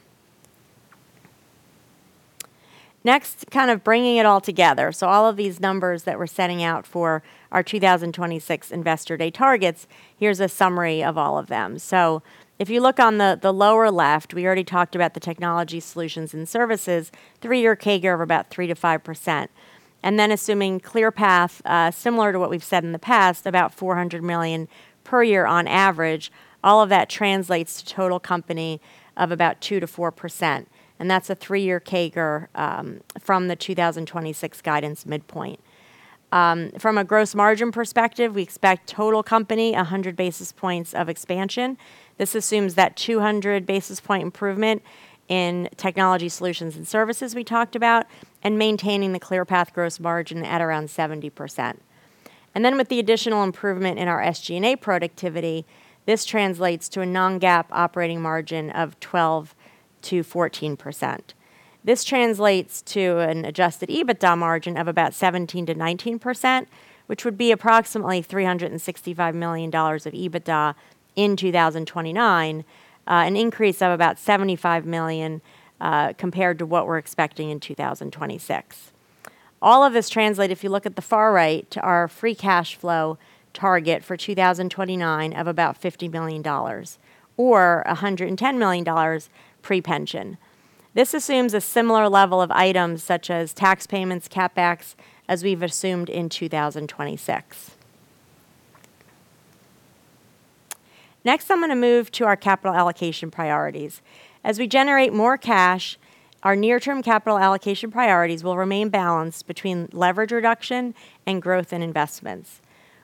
Kind of bringing it all together. All of these numbers that we're setting out for our 2026 Investor Day targets, here's a summary of all of them. If you look on the lower left, we already talked about the Technology Solutions and Services, three-year CAGR of about 3%-5%. Assuming ClearPath, similar to what we've said in the past, about $400 million per year on average. All of that translates to total company of about 2%-4%, and that's a 3-year CAGR from the 2026 guidance midpoint. From a gross margin perspective, we expect total company 100 basis points of expansion. This assumes that 200 basis point improvement in Technology Solutions and Services we talked about and maintaining the ClearPath gross margin at around 70%. With the additional improvement in our SG&A productivity, this translates to a non-GAAP operating margin of 12%-14%. This translates to an adjusted EBITDA margin of about 17%-19%, which would be approximately $365 million of EBITDA in 2029, an increase of about $75 million, compared to what we're expecting in 2026. All of this translate, if you look at the far right, to our free cash flow target for 2029 of about $50 million or $110 million pre-pension. This assumes a similar level of items such as tax payments, CapEx, as we've assumed in 2026. Next, I'm going to move to our capital allocation priorities. As we generate more cash, our near-term capital allocation priorities will remain balanced between leverage reduction and growth in investments.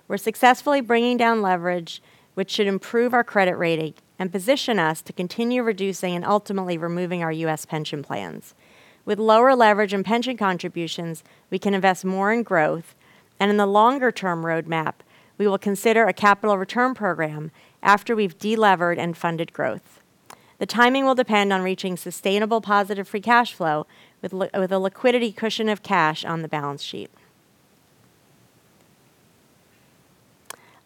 We're successfully bringing down leverage, which should improve our credit rating and position us to continue reducing and ultimately removing our U.S. pension plans. With lower leverage and pension contributions, we can invest more in growth, and in the longer-term roadmap, we will consider a capital return program after we've de-levered and funded growth. The timing will depend on reaching sustainable positive free cash flow with a liquidity cushion of cash on the balance sheet.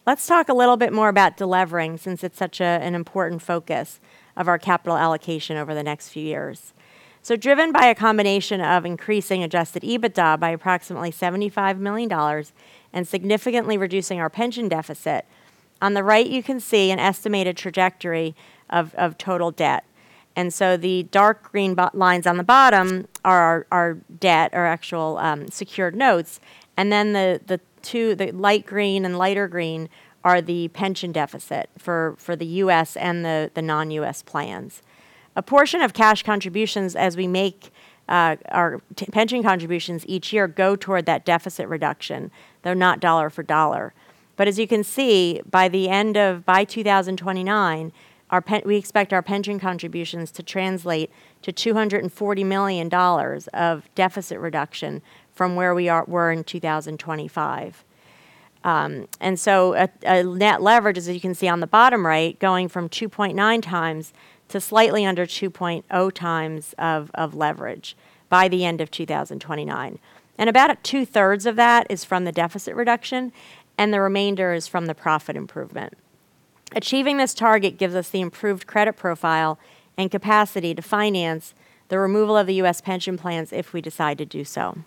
Let's talk a little bit more about de-levering, since it's such an important focus of our capital allocation over the next few years. Driven by a combination of increasing adjusted EBITDA by approximately $75 million and significantly reducing our pension deficit, on the right you can see an estimated trajectory of total debt. The dark green lines on the bottom are our debt, our actual secured notes. The two, the light green and lighter green, are the pension deficit for the U.S. and the non-U.S. plans. A portion of cash contributions as we make our pension contributions each year go toward that deficit reduction, though not dollar for dollar. As you can see, by 2029, we expect our pension contributions to translate to $240 million of deficit reduction from where we were in 2025. Net leverage, as you can see on the bottom right, going from 2.9 times to slightly under 2.0 times of leverage by the end of 2029. About two-thirds of that is from the deficit reduction, and the remainder is from the profit improvement. Achieving this target gives us the improved credit profile and capacity to finance the removal of the U.S. pension plans if we decide to do so.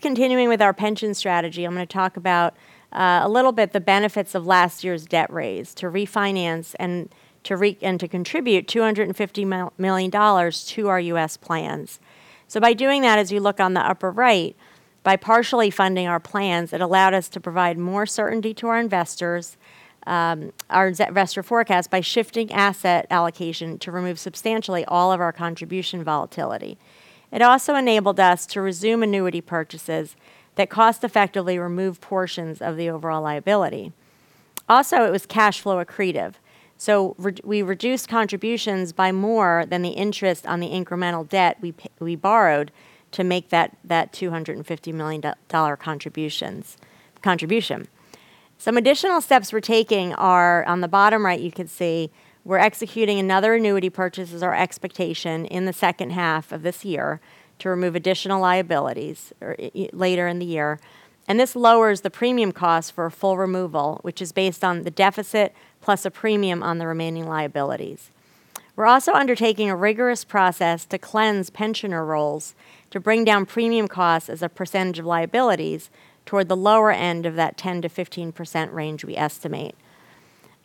Continuing with our pension strategy, I'm going to talk about, a little bit, the benefits of last year's debt raise to refinance and to contribute $250 million to our U.S. plans. By doing that, as you look on the upper right, by partially funding our plans, it allowed us to provide more certainty to our investors, our investor forecast, by shifting asset allocation to remove substantially all of our contribution volatility. It also enabled us to resume annuity purchases that cost-effectively remove portions of the overall liability. It was cash flow accretive. We reduced contributions by more than the interest on the incremental debt we borrowed to make that $250 million contribution. Some additional steps we're taking are, on the bottom right you can see, we're executing another annuity purchase as our expectation in the second half of this year to remove additional liabilities later in the year. This lowers the premium cost for a full removal, which is based on the deficit plus a premium on the remaining liabilities. We're also undertaking a rigorous process to cleanse pensioner roles to bring down premium costs as a percentage of liabilities toward the lower end of that 10%-15% range we estimate.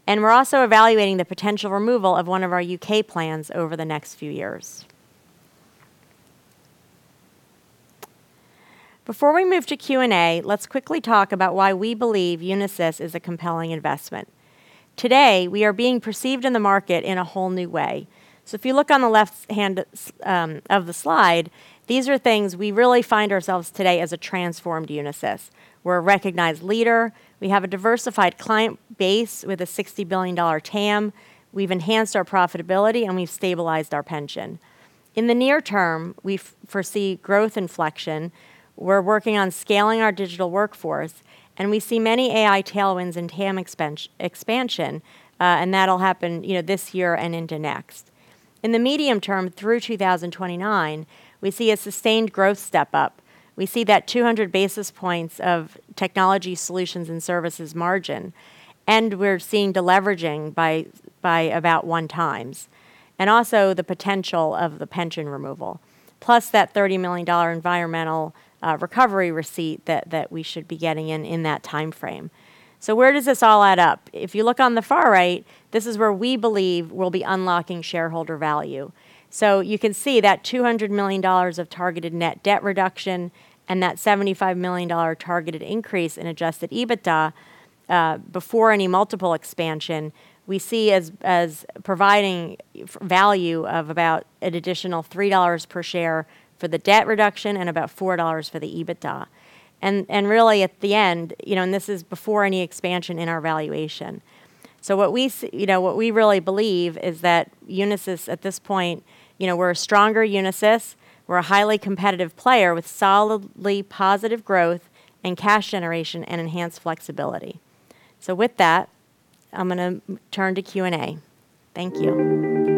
We're also evaluating the potential removal of one of our U.K. plans over the next few years. Before we move to Q&A, let's quickly talk about why we believe Unisys is a compelling investment. Today, we are being perceived in the market in a whole new way. If you look on the left-hand of the slide, these are things we really find ourselves today as a transformed Unisys. We're a recognized leader. We have a diversified client base with a $60 billion TAM. We've enhanced our profitability, and we've stabilized our pension. In the near term, we foresee growth inflection. We're working on scaling our digital workforce, and we see many AI tailwinds and TAM expansion, and that'll happen this year and into next. In the medium term, through 2029, we see a sustained growth step-up. We see that 200 basis points of Technology Solutions and Services margin, and we're seeing de-leveraging by about one time. Also the potential of the pension removal, plus that $30 million environmental recovery receipt that we should be getting in in that timeframe. Where does this all add up? If you look on the far right, this is where we believe we'll be unlocking shareholder value. You can see that $200 million of targeted net debt reduction and that $75 million targeted increase in adjusted EBITDA, before any multiple expansion, we see as providing value of about an additional $3 per share for the debt reduction and about $4 for the EBITDA. Really at the end, and this is before any expansion in our valuation. What we really believe is that Unisys at this point, we're a stronger Unisys. We're a highly competitive player with solidly positive growth and cash generation and enhanced flexibility. With that, I'm going to turn to Q&A. Thank you.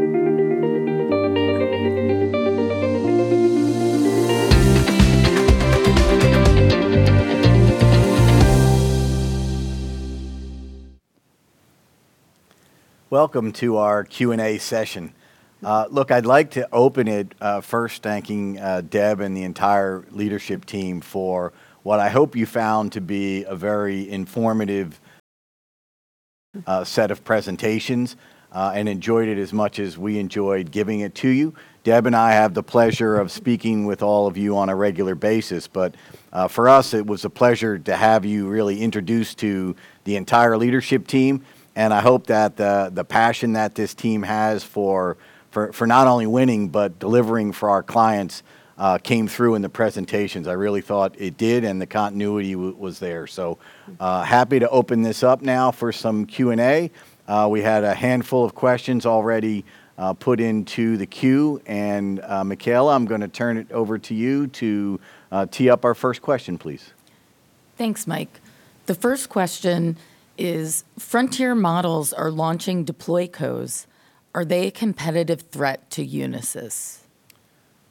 Welcome to our Q&A session. Look, I'd like to open it first thanking Deb and the entire leadership team for what I hope you found to be a very informative set of presentations, and enjoyed it as much as we enjoyed giving it to you. Deb and I have the pleasure of speaking with all of you on a regular basis. For us, it was a pleasure to have you really introduced to the entire leadership team, and I hope that the passion that this team has for not only winning but delivering for our clients came through in the presentations. I really thought it did, the continuity was there. Happy to open this up now for some Q&A. We had a handful of questions already put into the queue, Michaela, I'm going to turn it over to you to tee up our first question, please. Thanks, Mike. The first question is: frontier models are launching deploy codes. Are they a competitive threat to Unisys?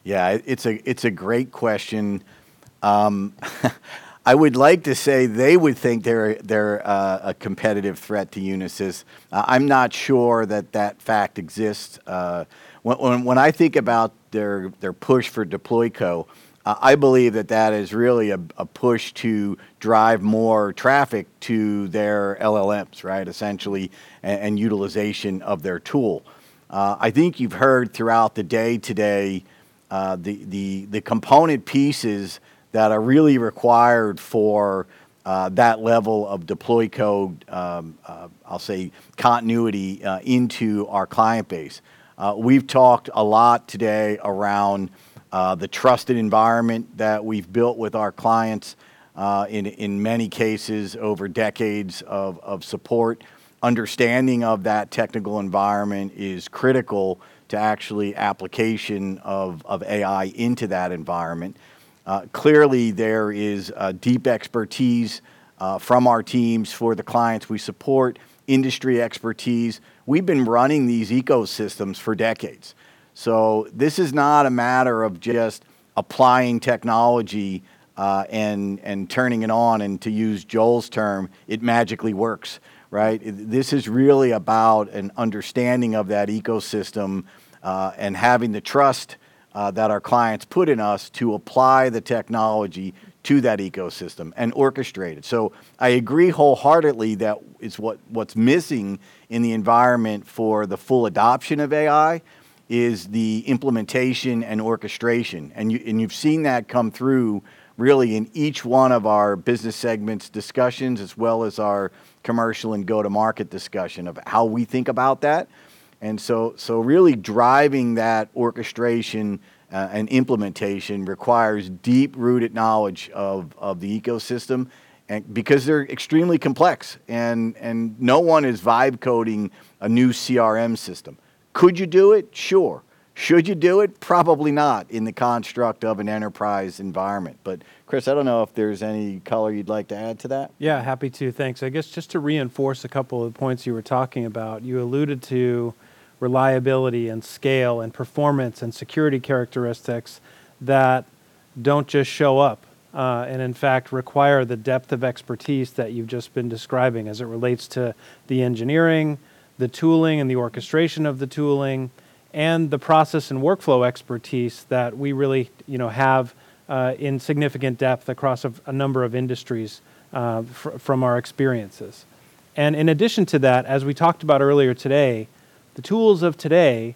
Yeah, it's a great question. I would like to say they would think they're a competitive threat to Unisys. I'm not sure that fact exists. I think about their push for deploy code, I believe that is really a push to drive more traffic to their LLMs, right, essentially, and utilization of their tool. I think you've heard throughout the day today the component pieces that are really required for that level of deploy code, I'll say continuity into our client base. We've talked a lot today around the trusted environment that we've built with our clients, in many cases over decades of support. Understanding of that technical environment is critical to actually application of AI into that environment. Clearly, there is a deep expertise from our teams for the clients we support, industry expertise. We've been running these ecosystems for decades. This is not a matter of just applying technology, and turning it on, and to use Joel's term, "It magically works." Right? This is really about an understanding of that ecosystem, and having the trust that our clients put in us to apply the technology to that ecosystem and orchestrate it. I agree wholeheartedly that what's missing in the environment for the full adoption of AI is the implementation and orchestration. You've seen that come through, really in each one of our business segments discussions, as well as our commercial and go-to-market discussion of how we think about that. Really driving that orchestration and implementation requires deep-rooted knowledge of the ecosystem because they're extremely complex and no one is vibe coding a new CRM system. Could you do it? Sure. Should you do it? Probably not in the construct of an enterprise environment. Chris, I don't know if there's any color you'd like to add to that? Yeah, happy to. Thanks. I guess just to reinforce a couple of points you were talking about, you alluded to reliability and scale and performance and security characteristics that don't just show up, and in fact, require the depth of expertise that you've just been describing as it relates to the engineering, the tooling, and the orchestration of the tooling, and the process and workflow expertise that we really have in significant depth across a number of industries, from our experiences. In addition to that, as we talked about earlier today, the tools of today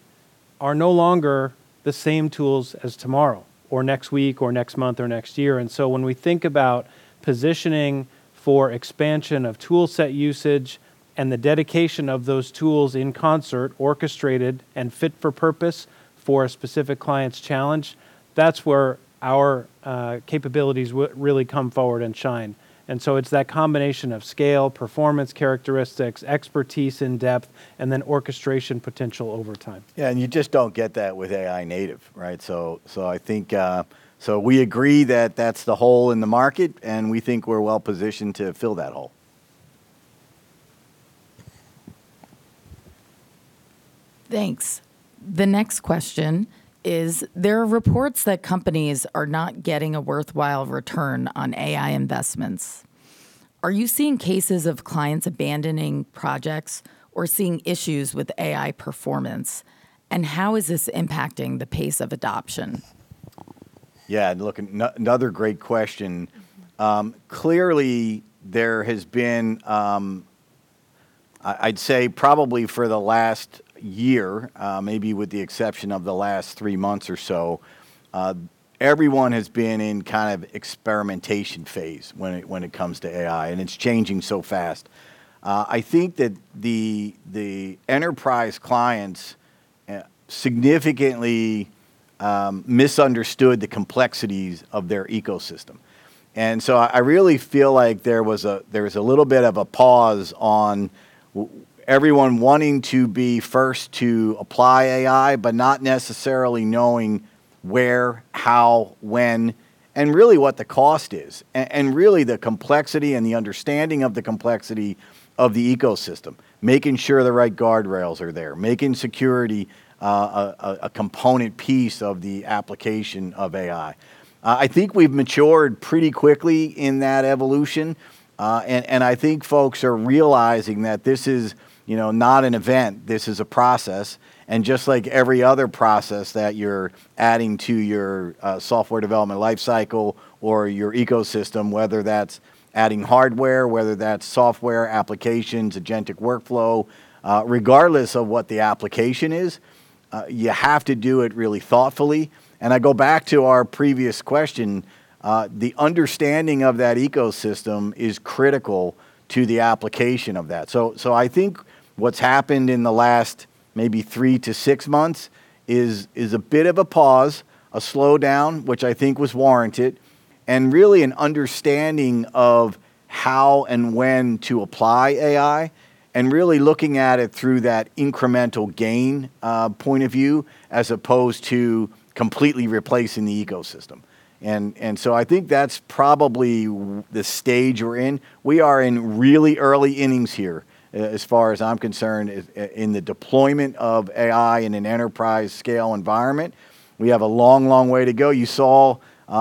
are no longer the same tools as tomorrow or next week or next month or next year. When we think about positioning for expansion of tool set usage and the dedication of those tools in concert, orchestrated and fit for purpose for a specific client's challenge, that's where our capabilities would really come forward and shine. It's that combination of scale, performance characteristics, expertise in depth, and then orchestration potential over time. You just don't get that with AI native, right? We agree that's the hole in the market, and we think we're well-positioned to fill that hole. Thanks. The next question is: There are reports that companies are not getting a worthwhile return on AI investments. Are you seeing cases of clients abandoning projects or seeing issues with AI performance, and how is this impacting the pace of adoption? Yeah, look, another great question. Clearly there has been, I'd say probably for the last year, maybe with the exception of the last three months or so, everyone has been in kind of experimentation phase when it comes to AI, and it's changing so fast. I think that the enterprise clients significantly misunderstood the complexities of their ecosystem. I really feel like there was a little bit of a pause on everyone wanting to be first to apply AI, but not necessarily knowing where, how, when, and really what the cost is. Really the complexity and the understanding of the complexity of the ecosystem, making sure the right guardrails are there, making security a component piece of the application of AI. I think we've matured pretty quickly in that evolution. I think folks are realizing that this is not an event, this is a process. Just like every other process that you're adding to your software development life cycle or your ecosystem, whether that's adding hardware, whether that's software applications, agentic workflow, regardless of what the application is, you have to do it really thoughtfully. I go back to our previous question, the understanding of that ecosystem is critical to the application of that. I think what's happened in the last maybe three to six months is a bit of a pause, a slowdown, which I think was warranted, and really an understanding of how and when to apply AI, and really looking at it through that incremental gain point of view, as opposed to completely replacing the ecosystem. I think that's probably the stage we're in. We are in really early innings here, as far as I'm concerned, in the deployment of AI in an enterprise scale environment. We have a long way to go. You saw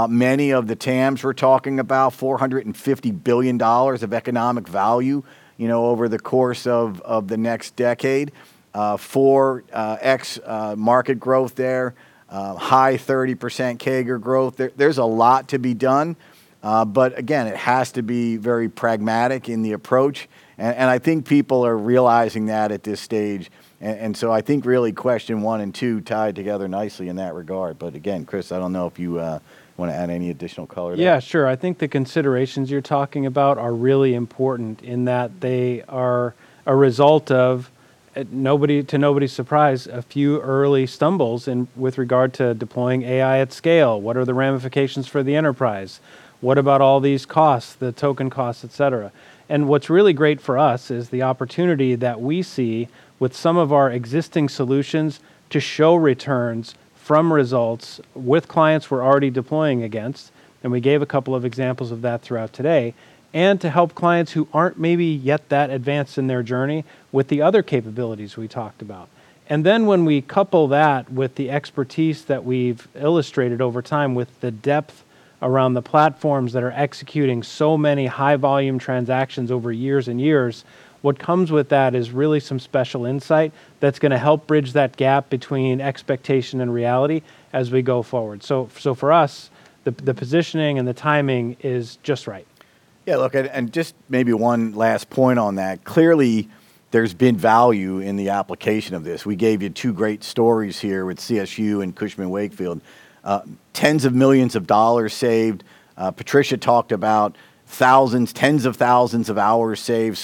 many of the TAMs we're talking about, $450 billion of economic value over the course of the next decade, 4x market growth there, high 30% CAGR growth. There's a lot to be done. Again, it has to be very pragmatic in the approach, and I think people are realizing that at this stage. I think really question one and two tied together nicely in that regard. Again, Chris, I don't know if you want to add any additional color there. Yeah, sure. I think the considerations you're talking about are really important in that they are a result of, to nobody's surprise, a few early stumbles with regard to deploying AI at scale. What are the ramifications for the enterprise? What about all these costs, the token costs, et cetera? What's really great for us is the opportunity that we see with some of our existing solutions to show returns from results with clients we're already deploying against, and we gave a couple of examples of that throughout today, and to help clients who aren't maybe yet that advanced in their journey with the other capabilities we talked about. When we couple that with the expertise that we've illustrated over time with the depth around the platforms that are executing so many high volume transactions over years and years, what comes with that is really some special insight that's going to help bridge that gap between expectation and reality as we go forward. For us, the positioning and the timing is just right. Yeah, look, just maybe one last point on that. Clearly, there's been value in the application of this. We gave you two great stories here with CSU and Cushman & Wakefield. Tens of millions of dollars saved. Patrycja talked about thousands, tens of thousands of hours saved.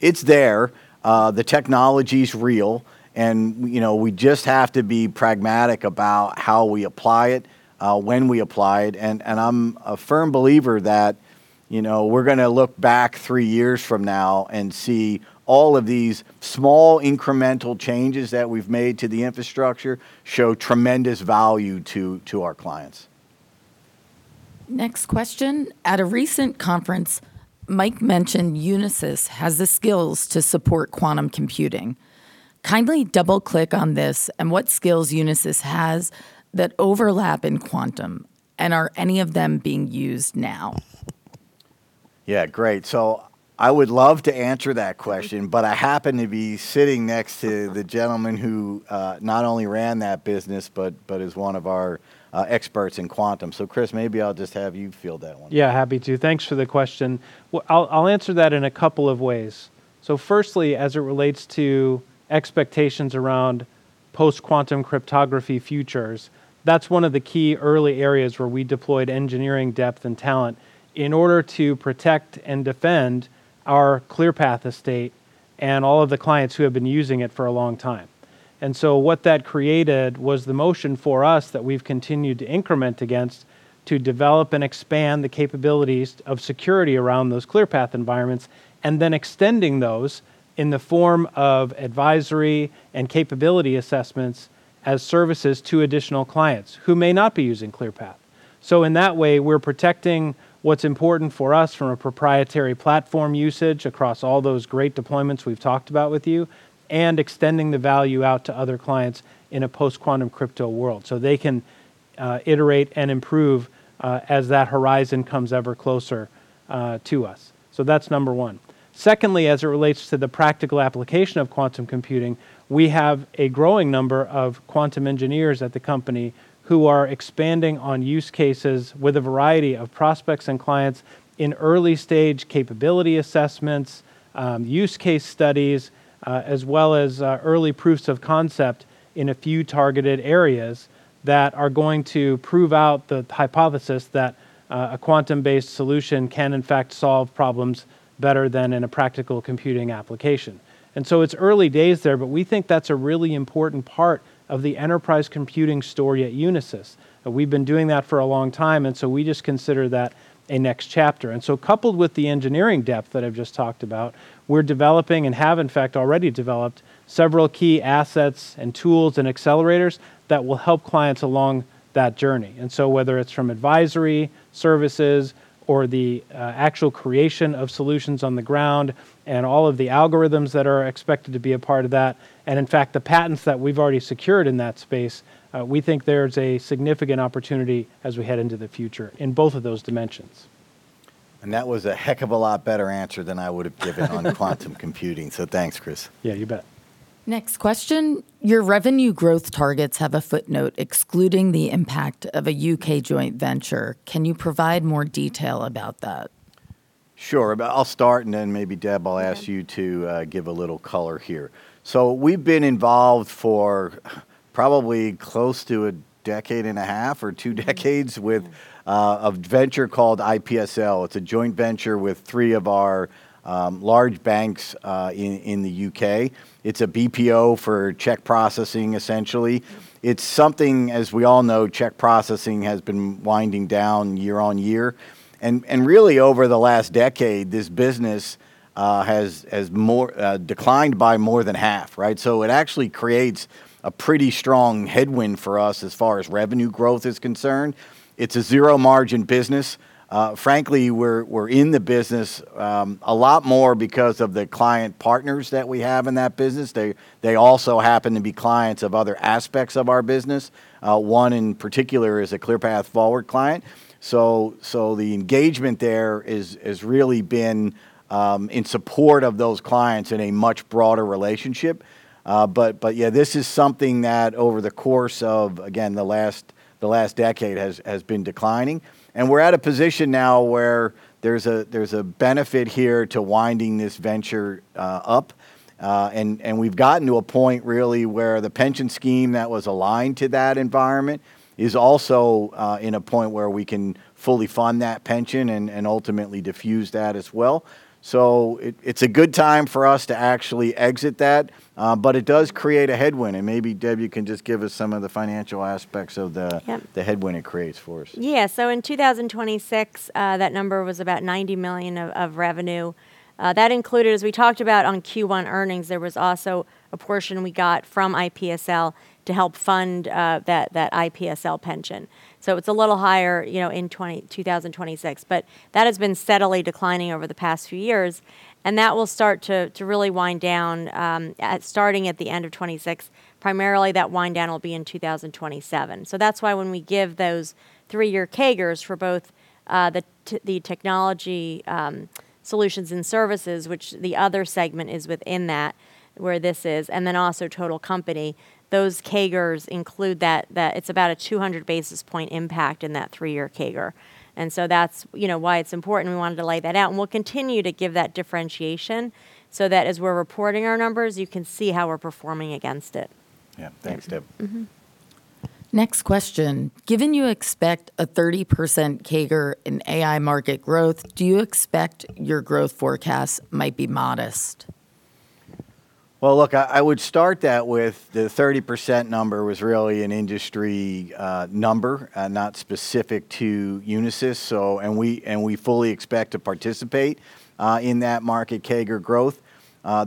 It's there. The technology's real, and we just have to be pragmatic about how we apply it, when we apply it, and I'm a firm believer that we're going to look back three years from now and see all of these small incremental changes that we've made to the infrastructure show tremendous value to our clients. Next question. At a recent conference, Mike mentioned Unisys has the skills to support quantum computing. Kindly double-click on this and what skills Unisys has that overlap in quantum, and are any of them being used now? Yeah, great. I would love to answer that question, but I happen to be sitting next to the gentleman who not only ran that business but is one of our experts in quantum. Chris, maybe I'll just have you field that one. Yeah, happy to. Thanks for the question. I'll answer that in a couple of ways. Firstly, as it relates to expectations around post-quantum cryptography futures, that's one of the key early areas where we deployed engineering depth and talent in order to protect and defend our ClearPath estate and all of the clients who have been using it for a long time. What that created was the motion for us that we've continued to increment against to develop and expand the capabilities of security around those ClearPath environments, and then extending those in the form of advisory and capability assessments as services to additional clients who may not be using ClearPath. In that way, we're protecting what's important for us from a proprietary platform usage across all those great deployments we've talked about with you, and extending the value out to other clients in a post-quantum crypto world, so they can iterate and improve as that horizon comes ever closer to us. That's number 1. Secondly, as it relates to the practical application of quantum computing, we have a growing number of quantum engineers at the company who are expanding on use cases with a variety of prospects and clients in early-stage capability assessments, use case studies, as well as early proofs of concept in a few targeted areas that are going to prove out the hypothesis that a quantum-based solution can in fact solve problems better than in a practical computing application. It's early days there, but we think that's a really important part of the enterprise computing story at Unisys. We've been doing that for a long time, and so we just consider that a next chapter. Coupled with the engineering depth that I've just talked about, we're developing and have in fact already developed several key assets and tools and accelerators that will help clients along that journey. Whether it's from advisory services or the actual creation of solutions on the ground and all of the algorithms that are expected to be a part of that, and in fact, the patents that we've already secured in that space, we think there's a significant opportunity as we head into the future in both of those dimensions. That was a heck of a lot better answer than I would have given on quantum computing. Thanks, Chris. Yeah, you bet. Next question. Your revenue growth targets have a footnote excluding the impact of a U.K. joint venture. Can you provide more detail about that? Sure. I'll start and then maybe Deb, I'll ask you to give a little color here. We've been involved for probably close to 15 years or 20 years with a venture called iPSL. It's a joint venture with three of our large banks in the U.K. It's a BPO for check processing, essentially. It's something, as we all know, check processing has been winding down year-over-year. Really over the last 10 years, this business has declined by more than half. It actually creates a pretty strong headwind for us as far as revenue growth is concerned. It's a zero-margin business. Frankly, we're in the business a lot more because of the client partners that we have in that business. They also happen to be clients of other aspects of our business. One, in particular, is a ClearPath Forward client. The engagement there has really been in support of those clients in a much broader relationship. This is something that over the course of, again, the last decade has been declining. We're at a position now where there's a benefit here to winding this venture up. We've gotten to a point really where the pension scheme that was aligned to that environment is also in a point where we can fully fund that pension and ultimately diffuse that as well. It's a good time for us to actually exit that. It does create a headwind, and maybe Deb, you can just give us some of the financial aspects of the. Yeah the headwind it creates for us. Yeah. In 2026, that number was about $90 million of revenue. That included, as we talked about on Q1 earnings, there was also a portion we got from iPSL to help fund that iPSL pension. It's a little higher in 2026. That has been steadily declining over the past few years, and that will start to really wind down, starting at the end of 2026. Primarily, that wind down will be in 2027. That's why when we give those three-year CAGRs for both the Technology Solutions and Services, which the other segment is within that, where this is, and then also total company, those CAGRs include that. It's about a 200 basis point impact in that three-year CAGR. That's why it's important. We wanted to lay that out, and we'll continue to give that differentiation, so that as we're reporting our numbers, you can see how we're performing against it. Yeah. Thanks, Deb. Next question. Given you expect a 30% CAGR in AI market growth, do you expect your growth forecasts might be modest? Well, look, I would start that with the 30% number was really an industry number, not specific to Unisys. We fully expect to participate in that market CAGR growth.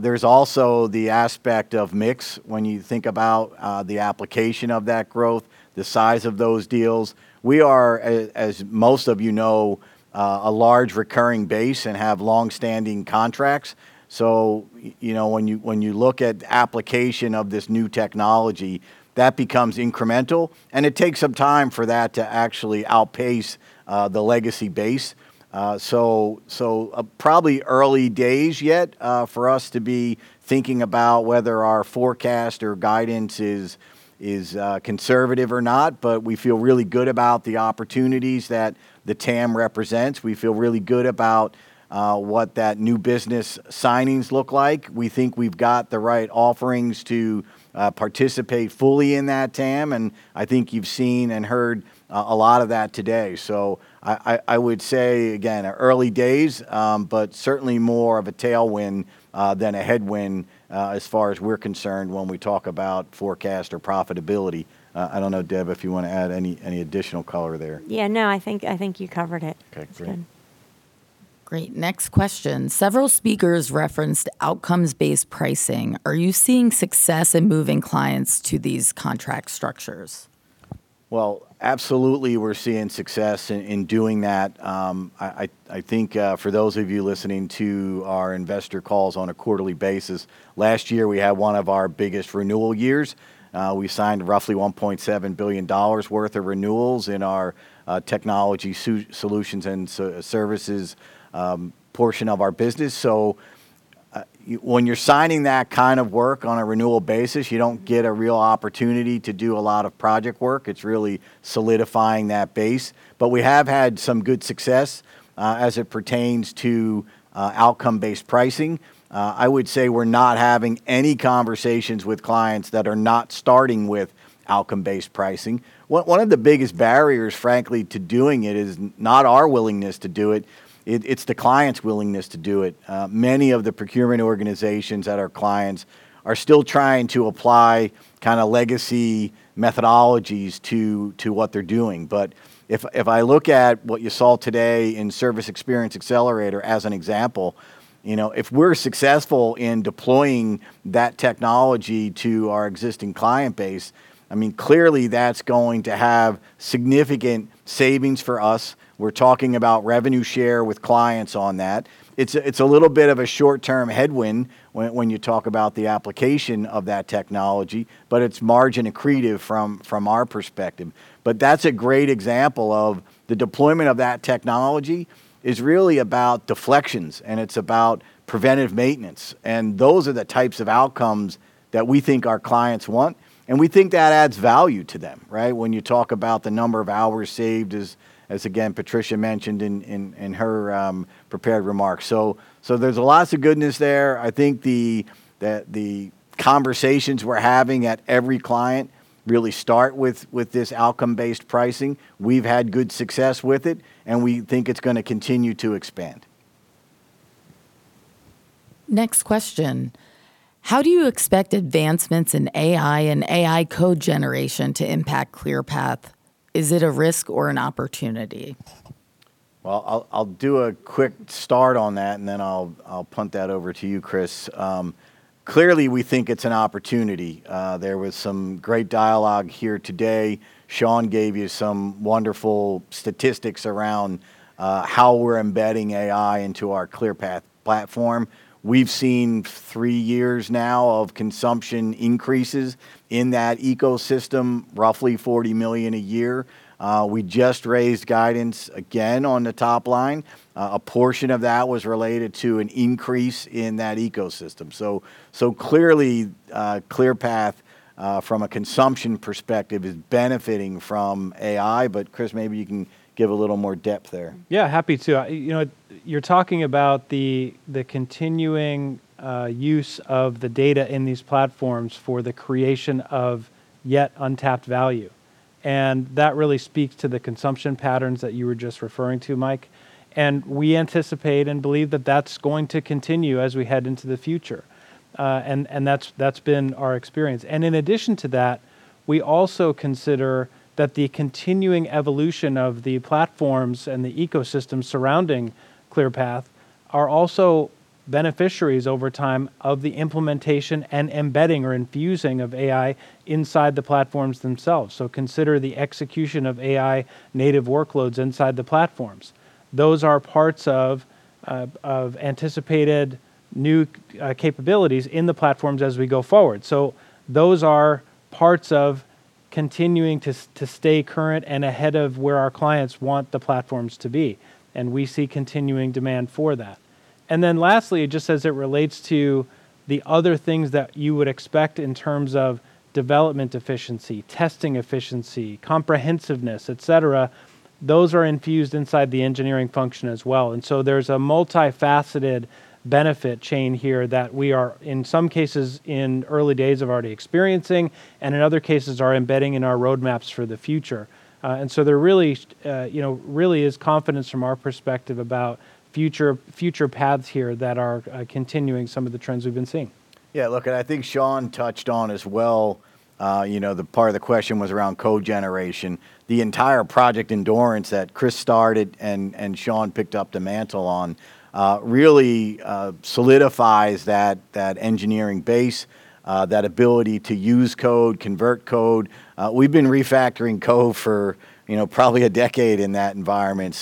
There's also the aspect of mix when you think about the application of that growth, the size of those deals. We are, as most of you know, a large recurring base and have longstanding contracts. When you look at application of this new technology, that becomes incremental, and it takes some time for that to actually outpace the legacy base. Probably early days yet for us to be thinking about whether our forecast or guidance is conservative or not. We feel really good about the opportunities that the TAM represents. We feel really good about what that new business signings look like. We think we've got the right offerings to participate fully in that TAM, and I think you've seen and heard a lot of that today. I would say, again, early days, but certainly more of a tailwind than a headwind as far as we're concerned when we talk about forecast or profitability. I don't know, Deb, if you want to add any additional color there. Yeah, no, I think you covered it. Okay, great. Great. Next question. Several speakers referenced outcomes-based pricing. Are you seeing success in moving clients to these contract structures? Absolutely, we're seeing success in doing that. I think for those of you listening to our investor calls on a quarterly basis, last year, we had one of our biggest renewal years. We signed roughly $1.7 billion worth of renewals in our Technology Solutions and Services portion of our business. When you're signing that kind of work on a renewal basis, you don't get a real opportunity to do a lot of project work. It's really solidifying that base. We have had some good success as it pertains to outcome-based pricing. I would say we're not having any conversations with clients that are not starting with outcome-based pricing. One of the biggest barriers, frankly, to doing it is not our willingness to do it. It's the client's willingness to do it. Many of the procurement organizations at our clients are still trying to apply legacy methodologies to what they're doing. If I look at what you saw today in Service Experience Accelerator as an example, if we're successful in deploying that technology to our existing client base, clearly, that's going to have significant savings for us. We're talking about revenue share with clients on that. It's a little bit of a short-term headwind when you talk about the application of that technology, but it's margin accretive from our perspective. That's a great example of the deployment of that technology is really about deflections, and it's about preventive maintenance. Those are the types of outcomes that we think our clients want, and we think that adds value to them. When you talk about the number of hours saved as, again, Patrycja mentioned in her prepared remarks. There's lots of goodness there. I think the conversations we're having at every client really start with this outcome-based pricing. We've had good success with it, and we think it's going to continue to expand. Next question. How do you expect advancements in AI and AI code generation to impact ClearPath? Is it a risk or an opportunity? Well, I'll do a quick start on that, and then I'll punt that over to you, Chris. Clearly, we think it's an opportunity. There was some great dialogue here today. Sean gave you some wonderful statistics around how we're embedding AI into our ClearPath platform. We've seen 3 years now of consumption increases in that ecosystem, roughly $40 million a year. We just raised guidance again on the top line. A portion of that was related to an increase in that ecosystem. Clearly, ClearPath, from a consumption perspective, is benefiting from AI. Chris, maybe you can give a little more depth there. Yeah, happy to. You're talking about the continuing use of the data in these platforms for the creation of yet untapped value, that really speaks to the consumption patterns that you were just referring to, Mike. We anticipate and believe that that's going to continue as we head into the future. That's been our experience. In addition to that, we also consider that the continuing evolution of the platforms and the ecosystem surrounding ClearPath are also beneficiaries over time of the implementation and embedding or infusing of AI inside the platforms themselves. Consider the execution of AI native workloads inside the platforms. Those are parts of anticipated new capabilities in the platforms as we go forward. Those are parts of continuing to stay current and ahead of where our clients want the platforms to be, and we see continuing demand for that. Lastly, just as it relates to the other things that you would expect in terms of development efficiency, testing efficiency, comprehensiveness, et cetera, those are infused inside the engineering function as well. There's a multifaceted benefit chain here that we are, in some cases, in the early days of already experiencing, and in other cases are embedding in our roadmaps for the future. There really is confidence from our perspective about future paths here that are continuing some of the trends we've been seeing. Yeah, look, and I think Sean touched on as well, the part of the question was around code generation. The entire Project Endurance that Chris started and Sean picked up the mantle on really solidifies that engineering base, that ability to use code, convert code. We've been refactoring code for probably a decade in that environment.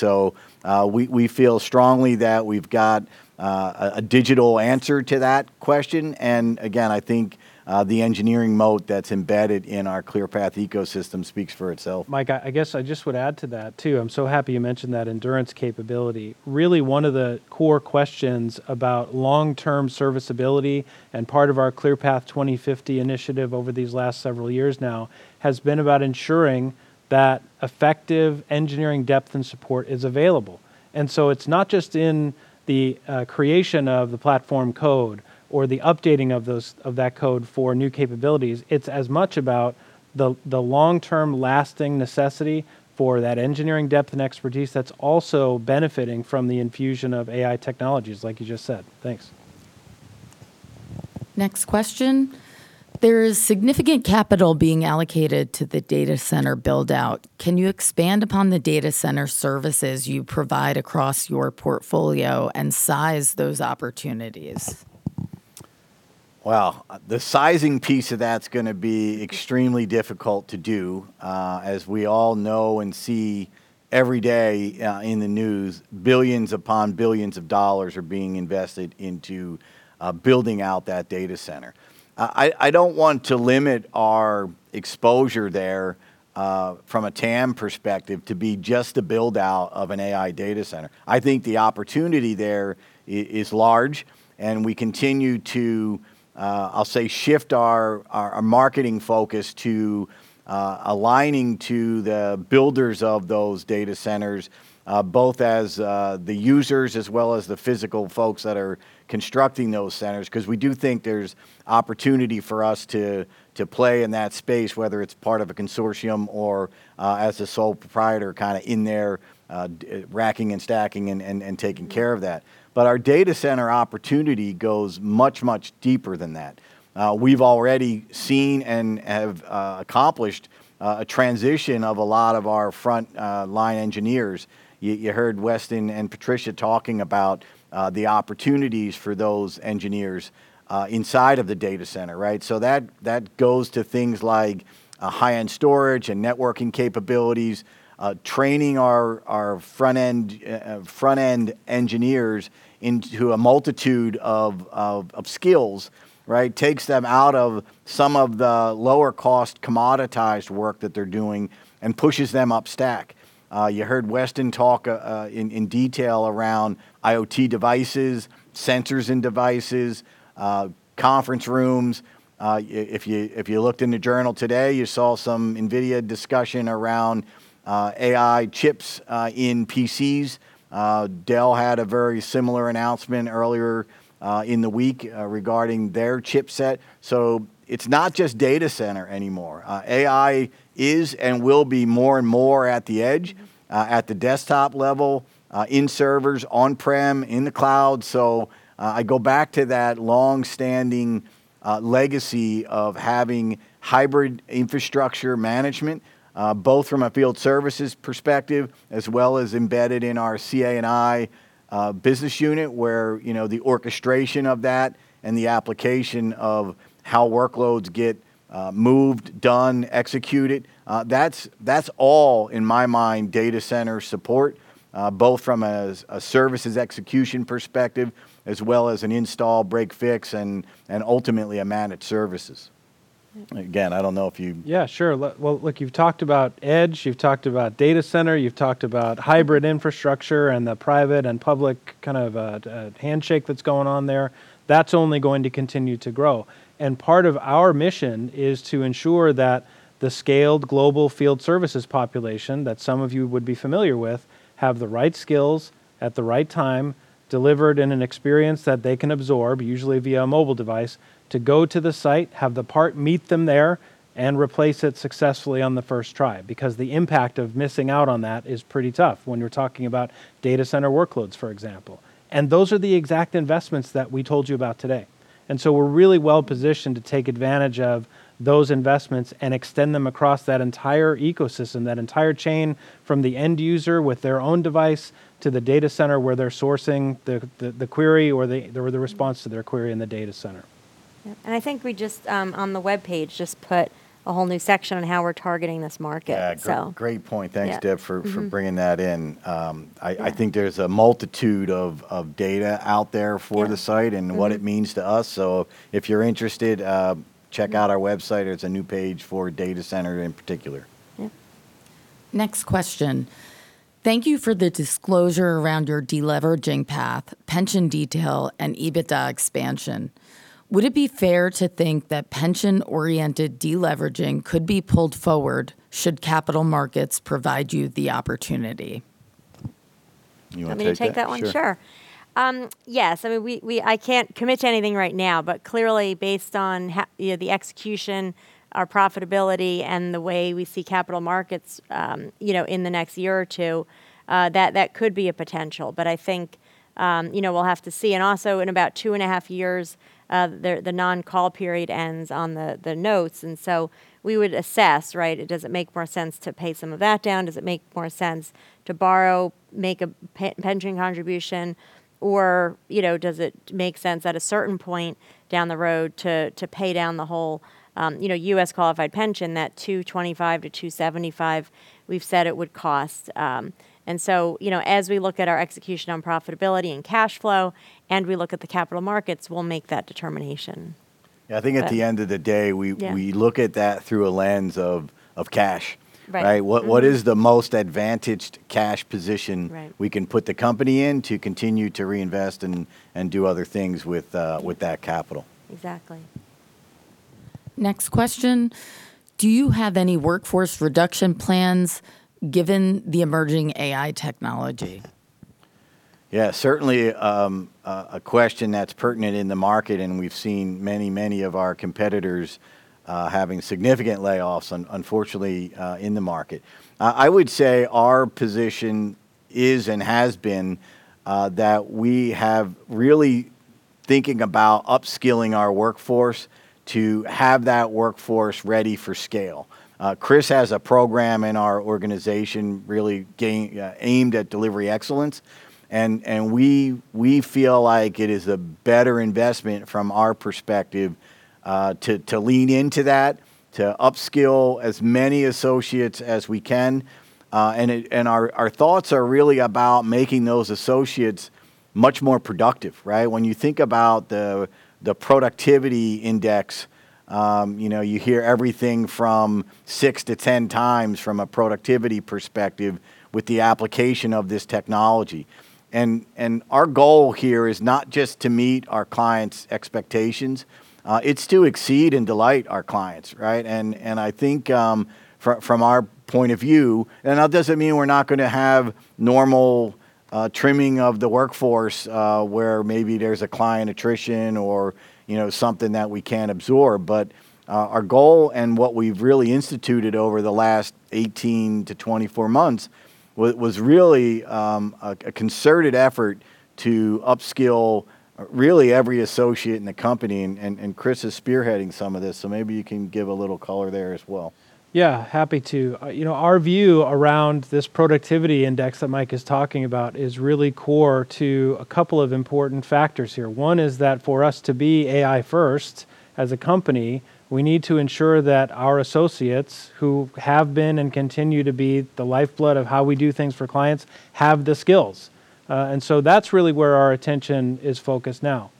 We feel strongly that we've got a digital answer to that question, and again, I think the engineering moat that's embedded in our ClearPath ecosystem speaks for itself. Mike, I guess I just would add to that, too. I'm so happy you mentioned that Endurance capability. Really one of the core questions about long-term serviceability and part of our ClearPath 2050 initiative over these last several years now has been about ensuring that effective engineering depth and support is available. It's not just in the creation of the platform code or the updating of that code for new capabilities. It's as much about the long-term lasting necessity for that engineering depth and expertise that's also benefiting from the infusion of AI technologies, like you just said. Thanks. Next question. There is significant capital being allocated to the data center build-out. Can you expand upon the data center services you provide across your portfolio and size those opportunities? Well, the sizing piece of that's going to be extremely difficult to do. As we all know and see every day in the news, billions upon billions of dollars are being invested into building out that data center. I don't want to limit our exposure there from a TAM perspective to be just a build-out of an AI data center. I think the opportunity there is large, and we continue to, I'll say, shift our marketing focus to aligning to the builders of those data centers, both as the users as well as the physical folks that are constructing those centers because we do think there's opportunity for us to play in that space, whether it's part of a consortium or as a sole proprietor kind of in there, racking and stacking and taking care of that. Our data center opportunity goes much, much deeper than that. We've already seen and have accomplished a transition of a lot of our front-line engineers. You heard Weston and Patrycja talking about the opportunities for those engineers inside of the data center, right? That goes to things like high-end storage and networking capabilities, training our front-end engineers into a multitude of skills. Takes them out of some of the lower cost commoditized work that they're doing and pushes them up stack. You heard Weston talk in detail around IoT devices, sensors in devices, conference rooms. If you looked in the journal today, you saw some NVIDIA discussion around AI chips in PCs. Dell had a very similar announcement earlier in the week regarding their chipset. It's not just data center anymore. AI is and will be more and more at the edge, at the desktop level, in servers, on-prem, in the cloud. I go back to that long-standing legacy of having hybrid infrastructure management, both from a field services perspective as well as embedded in our CA&I business unit where the orchestration of that and the application of how workloads get moved, done, executed. That's all, in my mind, data center support, both from a services execution perspective as well as an install, breakfix, and ultimately a managed services. Yeah, sure. Look, you've talked about Edge, you've talked about data center, you've talked about hybrid infrastructure and the private and public kind of handshake that's going on there. That's only going to continue to grow. Part of our mission is to ensure that the scaled global field services population, that some of you would be familiar with, have the right skills at the right time, delivered in an experience that they can absorb, usually via a mobile device, to go to the site, have the part, meet them there, and replace it successfully on the first try. Because the impact of missing out on that is pretty tough when you're talking about data center workloads, for example. Those are the exact investments that we told you about today. We're really well-positioned to take advantage of those investments and extend them across that entire ecosystem, that entire chain from the end user with their own device to the data center where they're sourcing the query or the response to their query in the data center. Yeah. I think we just, on the webpage, just put a whole new section on how we're targeting this market. Yeah. So. Great point. Yeah. Thanks, Deb, for bringing that in. Yeah. I think there's a multitude of data out there for the site- Yeah. Mm-hmm and what it means to us. If you're interested. Yeah check out our website. It's a new page for data center in particular. Yeah. Next question. Thank you for the disclosure around your de-leveraging path, pension detail, and EBITDA expansion. Would it be fair to think that pension-oriented de-leveraging could be pulled forward should capital markets provide you the opportunity? You want to take that? You want me to take that one? Sure. Sure. Yeah. I can't commit to anything right now, but clearly based on the execution, our profitability, and the way we see capital markets in the next year or two, that could be a potential. I think we'll have to see. Also in about two and a half years, the non-call period ends on the notes. We would assess, right? Does it make more sense to pay some of that down? Does it make more sense to borrow, make a pension contribution, or does it make sense at a certain point down the road to pay down the whole U.S. qualified pension, that $225 million-$275 million we've said it would cost? As we look at our execution on profitability and cash flow and we look at the capital markets, we'll make that determination. Yeah, I think at the end of the day. Yeah we look at that through a lens of cash. Right. Mm-hmm. What is the most advantaged cash position? Right we can put the company in to continue to reinvest and do other things with that capital? Exactly. Next question. Do you have any workforce reduction plans given the emerging AI technology? Yeah. Certainly, a question that's pertinent in the market, and we've seen many of our competitors having significant layoffs, unfortunately, in the market. I would say our position is and has been that we have really thinking about upskilling our workforce to have that workforce ready for scale. Chris has a program in our organization really aimed at delivery excellence, and we feel like it is a better investment from our perspective to lean into that, to upskill as many associates as we can. Our thoughts are really about making those associates much more productive, right? When you think about the productivity index, you hear everything from 6 to 10 times from a productivity perspective with the application of this technology. Our goal here is not just to meet our clients' expectations, it's to exceed and delight our clients, right? I think from our point of view, that doesn't mean we're not going to have normal trimming of the workforce where maybe there's a client attrition or something that we can't absorb. Our goal and what we've really instituted over the last 18 to 24 months was really a concerted effort to upskill really every associate in the company. Chris is spearheading some of this, so maybe you can give a little color there as well. Yeah, happy to. Our view around this productivity index that Mike is talking about is really core to a couple of important factors here. One is that for us to be AI first as a company, we need to ensure that our associates, who have been and continue to be the lifeblood of how we do things for clients, have the skills. That's really where our attention is focused now.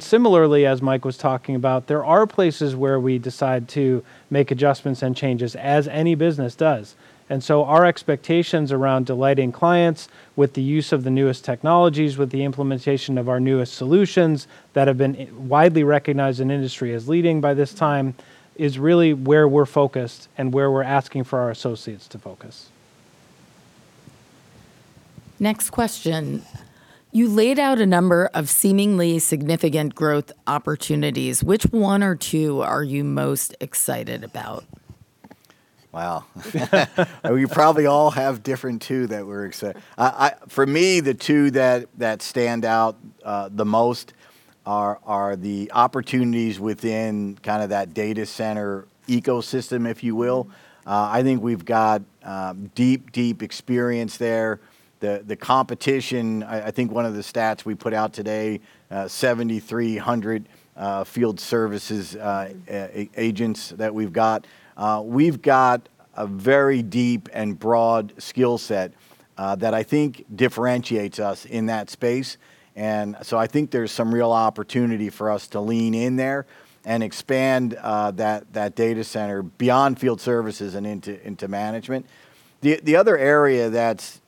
Similarly, as Mike was talking about, there are places where we decide to make adjustments and changes, as any business does. Our expectations around delighting clients with the use of the newest technologies, with the implementation of our newest solutions that have been widely recognized in industry as leading by this time, is really where we're focused and where we're asking for our associates to focus. Next question. You laid out a number of seemingly significant growth opportunities. Which one or two are you most excited about? Wow. For me, the two that stand out the most are the opportunities within that data center ecosystem, if you will. I think we've got deep experience there. The competition, I think one of the stats we put out today, 7,300 field services agents that we've got. We've got a very deep and broad skill set that I think differentiates us in that space. I think there's some real opportunity for us to lean in there and expand that data center beyond field services and into management. The other area that's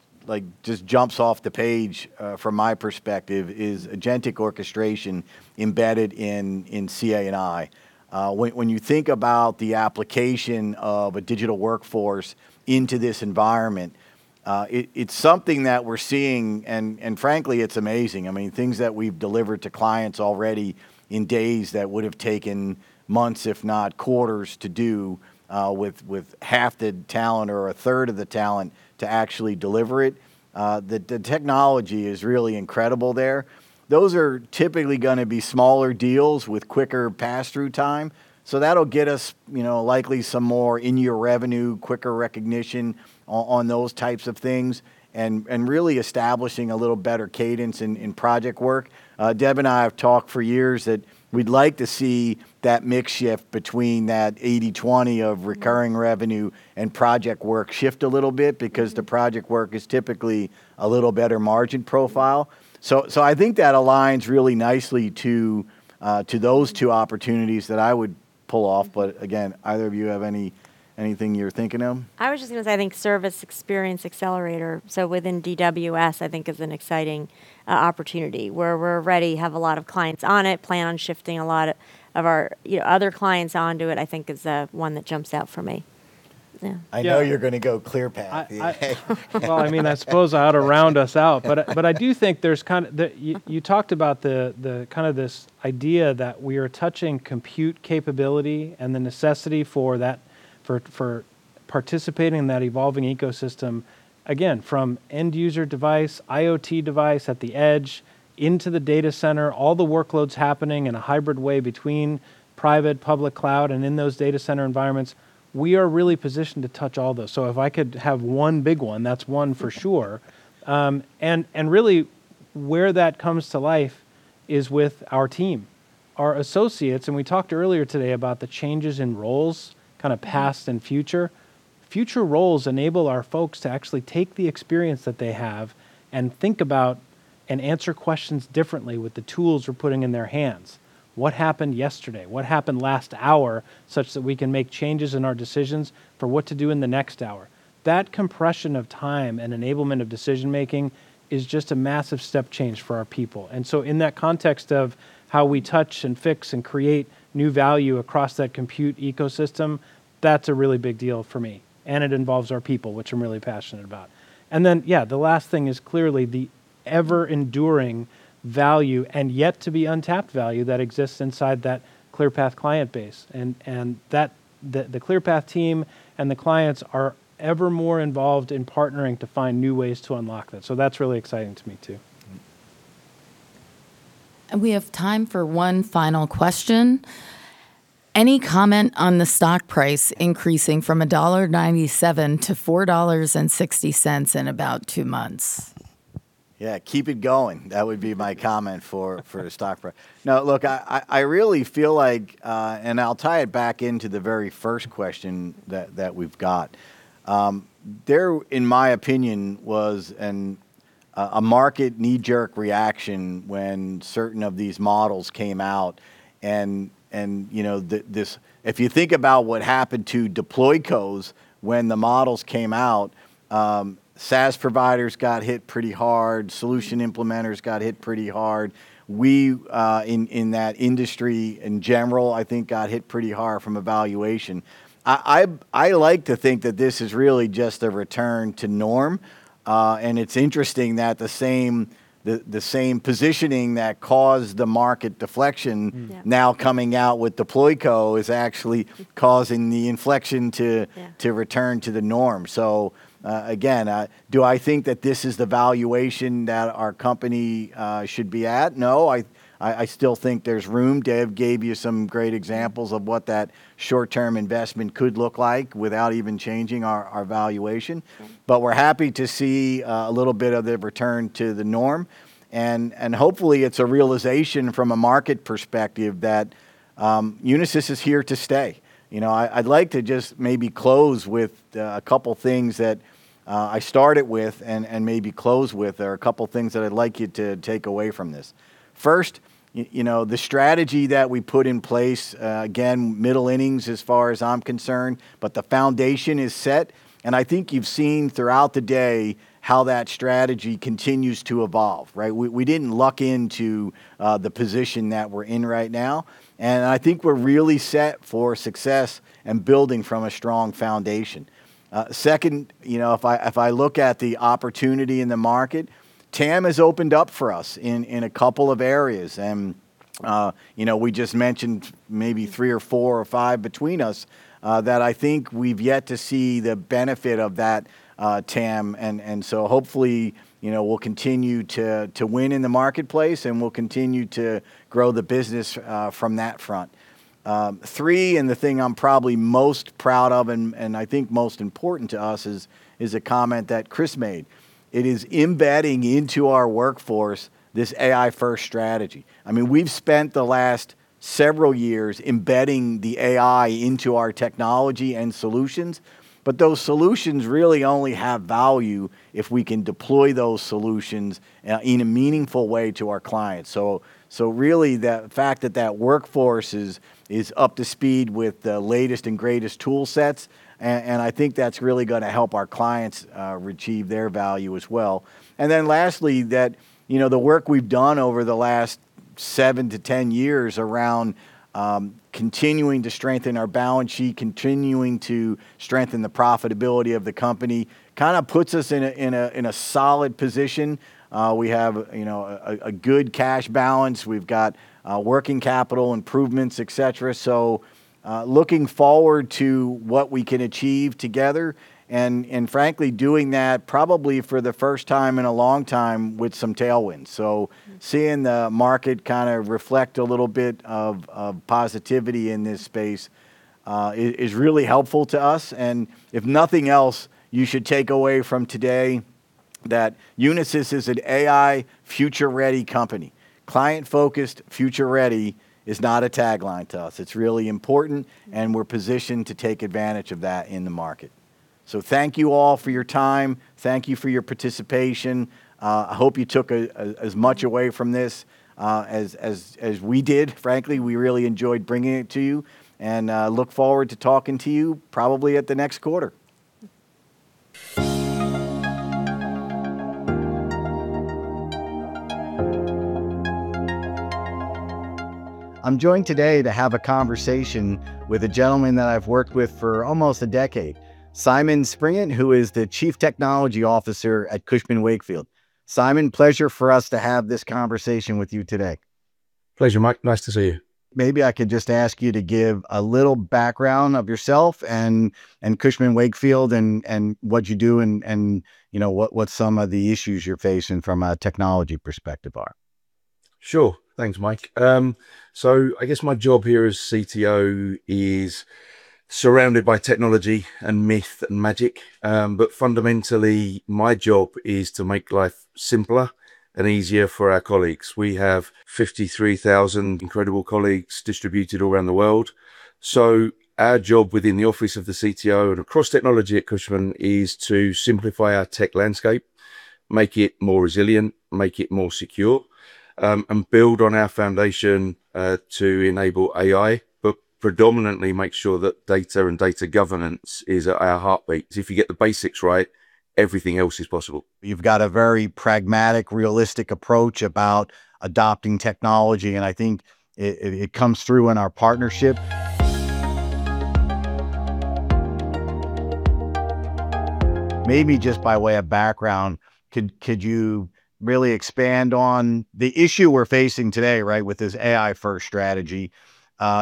just jumps off the page from my perspective is agentic orchestration embedded in CA&I. When you think about the application of a digital workforce into this environment, it's something that we're seeing, and frankly, it's amazing. Things that we've delivered to clients already in days that would've taken months, if not quarters, to do with half the talent or a third of the talent to actually deliver it. The technology is really incredible there. Those are typically going to be smaller deals with quicker passthrough time. That'll get us likely some more in-year revenue, quicker recognition on those types of things, and really establishing a little better cadence in project work. Deb and I have talked for years that we'd like to see that mix shift between that 80/20 of recurring revenue and project work shift a little bit, because the project work is typically a little better margin profile. I think that aligns really nicely to those two opportunities that I would pull off. Again, either of you have anything you're thinking of? I was just going to say, I think Service Experience Accelerator, so within DWS, I think is an exciting opportunity where we already have a lot of clients on it, plan on shifting a lot of our other clients onto it, I think is the one that jumps out for me. Yeah. I know you're going to go ClearPath. I suppose I ought to round us out, but I do think you talked about this idea that we are touching compute capability and the necessity for participating in that evolving ecosystem, again, from end-user device, IoT device at the edge, into the data center, all the workloads happening in a hybrid way between private, public cloud, and in those data center environments. We are really positioned to touch all those. If I could have one big one, that's one for sure. Really where that comes to life is with our team, our associates, and we talked earlier today about the changes in roles, past and future. Future roles enable our folks to actually take the experience that they have and think about and answer questions differently with the tools we're putting in their hands. What happened yesterday? What happened last hour, such that we can make changes in our decisions for what to do in the next hour? That compression of time and enablement of decision-making is just a massive step change for our people. In that context of how we touch and fix and create new value across that compute ecosystem, that's a really big deal for me. It involves our people, which I'm really passionate about. Yeah, the last thing is clearly the ever-enduring value, and yet to be untapped value that exists inside that ClearPath client base. The ClearPath team and the clients are ever more involved in partnering to find new ways to unlock that. That's really exciting to me, too. We have time for one final question. Any comment on the stock price increasing from $1.97 to $4.60 in about two months? Yeah, keep it going. That would be my comment for the stock price. No, look, I really feel like, and I'll tie it back into the very first question that we've got. There, in my opinion, was a market knee-jerk reaction when certain of these models came out and if you think about what happened to deploycos when the models came out, SaaS providers got hit pretty hard. Solution implementers got hit pretty hard. We, in that industry in general, I think got hit pretty hard from a valuation. I like to think that this is really just a return to norm. It's interesting that the same positioning that caused the market deflection. Yeah Now coming out with deployco is actually causing the inflection. Yeah Again, do I think that this is the valuation that our company should be at? No, I still think there's room. Deb gave you some great examples of what that short-term investment could look like without even changing our valuation. We're happy to see a little bit of the return to the norm, and hopefully it's a realization from a market perspective that Unisys is here to stay. I'd like to just maybe close with a couple things that I started with and maybe close with. There are a couple things that I'd like you to take away from this. First, the strategy that we put in place, again, middle innings as far as I'm concerned, but the foundation is set, and I think you've seen throughout the day how that strategy continues to evolve. Right? We didn't luck into the position that we're in right now, and I think we're really set for success and building from a strong foundation. Second, if I look at the opportunity in the market, TAM has opened up for us in a couple of areas, and we just mentioned maybe three or four or five between us, that I think we've yet to see the benefit of that TAM. Hopefully, we'll continue to win in the marketplace, and we'll continue to grow the business from that front. Three, and the thing I'm probably most proud of and I think most important to us is a comment that Chris made. It is embedding into our workforce this AI-first strategy. We've spent the last several years embedding the AI into our technology and solutions, but those solutions really only have value if we can deploy those solutions in a meaningful way to our clients. Really, the fact that workforce is up to speed with the latest and greatest tool sets, and I think that's really going to help our clients achieve their value as well. Lastly, that the work we've done over the last seven to 10 years around continuing to strengthen our balance sheet, continuing to strengthen the profitability of the company kind of puts us in a solid position. We have a good cash balance. We've got working capital improvements, et cetera. Looking forward to what we can achieve together, and frankly, doing that probably for the first time in a long time with some tailwinds. Seeing the market kind of reflect a little bit of positivity in this space is really helpful to us. If nothing else, you should take away from today that Unisys is an AI future-ready company. Client-focused, future-ready is not a tagline to us. It's really important, and we're positioned to take advantage of that in the market. Thank you all for your time. Thank you for your participation. I hope you took as much away from this as we did, frankly. We really enjoyed bringing it to you, and look forward to talking to you probably at the next quarter. I'm joined today to have a conversation with a gentleman that I've worked with for almost a decade, Simon Springett, who is the Chief Technology Officer at Cushman & Wakefield. Simon, pleasure for us to have this conversation with you today. Pleasure, Mike. Nice to see you. Maybe I could just ask you to give a little background of yourself and Cushman & Wakefield and what you do and what some of the issues you're facing from a technology perspective are? Sure. Thanks, Mike. I guess my job here as CTO is surrounded by technology and myth and magic. Fundamentally, my job is to make life simpler and easier for our colleagues. We have 53,000 incredible colleagues distributed all around the world. Our job within the office of the CTO and across technology at Cushman is to simplify our tech landscape, make it more resilient, make it more secure, and build on our foundation to enable AI. Predominantly make sure that data and data governance is at our heartbeat, because if you get the basics right, everything else is possible. You've got a very pragmatic, realistic approach about adopting technology, and I think it comes through in our partnership. Maybe just by way of background, could you really expand on the issue we're facing today, with this AI first strategy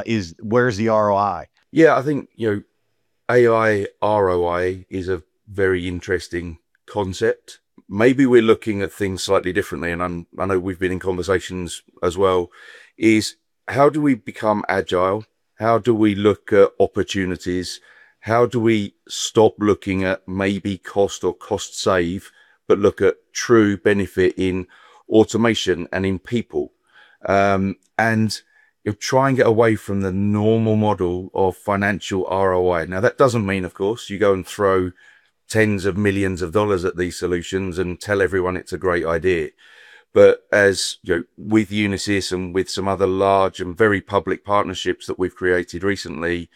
is where's the ROI? Yeah, I think, AI ROI is a very interesting concept. Maybe we're looking at things slightly differently, and I know we've been in conversations as well, is how do we become agile? How do we look at opportunities? How do we stop looking at maybe cost or cost save, but look at true benefit in automation and in people? Try and get away from the normal model of financial ROI. Now that doesn't mean, of course, you go and throw tens of millions of dollars at these solutions and tell everyone it's a great idea. As with Unisys and with some other large and very public partnerships that we've created recently,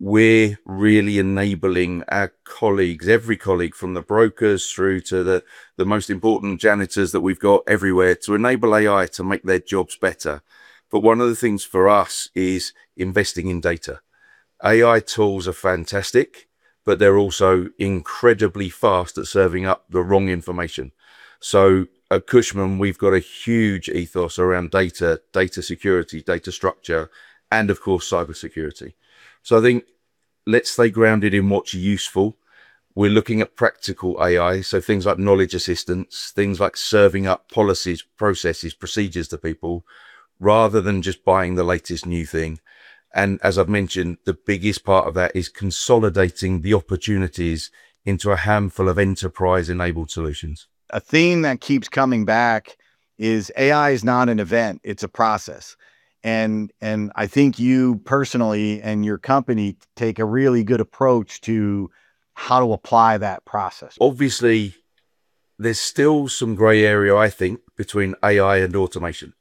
we're really enabling our colleagues, every colleague from the brokers through to the most important janitors that we've got everywhere, to enable AI to make their jobs better. One of the things for us is investing in data. AI tools are fantastic, but they're also incredibly fast at serving up the wrong information. At Cushman, we've got a huge ethos around data security, data structure, and of course, cybersecurity. I think let's stay grounded in what's useful. We're looking at practical AI, so things like knowledge assistance, things like serving up policies, processes, procedures to people, rather than just buying the latest new thing. As I've mentioned, the biggest part of that is consolidating the opportunities into a handful of enterprise-enabled solutions. A theme that keeps coming back is AI is not an event, it's a process. I think you personally and your company take a really good approach to how to apply that process. Obviously, there's still some gray area, I think, between AI and automation.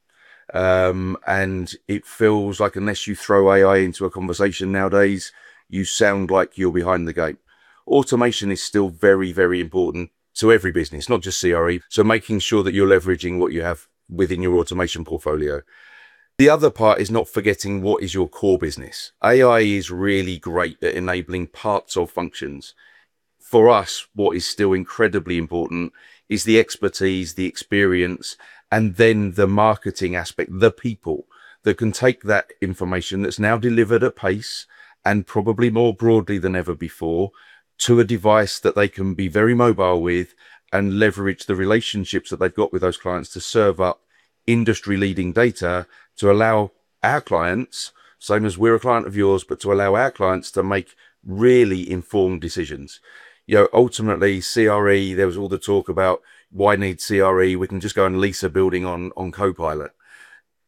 It feels like unless you throw AI into a conversation nowadays, you sound like you're behind the game. Automation is still very, very important to every business, not just CRE. Making sure that you're leveraging what you have within your automation portfolio. The other part is not forgetting what is your core business. AI is really great at enabling parts of functions. For us, what is still incredibly important is the expertise, the experience, and then the marketing aspect, the people that can take that information that's now delivered at pace and probably more broadly than ever before, to a device that they can be very mobile with and leverage the relationships that they've got with those clients to serve up industry-leading data to allow our clients, same as we're a client of yours, but to allow our clients to make really informed decisions. Ultimately, CRE, there was all the talk about why need CRE? We can just go and lease a building on Copilot.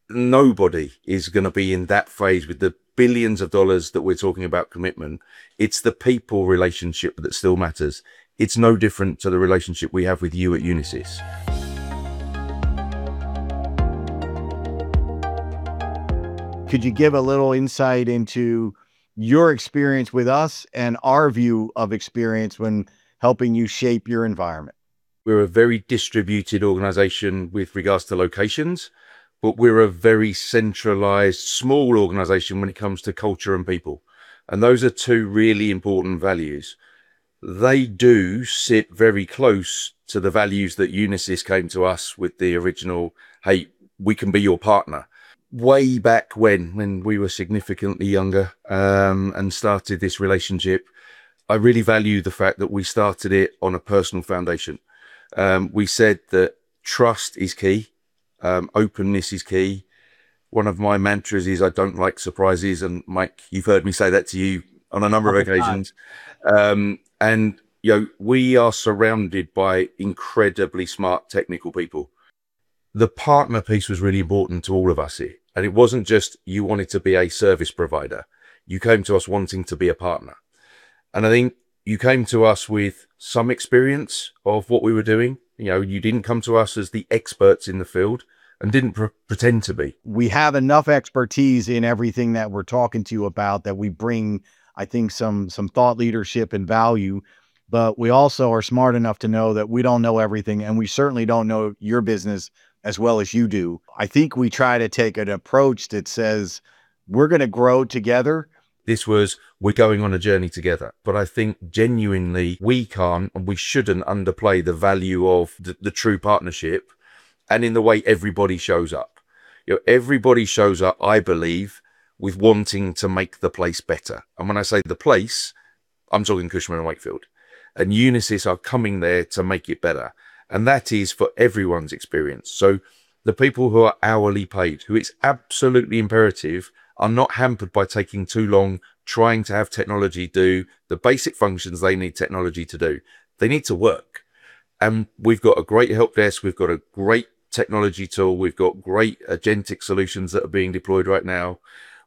Nobody is going to be in that phase with the billions of dollars that we're talking about commitment. It's the people relationship that still matters. It's no different to the relationship we have with you at Unisys. Could you give a little insight into your experience with us and our view of experience when helping you shape your environment? We're a very distributed organization with regards to locations, but we're a very centralized, small organization when it comes to culture and people, and those are two really important values. They do sit very close to the values that Unisys came to us with the original, "Hey, we can be your partner." Way back when we were significantly younger and started this relationship, I really value the fact that we started it on a personal foundation. We said that trust is key, openness is key. One of my mantras is, "I don't like surprises," and Mike, you've heard me say that to you on a number of occasions. I have. We are surrounded by incredibly smart technical people. The partner piece was really important to all of us here, and it wasn't just you wanted to be a service provider. You came to us wanting to be a partner, and I think you came to us with some experience of what we were doing. You didn't come to us as the experts in the field and didn't pretend to be. We have enough expertise in everything that we're talking to you about that we bring, I think, some thought leadership and value. We also are smart enough to know that we don't know everything, and we certainly don't know your business as well as you do. I think we try to take an approach that says we're going to grow together. We're going on a journey together. I think genuinely, we can't, and we shouldn't underplay the value of the true partnership and in the way everybody shows up. Everybody shows up, I believe, with wanting to make the place better. When I say the place, I'm talking Cushman & Wakefield, and Unisys are coming there to make it better. That is for everyone's experience. The people who are hourly paid, who it's absolutely imperative are not hampered by taking too long trying to have technology do the basic functions they need technology to do. They need to work. We've got a great help desk, we've got a great technology tool, we've got great agentic solutions that are being deployed right now.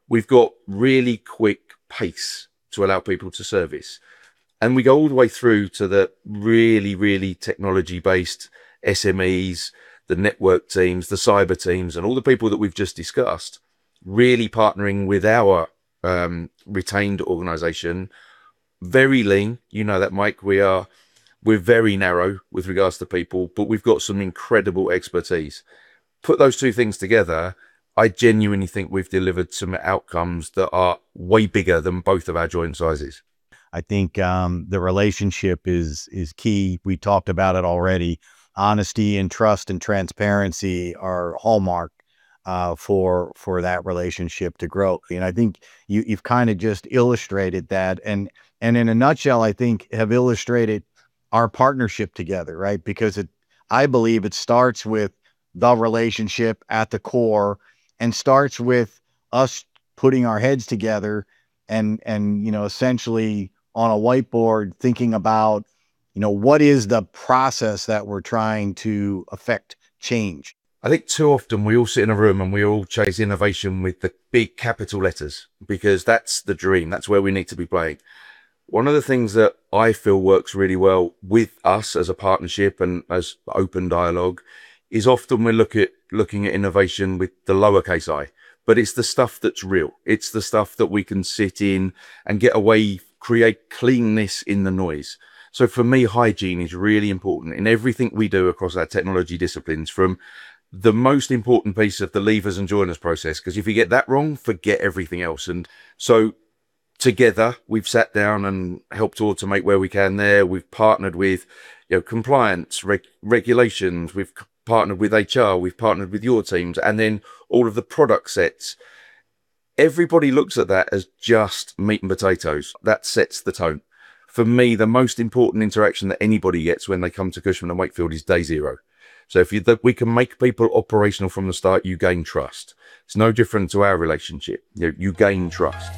We've got really quick pace to allow people to service. We go all the way through to the really technology-based SMEs, the network teams, the cyber teams, and all the people that we've just discussed, really partnering with our retained organization. Very lean. You know that, Mike. We're very narrow with regards to people, but we've got some incredible expertise. Put those two things together, I genuinely think we've delivered some outcomes that are way bigger than both of our joint sizes. I think the relationship is key. We talked about it already. Honesty and trust and transparency are hallmark for that relationship to grow. I think you've kind of just illustrated that, and in a nutshell, I think have illustrated our partnership together, right? I believe it starts with the relationship at the core and starts with us putting our heads together and essentially on a whiteboard, thinking about what is the process that we're trying to affect change. I think too often we all sit in a room, and we all chase innovation with the big capital letters because that's the dream. That's where we need to be playing. One of the things that I feel works really well with us as a partnership and as open dialogue is often we're looking at innovation with the lowercase I, but it's the stuff that's real. It's the stuff that we can sit in and get away, create cleanness in the noise. For me, hygiene is really important in everything we do across our technology disciplines. From the most important piece of the leavers and joiners process, because if you get that wrong, forget everything else. Together, we've sat down and helped automate where we can there. We've partnered with compliance, regulations. We've partnered with HR, we've partnered with your teams, all of the product sets. Everybody looks at that as just meat and potatoes. That sets the tone. For me, the most important interaction that anybody gets when they come to Cushman & Wakefield is day zero. If we can make people operational from the start, you gain trust. It's no different to our relationship. You gain trust.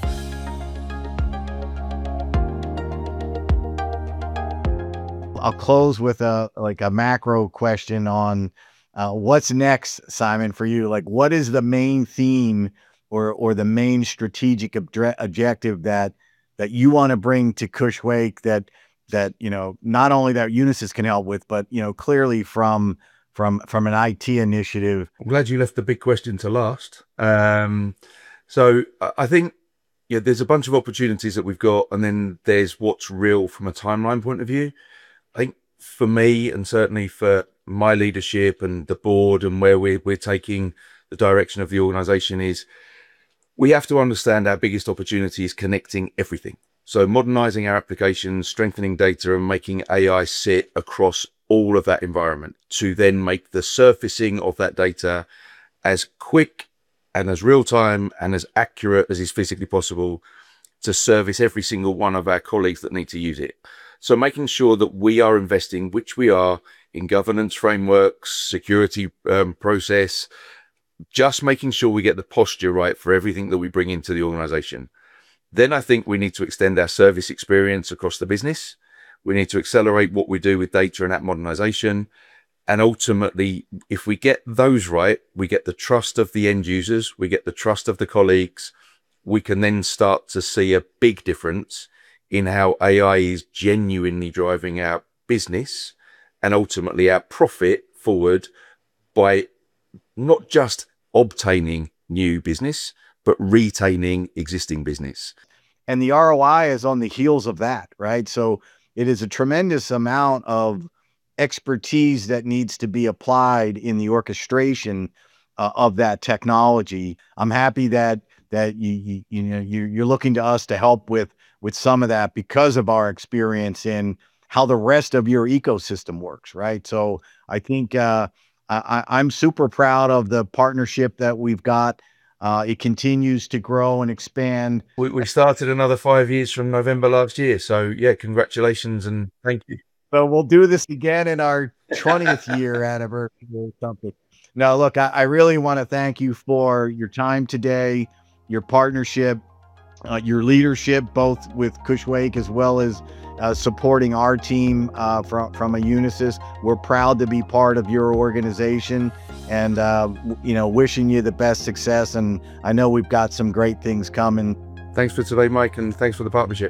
I'll close with a macro question on what's next, Simon, for you. What is the main theme or the main strategic objective that you want to bring to Cush Wake that not only that Unisys can help with, but clearly from an IT initiative? I'm glad you left the big question to last. I think there's a bunch of opportunities that we've got, and then there's what's real from a timeline point of view. I think for me, and certainly for my leadership and the board and where we're taking the direction of the organization is we have to understand our biggest opportunity is connecting everything. Modernizing our applications, strengthening data, and making AI sit across all of that environment to then make the surfacing of that data as quick and as real-time and as accurate as is physically possible to service every single one of our colleagues that need to use it. Making sure that we are investing, which we are, in governance frameworks, security process, just making sure we get the posture right for everything that we bring into the organization. I think we need to extend our service experience across the business. We need to accelerate what we do with data and app modernization. Ultimately, if we get those right, we get the trust of the end users, we get the trust of the colleagues. We can start to see a big difference in how AI is genuinely driving our business and ultimately our profit forward by not just obtaining new business but retaining existing business. The ROI is on the heels of that, right? It is a tremendous amount of expertise that needs to be applied in the orchestration of that technology. I'm happy that you're looking to us to help with some of that because of our experience in how the rest of your ecosystem works, right? I think I'm super proud of the partnership that we've got. It continues to grow and expand. We started another five years from November last year. Yeah, congratulations and thank you. We'll do this again in our 20th year anniversary or something. No, look, I really want to thank you for your time today, your partnership, your leadership, both with Cush Wake as well as supporting our team from a Unisys. We're proud to be part of your organization and wishing you the best success, and I know we've got some great things coming. Thanks for today, Mike, and thanks for the partnership.